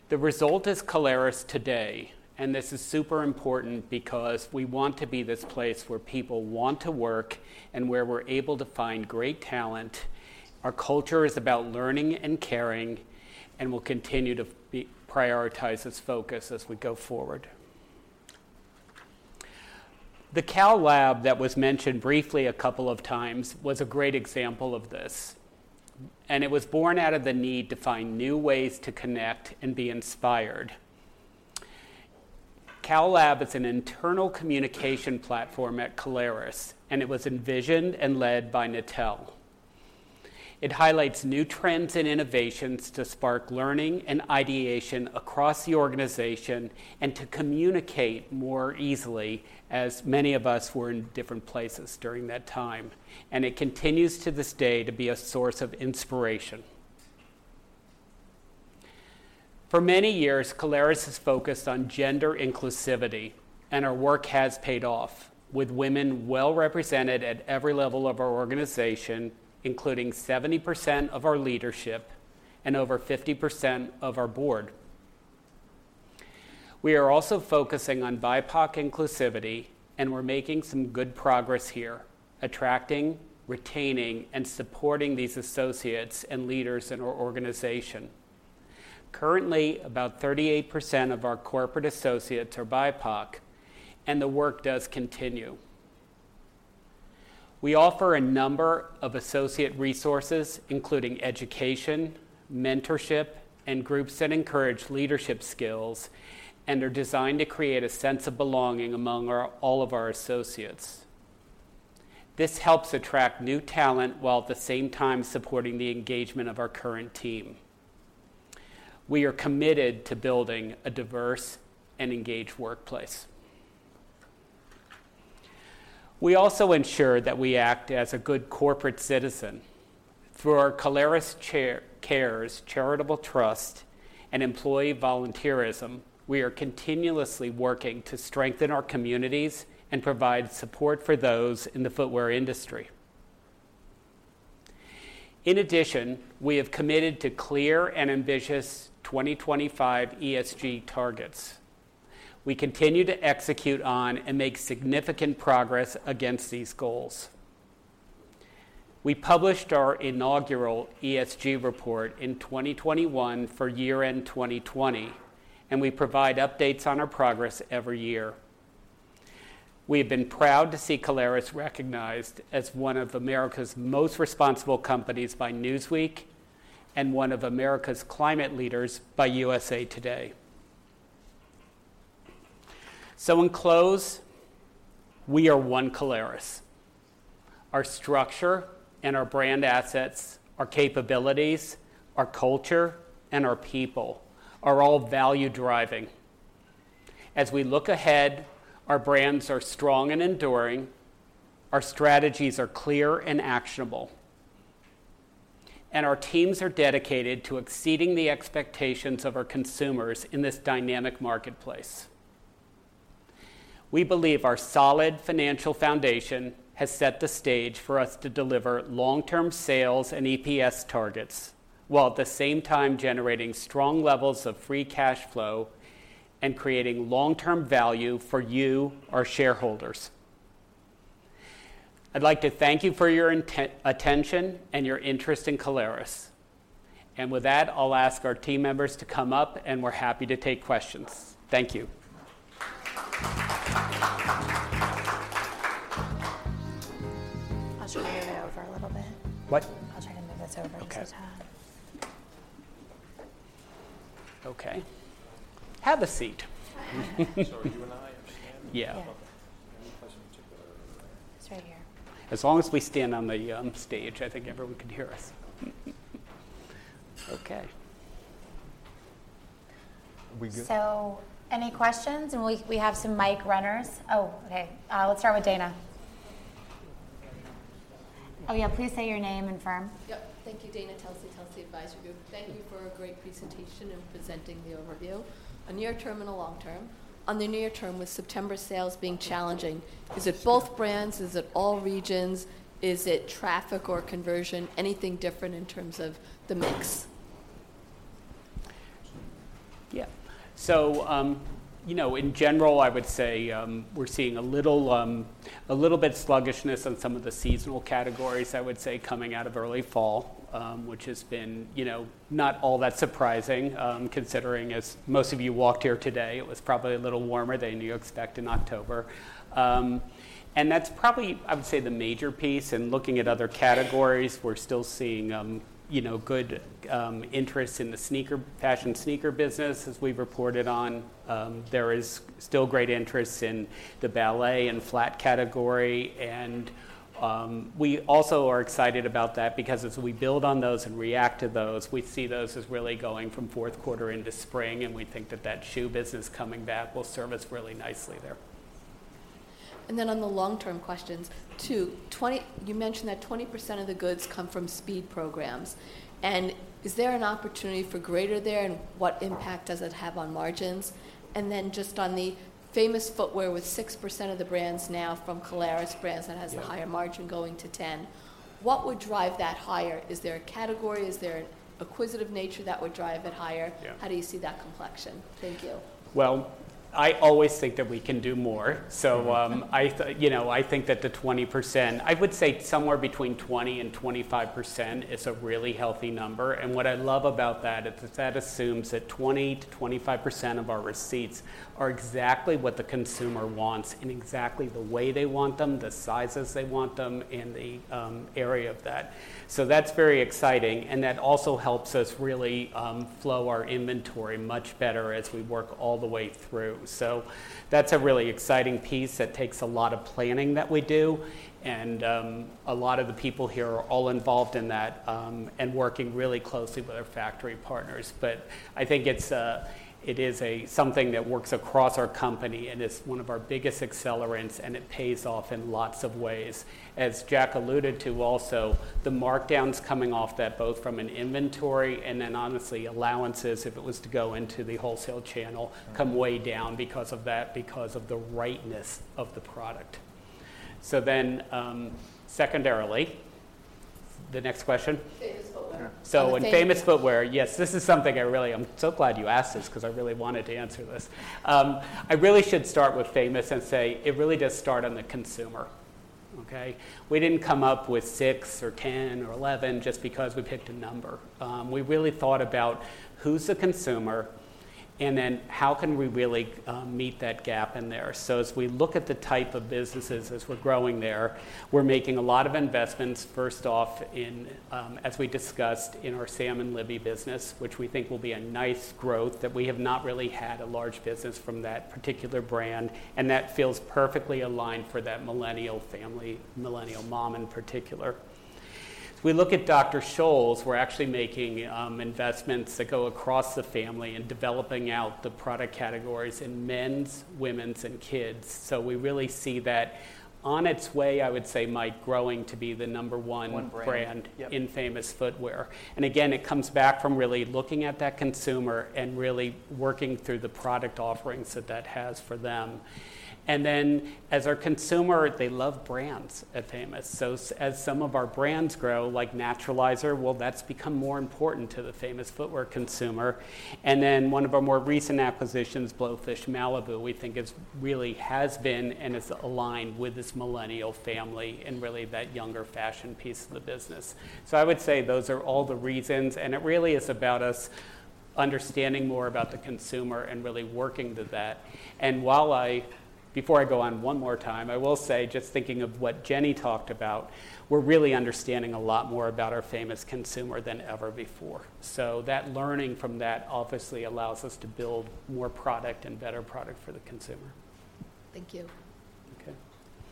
The result is Caleres today, and this is super important because we want to be this place where people want to work and where we're able to find great talent. Our culture is about learning and caring, and we'll continue to prioritize this focus as we go forward. The Cal Lab that was mentioned briefly a couple of times was a great example of this, and it was born out of the need to find new ways to connect and be inspired. Cal Lab is an internal communication platform at Caleres, and it was envisioned and led by Natelle. It highlights new trends and innovations to spark learning and ideation across the organization, and to communicate more easily, as many of us were in different places during that time. It continues to this day to be a source of inspiration. For many years, Caleres has focused on gender inclusivity, and our work has paid off, with women well represented at every level of our organization, including 70% of our leadership and over 50% of our board. We are also focusing on BIPOC inclusivity, and we're making some good progress here, attracting, retaining, and supporting these associates and leaders in our organization. Currently, about 38% of our corporate associates are BIPOC, and the work does continue. We offer a number of associate resources, including education, mentorship, and groups that encourage leadership skills and are designed to create a sense of belonging among all of our associates. This helps attract new talent, while at the same time supporting the engagement of our current team. We are committed to building a diverse and engaged workplace. We also ensure that we act as a good corporate citizen. Through our Caleres Cares Charitable Trust and employee volunteerism, we are continuously working to strengthen our communities and provide support for those in the footwear industry. In addition, we have committed to clear and ambitious 2025 ESG targets. We continue to execute on and make significant progress against these goals. We published our inaugural ESG report in 2021 for year-end 2020, and we provide updates on our progress every year. We have been proud to see Caleres recognized as one of America's most responsible companies by Newsweek and one of America's climate leaders by USA Today. So in closing, we are one Caleres. Our structure and our brand assets, our capabilities, our culture, and our people are all value-driving. As we look ahead, our brands are strong and enduring, our strategies are clear and actionable, and our teams are dedicated to exceeding the expectations of our consumers in this dynamic marketplace. We believe our solid financial foundation has set the stage for us to deliver long-term sales and EPS targets, while at the same time generating strong levels of free cash flow and creating long-term value for you, our shareholders. I'd like to thank you for your attention and your interest in Caleres. And with that, I'll ask our team members to come up, and we're happy to take questions. Thank you. I'll try to move it over a little bit. What? I'll try to move this over- Okay... so you have time. Okay. Have a seat. You and I are standing? Yeah. Yeah. Okay. Any questions, we'll go over there. It's right here. As long as we stand on the stage, I think everyone can hear us. Okay. Are we good? So any questions? And we, we have some mic runners. Oh, okay. Let's start with Dana. Oh, yeah, please say your name and firm. Yep. Thank you. Dana Telsey, Telsey Advisory Group. Thank you for a great presentation and presenting the overview. On near term and the long term, on the near term, with September sales being challenging, is it both brands? Is it all regions? Is it traffic or conversion? Anything different in terms of the mix? Yeah. So, you know, in general, I would say, we're seeing a little bit sluggishness on some of the seasonal categories, I would say, coming out of early fall, which has been, you know, not all that surprising, considering as most of you walked here today, it was probably a little warmer than you expect in October. And that's probably, I would say, the major piece. And looking at other categories, we're still seeing, you know, good interest in the sneaker fashion sneaker business. As we've reported on, there is still great interest in the ballet and flat category. We also are excited about that, because as we build on those and react to those, we see those as really going from fourth quarter into spring, and we think that that shoe business coming back will serve us really nicely there. Then on the long-term questions, too: 20-- you mentioned that 20% of the goods come from speed programs, and is there an opportunity for greater there, and what impact does it have on margins? Then just on the Famous Footwear, with 6% of the brands now from Caleres brands- Yeah... that has a higher margin going to 10, what would drive that higher? Is there a category, is there an acquisitive nature that would drive it higher? Yeah. How do you see that complexion? Thank you. Well, I always think that we can do more. So, you know, I think that the 20%... I would say somewhere between 20% and 25% is a really healthy number, and what I love about that is that assumes that 20%-25% of our receipts are exactly what the consumer wants, in exactly the way they want them, the sizes they want them, in the area of that. So that's very exciting, and that also helps us really flow our inventory much better as we work all the way through. So that's a really exciting piece that takes a lot of planning that we do, and a lot of the people here are all involved in that, and working really closely with our factory partners. But I think it's something that works across our company, and it's one of our biggest accelerants, and it pays off in lots of ways. As Jack alluded to, also, the markdowns coming off that, both from an inventory and then honestly, allowances, if it was to go into the wholesale channel, come way down because of that, because of the rightness of the product. So then, secondarily... The next question? Famous footwear. So in Famous Footwear, yes, this is something I really I'm so glad you asked this 'cause I really wanted to answer this. I really should start with Famous and say it really does start on the consumer, okay? We didn't come up with six or 10 or 11 just because we picked a number. We really thought about who's the consumer, and then how can we really meet that gap in there? So as we look at the type of businesses as we're growing there, we're making a lot of investments, first off, in, as we discussed, in our Sam & Libby business, which we think will be a nice growth that we have not really had a large business from that particular brand, and that feels perfectly aligned for that Millennial family, Millennial mom in particular. If we look at Dr. Scholl's, we're actually making investments that go across the family and developing out the product categories in men's, women's, and kids. So we really see that on its way, I would say, Mike, growing to be the number one- One brand. Yep.... brand in Famous Footwear. And again, it comes back from really looking at that consumer and really working through the product offerings that that has for them. And then, as our consumer, they love brands at Famous. So as some of our brands grow, like Naturalizer, well, that's become more important to the Famous Footwear consumer. And then one of our more recent acquisitions, Blowfish Malibu, we think is really has been and is aligned with this Millennial family and really that younger fashion piece of the business. So I would say those are all the reasons, and it really is about us understanding more about the consumer and really working to that. And while I, before I go on, one more time, I will say, just thinking of what Jenny talked about, we're really understanding a lot more about our Famous consumer than ever before. That learning from that obviously allows us to build more product and better product for the consumer. Thank you. Okay.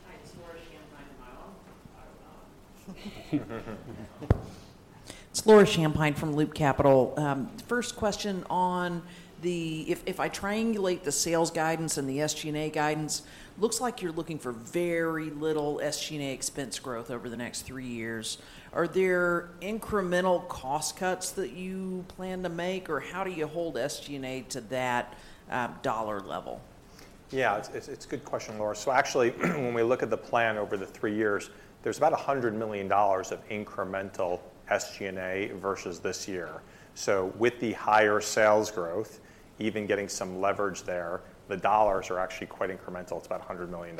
Hi, it's Laura Champine, am I on? I don't know. It's Laura Champine from Loop Capital. First question on the... If I triangulate the sales guidance and the SG&A guidance, looks like you're looking for very little SG&A expense growth over the next three years. Are there incremental cost cuts that you plan to make, or how do you hold SG&A to that dollar level? Yeah, it's, it's a good question, Laura. So actually, when we look at the plan over the three years, there's about $100 million of incremental SG&A versus this year. So with the higher sales growth, even getting some leverage there, the dollars are actually quite incremental. It's about $100 million.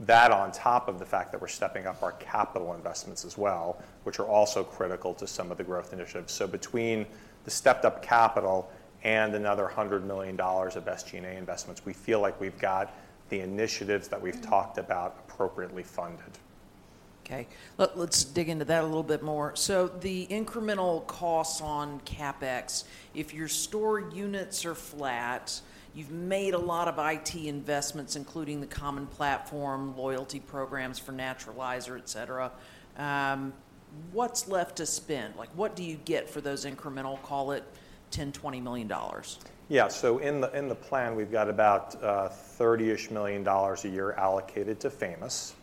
That on top of the fact that we're stepping up our capital investments as well, which are also critical to some of the growth initiatives. So between the stepped-up capital and another $100 million of SG&A investments, we feel like we've got the initiatives that we've talked about appropriately funded. Okay. Let's dig into that a little bit more. So the incremental costs on CapEx, if your store units are flat, you've made a lot of IT investments, including the common platform, loyalty programs for Naturalizer, et cetera, what's left to spend? Like, what do you get for those incremental, call it $10-$20 million? Yeah. So in the plan, we've got about $30-ish million a year allocated to Famous.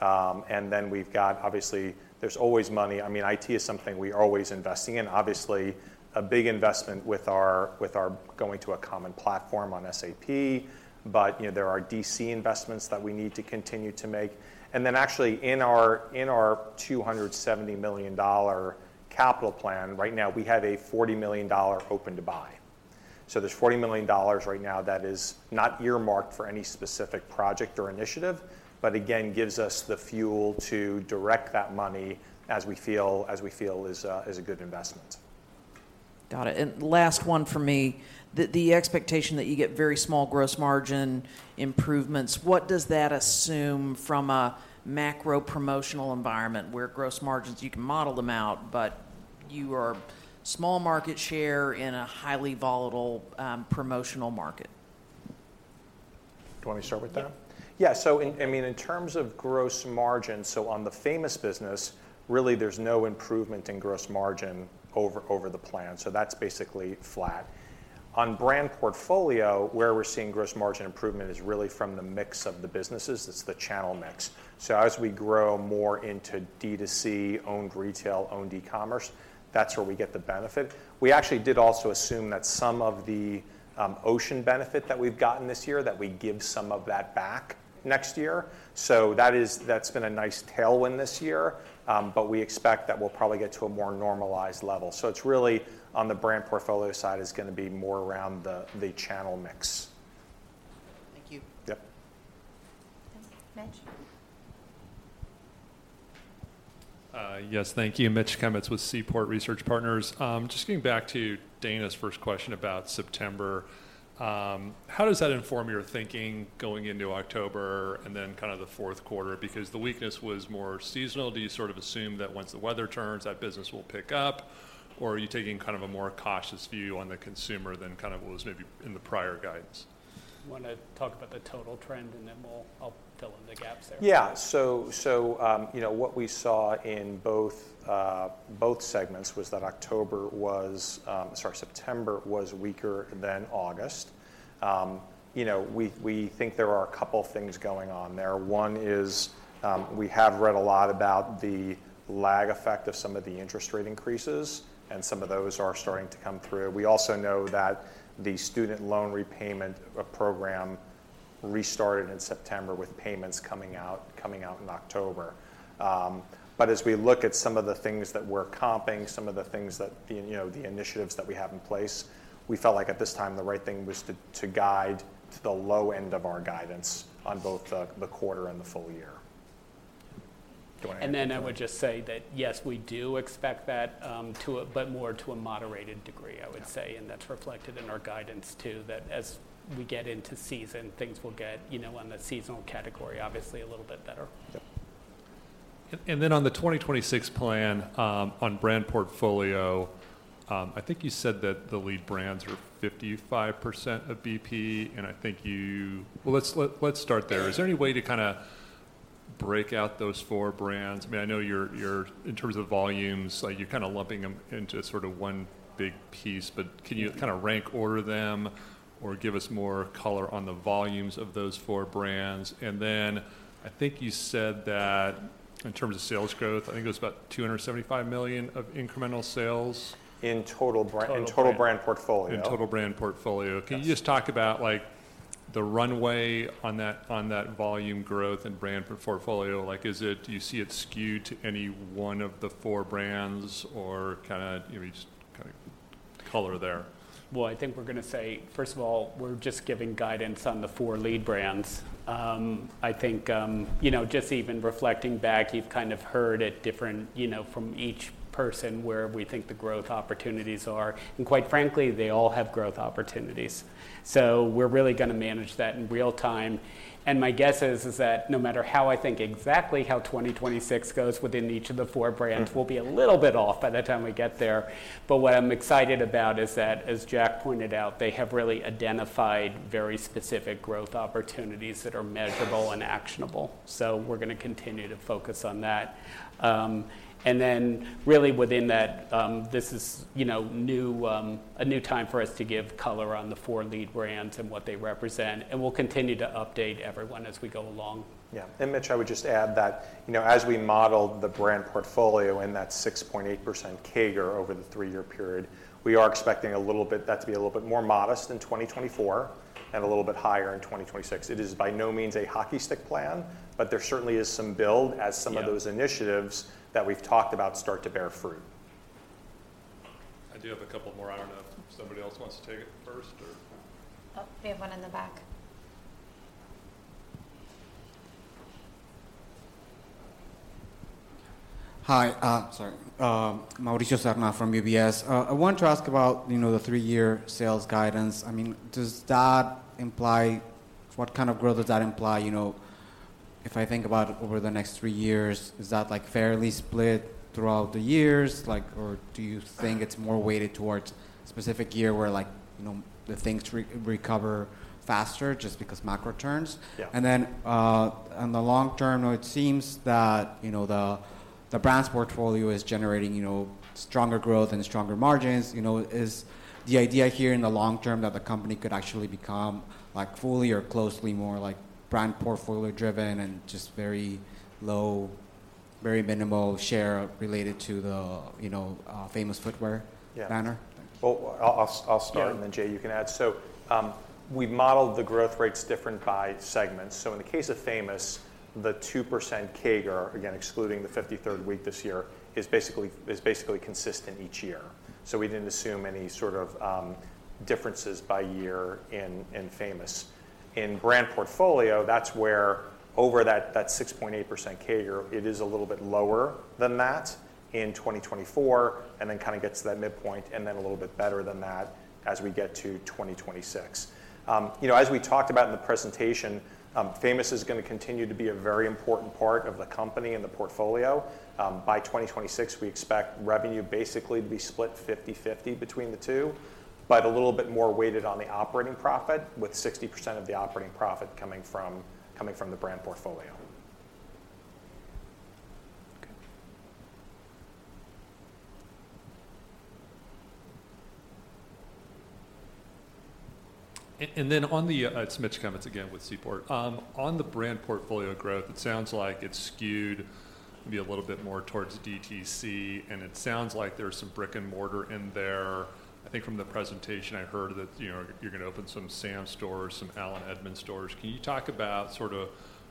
And then we've got... Obviously, there's always money. I mean, IT is something we are always investing in. Obviously, a big investment with our going to a common platform on SAP, but you know, there are DC investments that we need to continue to make. And then actually, in our $270 million dollar capital plan, right now, we have a $40 million dollar open to buy. So there's $40 million right now that is not earmarked for any specific project or initiative, but again, gives us the fuel to direct that money as we feel is a good investment. Got it. And last one for me. The expectation that you get very small gross margin improvements, what does that assume from a macro promotional environment where gross margins, you can model them out, but you are small market share in a highly volatile, promotional market? Do you want me to start with that? Yeah. So I mean, in terms of gross margin, so on the Famous business, really there's no improvement in gross margin over the plan, so that's basically flat. On brand portfolio, where we're seeing gross margin improvement is really from the mix of the businesses. It's the channel mix. So as we grow more into D2C, owned retail, owned e-commerce, that's where we get the benefit. We actually did also assume that some of the ocean benefit that we've gotten this year, that we give some of that back next year. So that's been a nice tailwind this year, but we expect that we'll probably get to a more normalized level. So it's really on the brand portfolio side is gonna be more around the channel mix. Thank you. Yep. Mitch? Yes, thank you. Mitch Kummetz with Seaport Research Partners. Just getting back to Dana's first question about September, how does that inform your thinking going into October and then kind of the fourth quarter? Because the weakness was more seasonal, do you sort of assume that once the weather turns, that business will pick up, or are you taking kind of a more cautious view on the consumer than kind of what was maybe in the prior guidance? You wanna talk about the total trend, and then I'll fill in the gaps there. Yeah. So, you know, what we saw in both segments was that September was weaker than August. You know, we think there are a couple of things going on there. One is, we have read a lot about the lag effect of some of the interest rate increases, and some of those are starting to come through. We also know that the student loan repayment program restarted in September, with payments coming out in October. But as we look at some of the things that we're comping, some of the things that, you know, the initiatives that we have in place, we felt like, at this time, the right thing was to guide to the low end of our guidance on both the quarter and the full year. Do you wanna add to that? Then I would just say that, yes, we do expect that, to a, but more to a moderated degree, I would say. That's reflected in our guidance, too, that as we get into season, things will get, you know, on the seasonal category, obviously a little bit better. And then on the 2026 plan, on brand portfolio, I think you said that the lead brands are 55% of BP, and I think you—well, let's, let's start there. Is there any way to kinda break out those four brands? I mean, I know you're, you're—in terms of volumes, like, you're kinda lumping them into sort of one big piece, but can you kinda rank order them or give us more color on the volumes of those four brands? And then, I think you said that in terms of sales growth, I think it was about $275 million of incremental sales? In total Total brand. In total, Brand Portfolio. In total Brand Portfolio. Can you just talk about, like, the runway on that, on that volume growth and brand portfolio? Like, is it—do you see it skewed to any one of the four brands, or kinda, you know, just kinda color there? Well, I think we're gonna say, first of all, we're just giving guidance on the four lead brands. I think, you know, just even reflecting back, you've kind of heard it different, you know, from each person where we think the growth opportunities are, and quite frankly, they all have growth opportunities. So we're really gonna manage that in real time. And my guess is, is that no matter how I think exactly how 2026 goes within each of the four brands-... we'll be a little bit off by the time we get there. But what I'm excited about is that, as Jack pointed out, they have really identified very specific growth opportunities that are measurable and actionable. So we're gonna continue to focus on that. And then really within that, this is, you know, new, a new time for us to give color on the four lead brands and what they represent, and we'll continue to update everyone as we go along. Yeah. Mitch, I would just add that, you know, as we model the brand portfolio and that 6.8% CAGR over the three-year period, we are expecting a little bit that to be a little bit more modest in 2024 and a little bit higher in 2026. It is by no means a hockey stick plan, but there certainly is some build- Yeah... as some of those initiatives that we've talked about start to bear fruit. I do have a couple more. I don't know if somebody else wants to take it first or? Oh, we have one in the back. Hi, sorry. Mauricio Serna from UBS. I wanted to ask about, you know, the 3-year sales guidance. I mean, does that imply—what kind of growth does that imply? You know, if I think about over the next 3 years, is that, like, fairly split throughout the years? Like, or do you think it's more weighted towards a specific year, where, like, you know, the things recover faster just because macro turns? Yeah. Then, on the long term, it seems that, you know, the Brand Portfolio is generating, you know, stronger growth and stronger margins. You know, is the idea here in the long term that the company could actually become, like, fully or closely more like Brand Portfolio driven and just very low, very minimal share related to the, you know, Famous Footwear- Yeah -banner? Well, I'll start- Yeah... and then, Jay, you can add. So, we've modeled the growth rates different by segments. So in the case of Famous, the 2% CAGR, again, excluding the 53rd week this year, is basically, is basically consistent each year. So we didn't assume any sort of, differences by year in, in Famous. In brand portfolio, that's where over that, that 6.8% CAGR, it is a little bit lower than that in 2024, and then kinda gets to that midpoint, and then a little bit better than that as we get to 2026. You know, as we talked about in the presentation, Famous is gonna continue to be a very important part of the company and the portfolio. By 2026, we expect revenue basically to be split 50/50 between the two, but a little bit more weighted on the operating profit, with 60% of the operating profit coming from the brand portfolio. Okay. And then on the, it's Mitch Kummetz again with Seaport. On the brand portfolio growth, it sounds like it's skewed maybe a little bit more towards DTC, and it sounds like there's some brick-and-mortar in there. I think from the presentation, I heard that, you know, you're gonna open some Sam stores, some Allen Edmonds stores. Can you talk about sort of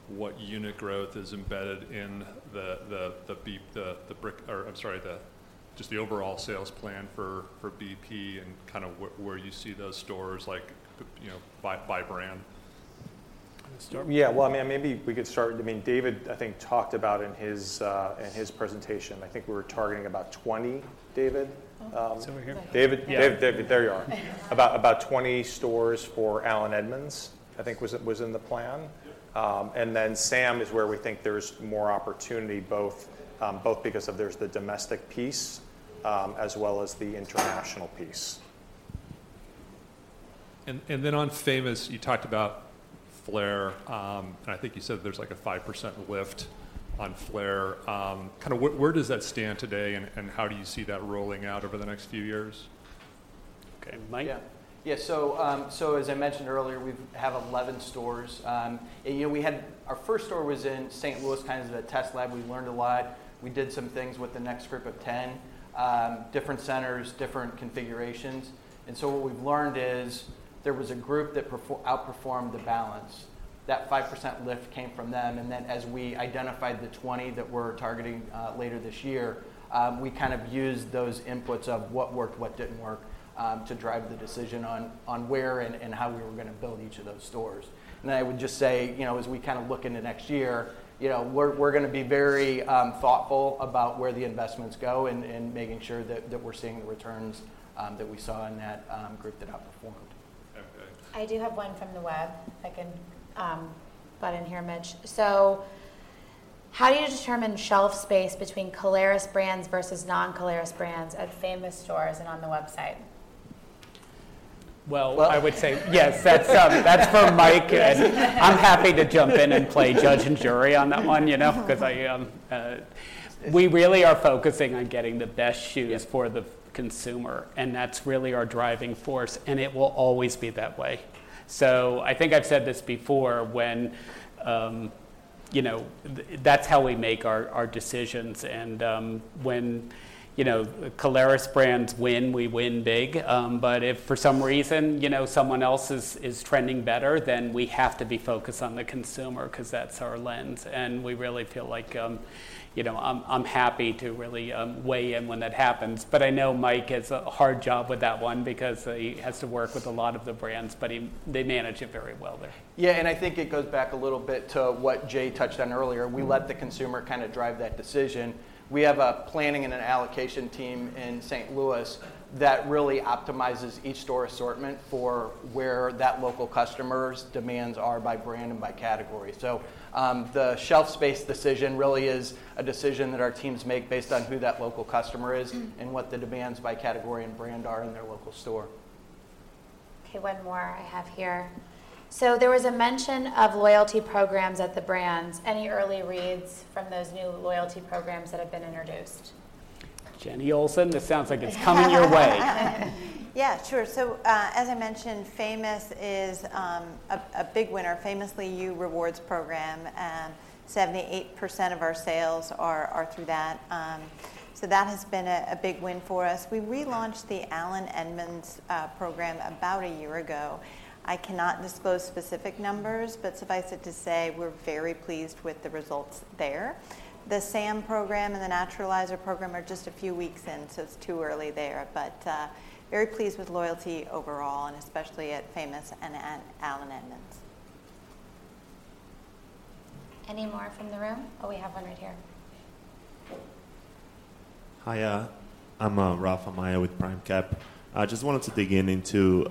what unit growth is embedded in the, the B&M, the brick-and-mortar or I'm sorry, just the overall sales plan for BP and kind of where you see those stores, like, you know, by brand? You wanna start? Yeah, well, I mean, maybe we could start. I mean, David, I think talked about in his presentation, I think we were targeting about 20, David? He's over here. David? Yeah. David, there you are. About 20 stores for Allen Edmonds, I think was in the plan. Sam is where we think there's more opportunity both, both because of there's the domestic piece, as well as the international piece. And then on Famous, you talked about Flair, and I think you said there's like a 5% lift on Flair. Kinda where does that stand today, and how do you see that rolling out over the next few years? Okay, Mike? Yeah. Yeah, so as I mentioned earlier, we've have 11 stores. And, you know, we had our first store was in St. Louis, kind of as a test lab. We learned a lot. We did some things with the next group of 10, different centers, different configurations. And so what we've learned is, there was a group that outperformed the balance. That 5% lift came from them, and then as we identified the 20 that we're targeting later this year, we kind of used those inputs of what worked, what didn't work, to drive the decision on where and how we were gonna build each of those stores. I would just say, you know, as we kind of look in the next year, you know, we're, we're gonna be very thoughtful about where the investments go and making sure that we're seeing the returns that we saw in that group that outperformed. Okay. I do have one from the web I can, butt in here, Mitch. So how do you determine shelf space between Caleres brands versus non-Caleres brands at Famous stores and on the website? Well- Well-... I would say, yes, that's for Mike, and I'm happy to jump in and play judge and jury on that one, you know, 'cause we really are focusing on getting the best shoes- Yes... for the consumer, and that's really our driving force, and it will always be that way. So I think I've said this before, when, you know, that's how we make our decisions, and, when, you know, Caleres brands win, we win big. But if for some reason, you know, someone else is trending better, then we have to be focused on the consumer 'cause that's our lens, and we really feel like, you know, I'm happy to really weigh in when that happens. But I know Mike has a hard job with that one because he has to work with a lot of the brands, but they manage it very well there. Yeah, and I think it goes back a little bit to what Jay touched on earlier. We let the consumer kinda drive that decision. We have a planning and an allocation team in St. Louis that really optimizes each store assortment for where that local customer's demands are by brand and by category. So, the shelf space decision really is a decision that our teams make based on who that local customer is- and what the demands by category and brand are in their local store. Okay, one more I have here. So there was a mention of loyalty programs at the brands. Any early reads from those new loyalty programs that have been introduced? Jenny Olsen, this sounds like it's coming your way. Yeah, sure. So, as I mentioned, Famous is a big winner, Famously You Rewards program, 78% of our sales are through that. So that has been a big win for us. We relaunched the Allen Edmonds program about a year ago. I cannot disclose specific numbers, but suffice it to say, we're very pleased with the results there. The Sam program and the Naturalizer program are just a few weeks in, so it's too early there. But, very pleased with loyalty overall, and especially at Famous and at Allen Edmonds. Any more from the room? Oh, we have one right here. Hi, I'm Rafael Maia with Primecap. I just wanted to dig in into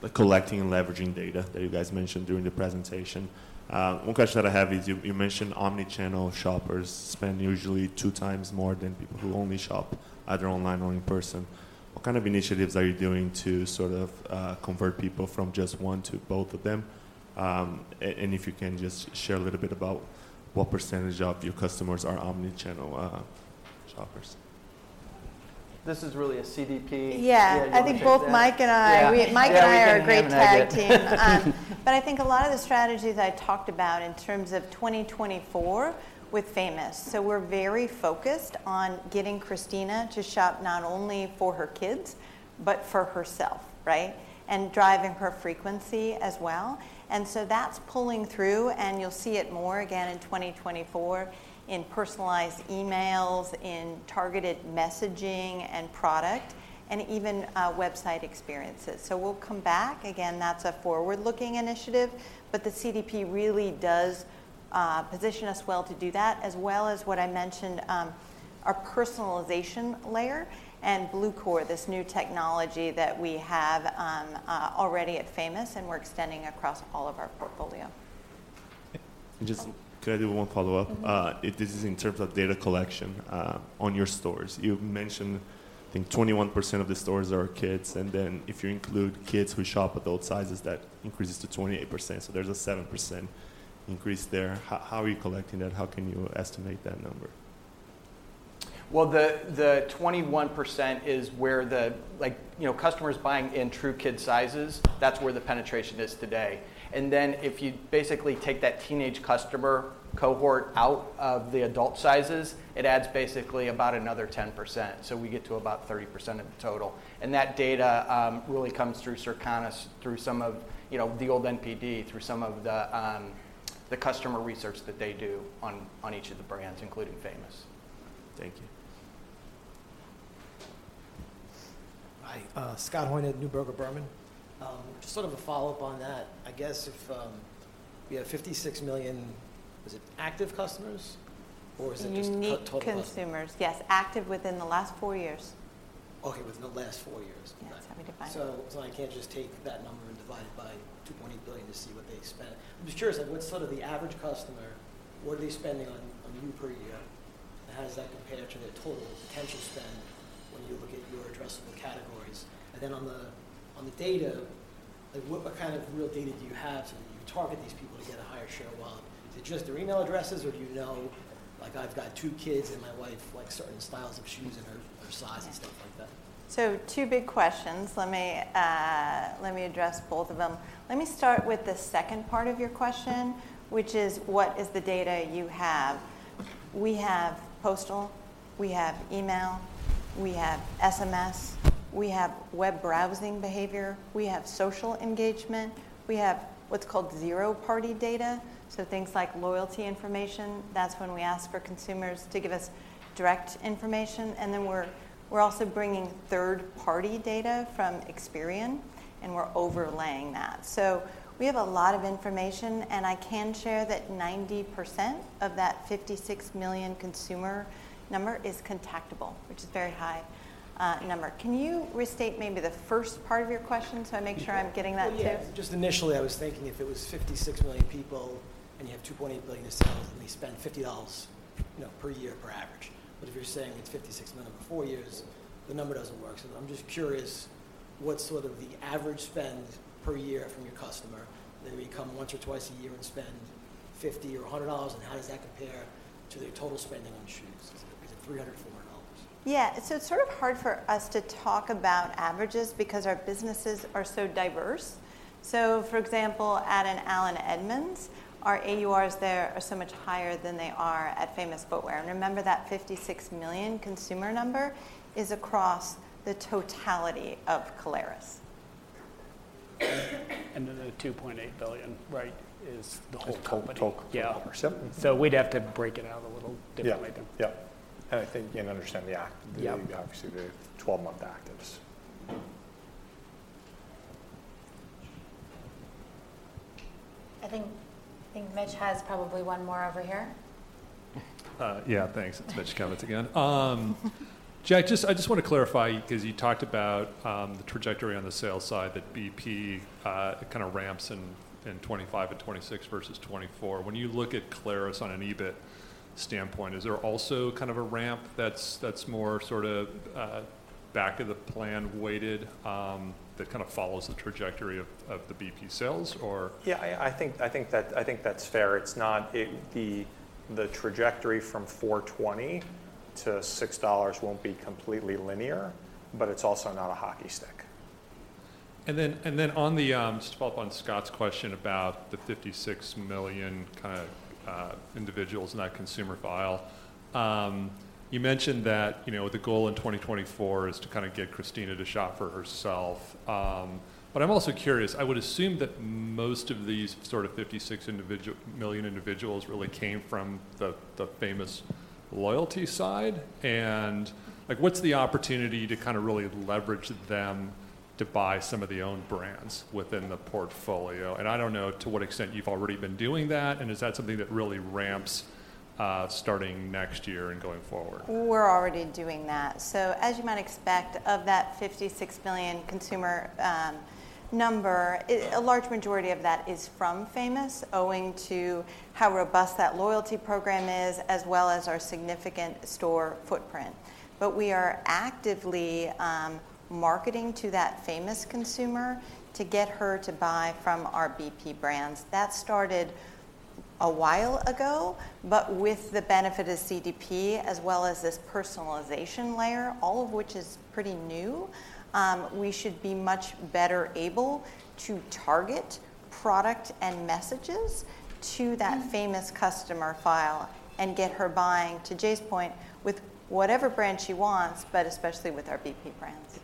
the collecting and leveraging data that you guys mentioned during the presentation. One question that I have is you mentioned omnichannel shoppers spend usually 2 times more than people who only shop either online or in person. What kind of initiatives are you doing to sort of convert people from just one to both of them? If you can just share a little bit about what percentage of your customers are omnichannel shoppers. This is really a CDP- Yeah. Yeah, you want to take that? I think both Mike and I- Yeah. We- Yeah... Mike and I are a great tag team. But I think a lot of the strategies I talked about in terms of 2024 were Famous. So we're very focused on getting Christina to shop not only for her kids, but for herself, right? And driving her frequency as well. And so that's pulling through, and you'll see it more again in 2024 in personalized emails, in targeted messaging and product, and even website experiences. So we'll come back. Again, that's a forward-looking initiative, but the CDP really does position us well to do that, as well as what I mentioned, our personalization layer and Bluecore, this new technology that we have already at Famous, and we're extending across all of our portfolio. Just- Oh. Could I do one follow-up? This is in terms of data collection on your stores. You've mentioned, I think, 21% of the stores are kids, and then if you include kids who shop adult sizes, that increases to 28%, so there's a 7% increase there. How are you collecting that? How can you estimate that number? Well, the 21% is where the... like, you know, customers buying in true kid sizes, that's where the penetration is today. And then, if you basically take that teenage customer cohort out of the adult sizes, it adds basically about another 10%, so we get to about 30% of the total. And that data really comes through Circana, through some of, you know, the old NPD, through some of the customer research that they do on each of the brands, including Famous. Thank you. Hi, Scott Hoina at Neuberger Berman. Just sort of a follow-up on that. I guess if you have 56 million, is it active customers, or is it just- Unique-... total customers? Consumers. Yes, active within the last four years. Okay, within the last four years. Yeah, it's how we define them. So, I can't just take that number and divide it by $2.8 billion to see what they spend. I'm just curious, like, what's sort of the average customer, what are they spending on you per year, and how does that compare to their total potential spend when you look at your addressable categories? And then on the data, like, what kind of real data do you have to target these people to get a higher share of wallet? Is it just their email addresses, or do you know, like, I've got two kids, and my wife likes certain styles of shoes in her size and stuff like that? So two big questions. Let me, let me address both of them. Let me start with the second part of your question, which is: what is the data you have? We have postal, we have email, we have SMS, we have web browsing behavior, we have social engagement, we have what's called zero-party data, so things like loyalty information. That's when we ask for consumers to give us direct information, and then we're also bringing third-party data from Experian, and we're overlaying that. So we have a lot of information, and I can share that 90% of that 56 million consumer number is contactable, which is a very high number. Can you restate maybe the first part of your question, so I make sure I'm getting that too? Well, yeah. Just initially, I was thinking if it was 56 million people and you have $2.8 billion in sales, and they spend $50, you know, per year per average, but if you're saying it's 56 million over 4 years, the number doesn't work. So I'm just curious, what's sort of the average spend per year from your customer? They may come once or twice a year and spend $50 or $100 dollars, and how does that compare to their total spending on shoes? Is it $300, $400 dollars? Yeah. So it's sort of hard for us to talk about averages because our businesses are so diverse. So for example, at an Allen Edmonds, our AURs there are so much higher than they are at Famous Footwear. And remember that 56 million consumer number is across the totality of Caleres. And then the $2.8 billion, right, is the whole company. Just total, yeah. -or so. We'd have to break it out a little differently then. Yeah. Yep. And I think, you know, understand the act- Yeah. Obviously, the 12-month actives. I think, I think Mitch has probably one more over here. Yeah, thanks. It's Mitch Kummetz again. Jay, I just want to clarify, 'cause you talked about the trajectory on the sales side, that BP, it kinda ramps in 2025 and 2026 versus 2024. When you look at Caleres on an EBIT standpoint, is there also kind of a ramp that's more sorta back of the plan weighted, that kind of follows the trajectory of the BP sales or...? Yeah, I think that's fair. It's not. The trajectory from $4.20-$6 won't be completely linear, but it's also not a hockey stick. And then, and then on the, just to follow up on Scott's question about the 56 million kind of individuals in that consumer file. You mentioned that, you know, the goal in 2024 is to kinda get Christina to shop for herself. But I'm also curious, I would assume that most of these sort of 56 million individuals really came from the, the Famous loyalty side. And, like, what's the opportunity to kind of really leverage them to buy some of the own brands within the portfolio? And I don't know to what extent you've already been doing that, and is that something that really ramps, starting next year and going forward? We're already doing that. So as you might expect, of that 56 million consumer number, a large majority of that is from Famous, owing to how robust that loyalty program is, as well as our significant store footprint. But we are actively marketing to that Famous consumer to get her to buy from our BP brands. That started a while ago, but with the benefit of CDP as well as this personalization layer, all of which is pretty new, we should be much better able to target product and messages to that Famous customer file and get her buying, to Jay's point, with whatever brand she wants, but especially with our BP brands.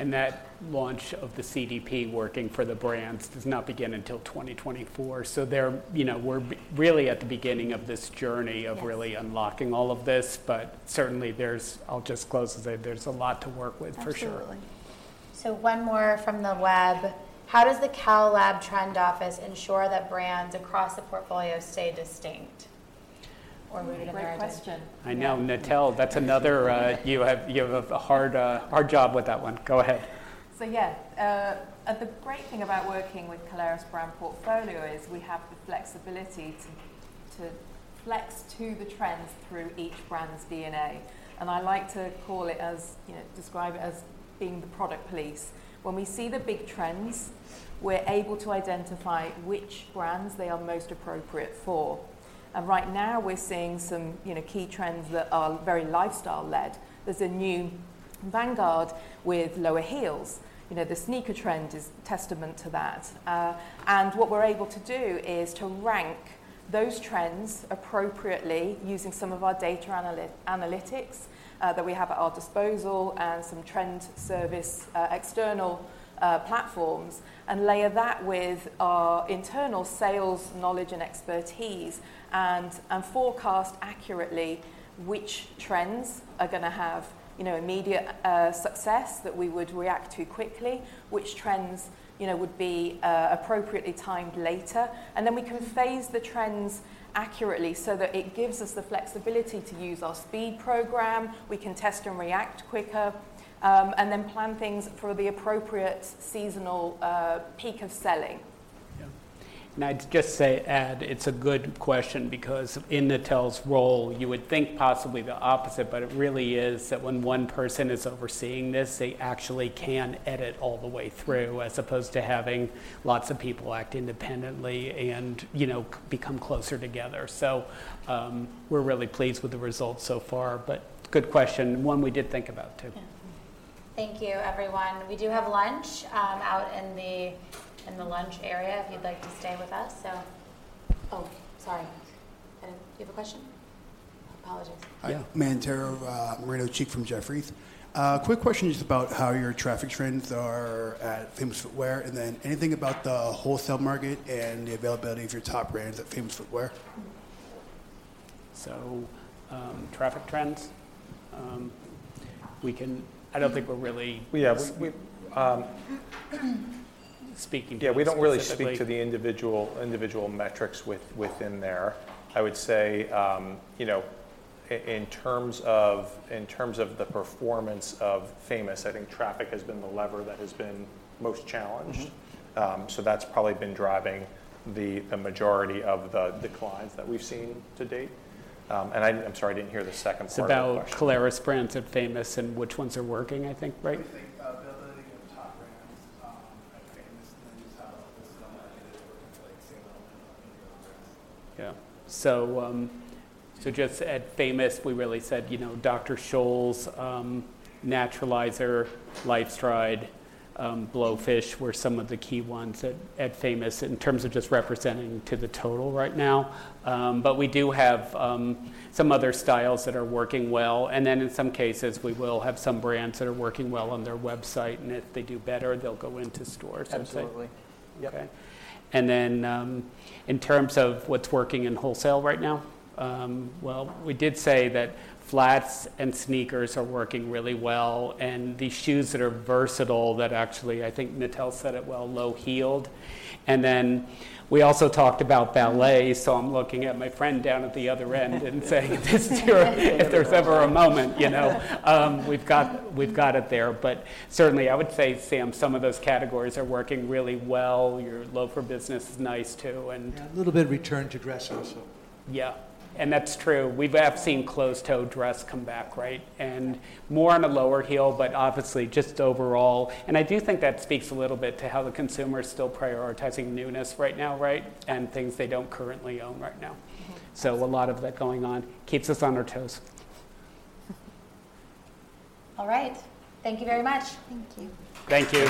That launch of the CDP working for the brands does not begin until 2024. So they're, you know, we're really at the beginning of this journey- Yeah... of really unlocking all of this, but certainly, there's... I'll just close and say there's a lot to work with, for sure. Absolutely. One more from the web: How does the Cal Lab Trend Office ensure that brands across the portfolio stay distinct or move to relevance? Great question. I know, Natelle, that's another, you have, you have a hard, hard job with that one. Go ahead. So yeah, the great thing about working with Caleres' brand portfolio is we have the flexibility to flex to the trends through each brand's DNA, and I like to call it as, you know, describe it as being the product police. When we see the big trends, we're able to identify which brands they are most appropriate for. And right now, we're seeing some, you know, key trends that are very lifestyle-led. There's a new vanguard with lower heels. You know, the sneaker trend is testament to that. And what we're able to do is to rank those trends appropriately using some of our data analytics that we have at our disposal and some trend service external platforms, and layer that with our internal sales knowledge and expertise and forecast accurately which trends are gonna have, you know, immediate success that we would react to quickly, which trends, you know, would be appropriately timed later. And then we can phase the trends accurately so that it gives us the flexibility to use our Speed Program, we can test and react quicker, and then plan things for the appropriate seasonal peak of selling. Yeah. And I'd just say, add, it's a good question because in Natelle's role, you would think possibly the opposite, but it really is that when one person is overseeing this, they actually can edit all the way through, as opposed to having lots of people act independently and, you know, become closer together. So, we're really pleased with the results so far, but good question, and one we did think about, too. Yeah.... Thank you, everyone. We do have lunch out in the lunch area, if you'd like to stay with us. Oh, sorry. Did you have a question? I apologize. Yeah. Hi, Mantero Moreno Cheek from Jefferies. Quick question just about how your traffic trends are at Famous Footwear, and then anything about the wholesale market and the availability of your top brands at Famous Footwear? Traffic trends, I don't think we're really- We have, Speaking- Yeah, we don't really speak to the individual, individual metrics within there. I would say, you know, in terms of, in terms of the performance of Famous, I think traffic has been the lever that has been most challenged. So that's probably been driving the majority of the declines that we've seen to date. And I'm sorry, I didn't hear the second part of the question. It's about Caleres brands at Famous and which ones are working, I think, right? I think availability of top brands at Famous, and then just how the summer has been working for, like, sandal and other brands. Yeah. So, so just at Famous, we really said, you know, Dr. Scholl's, Naturalizer, LifeStride, Blowfish were some of the key ones at, at Famous in terms of just representing to the total right now. But we do have, some other styles that are working well, and then in some cases, we will have some brands that are working well on their website, and if they do better, they'll go into stores. Absolutely. Yep. Okay. And then, in terms of what's working in wholesale right now, well, we did say that flats and sneakers are working really well, and the shoes that are versatile, that actually, I think Natelle said it well, low-heeled. And then we also talked about ballet, so I'm looking at my friend down at the other end and saying, if there's ever a moment, you know, we've got, we've got it there. But certainly, I would say, Sam, some of those categories are working really well. Your loafer business is nice, too, and- Yeah, a little bit of return to dress also. Yeah, and that's true. We have seen closed-toe dress come back, right? And more on a lower heel, but obviously just overall... And I do think that speaks a little bit to how the consumer is still prioritizing newness right now, right? And things they don't currently own right now. A lot of that going on keeps us on our toes. All right. Thank you very much. Thank you. Thank you.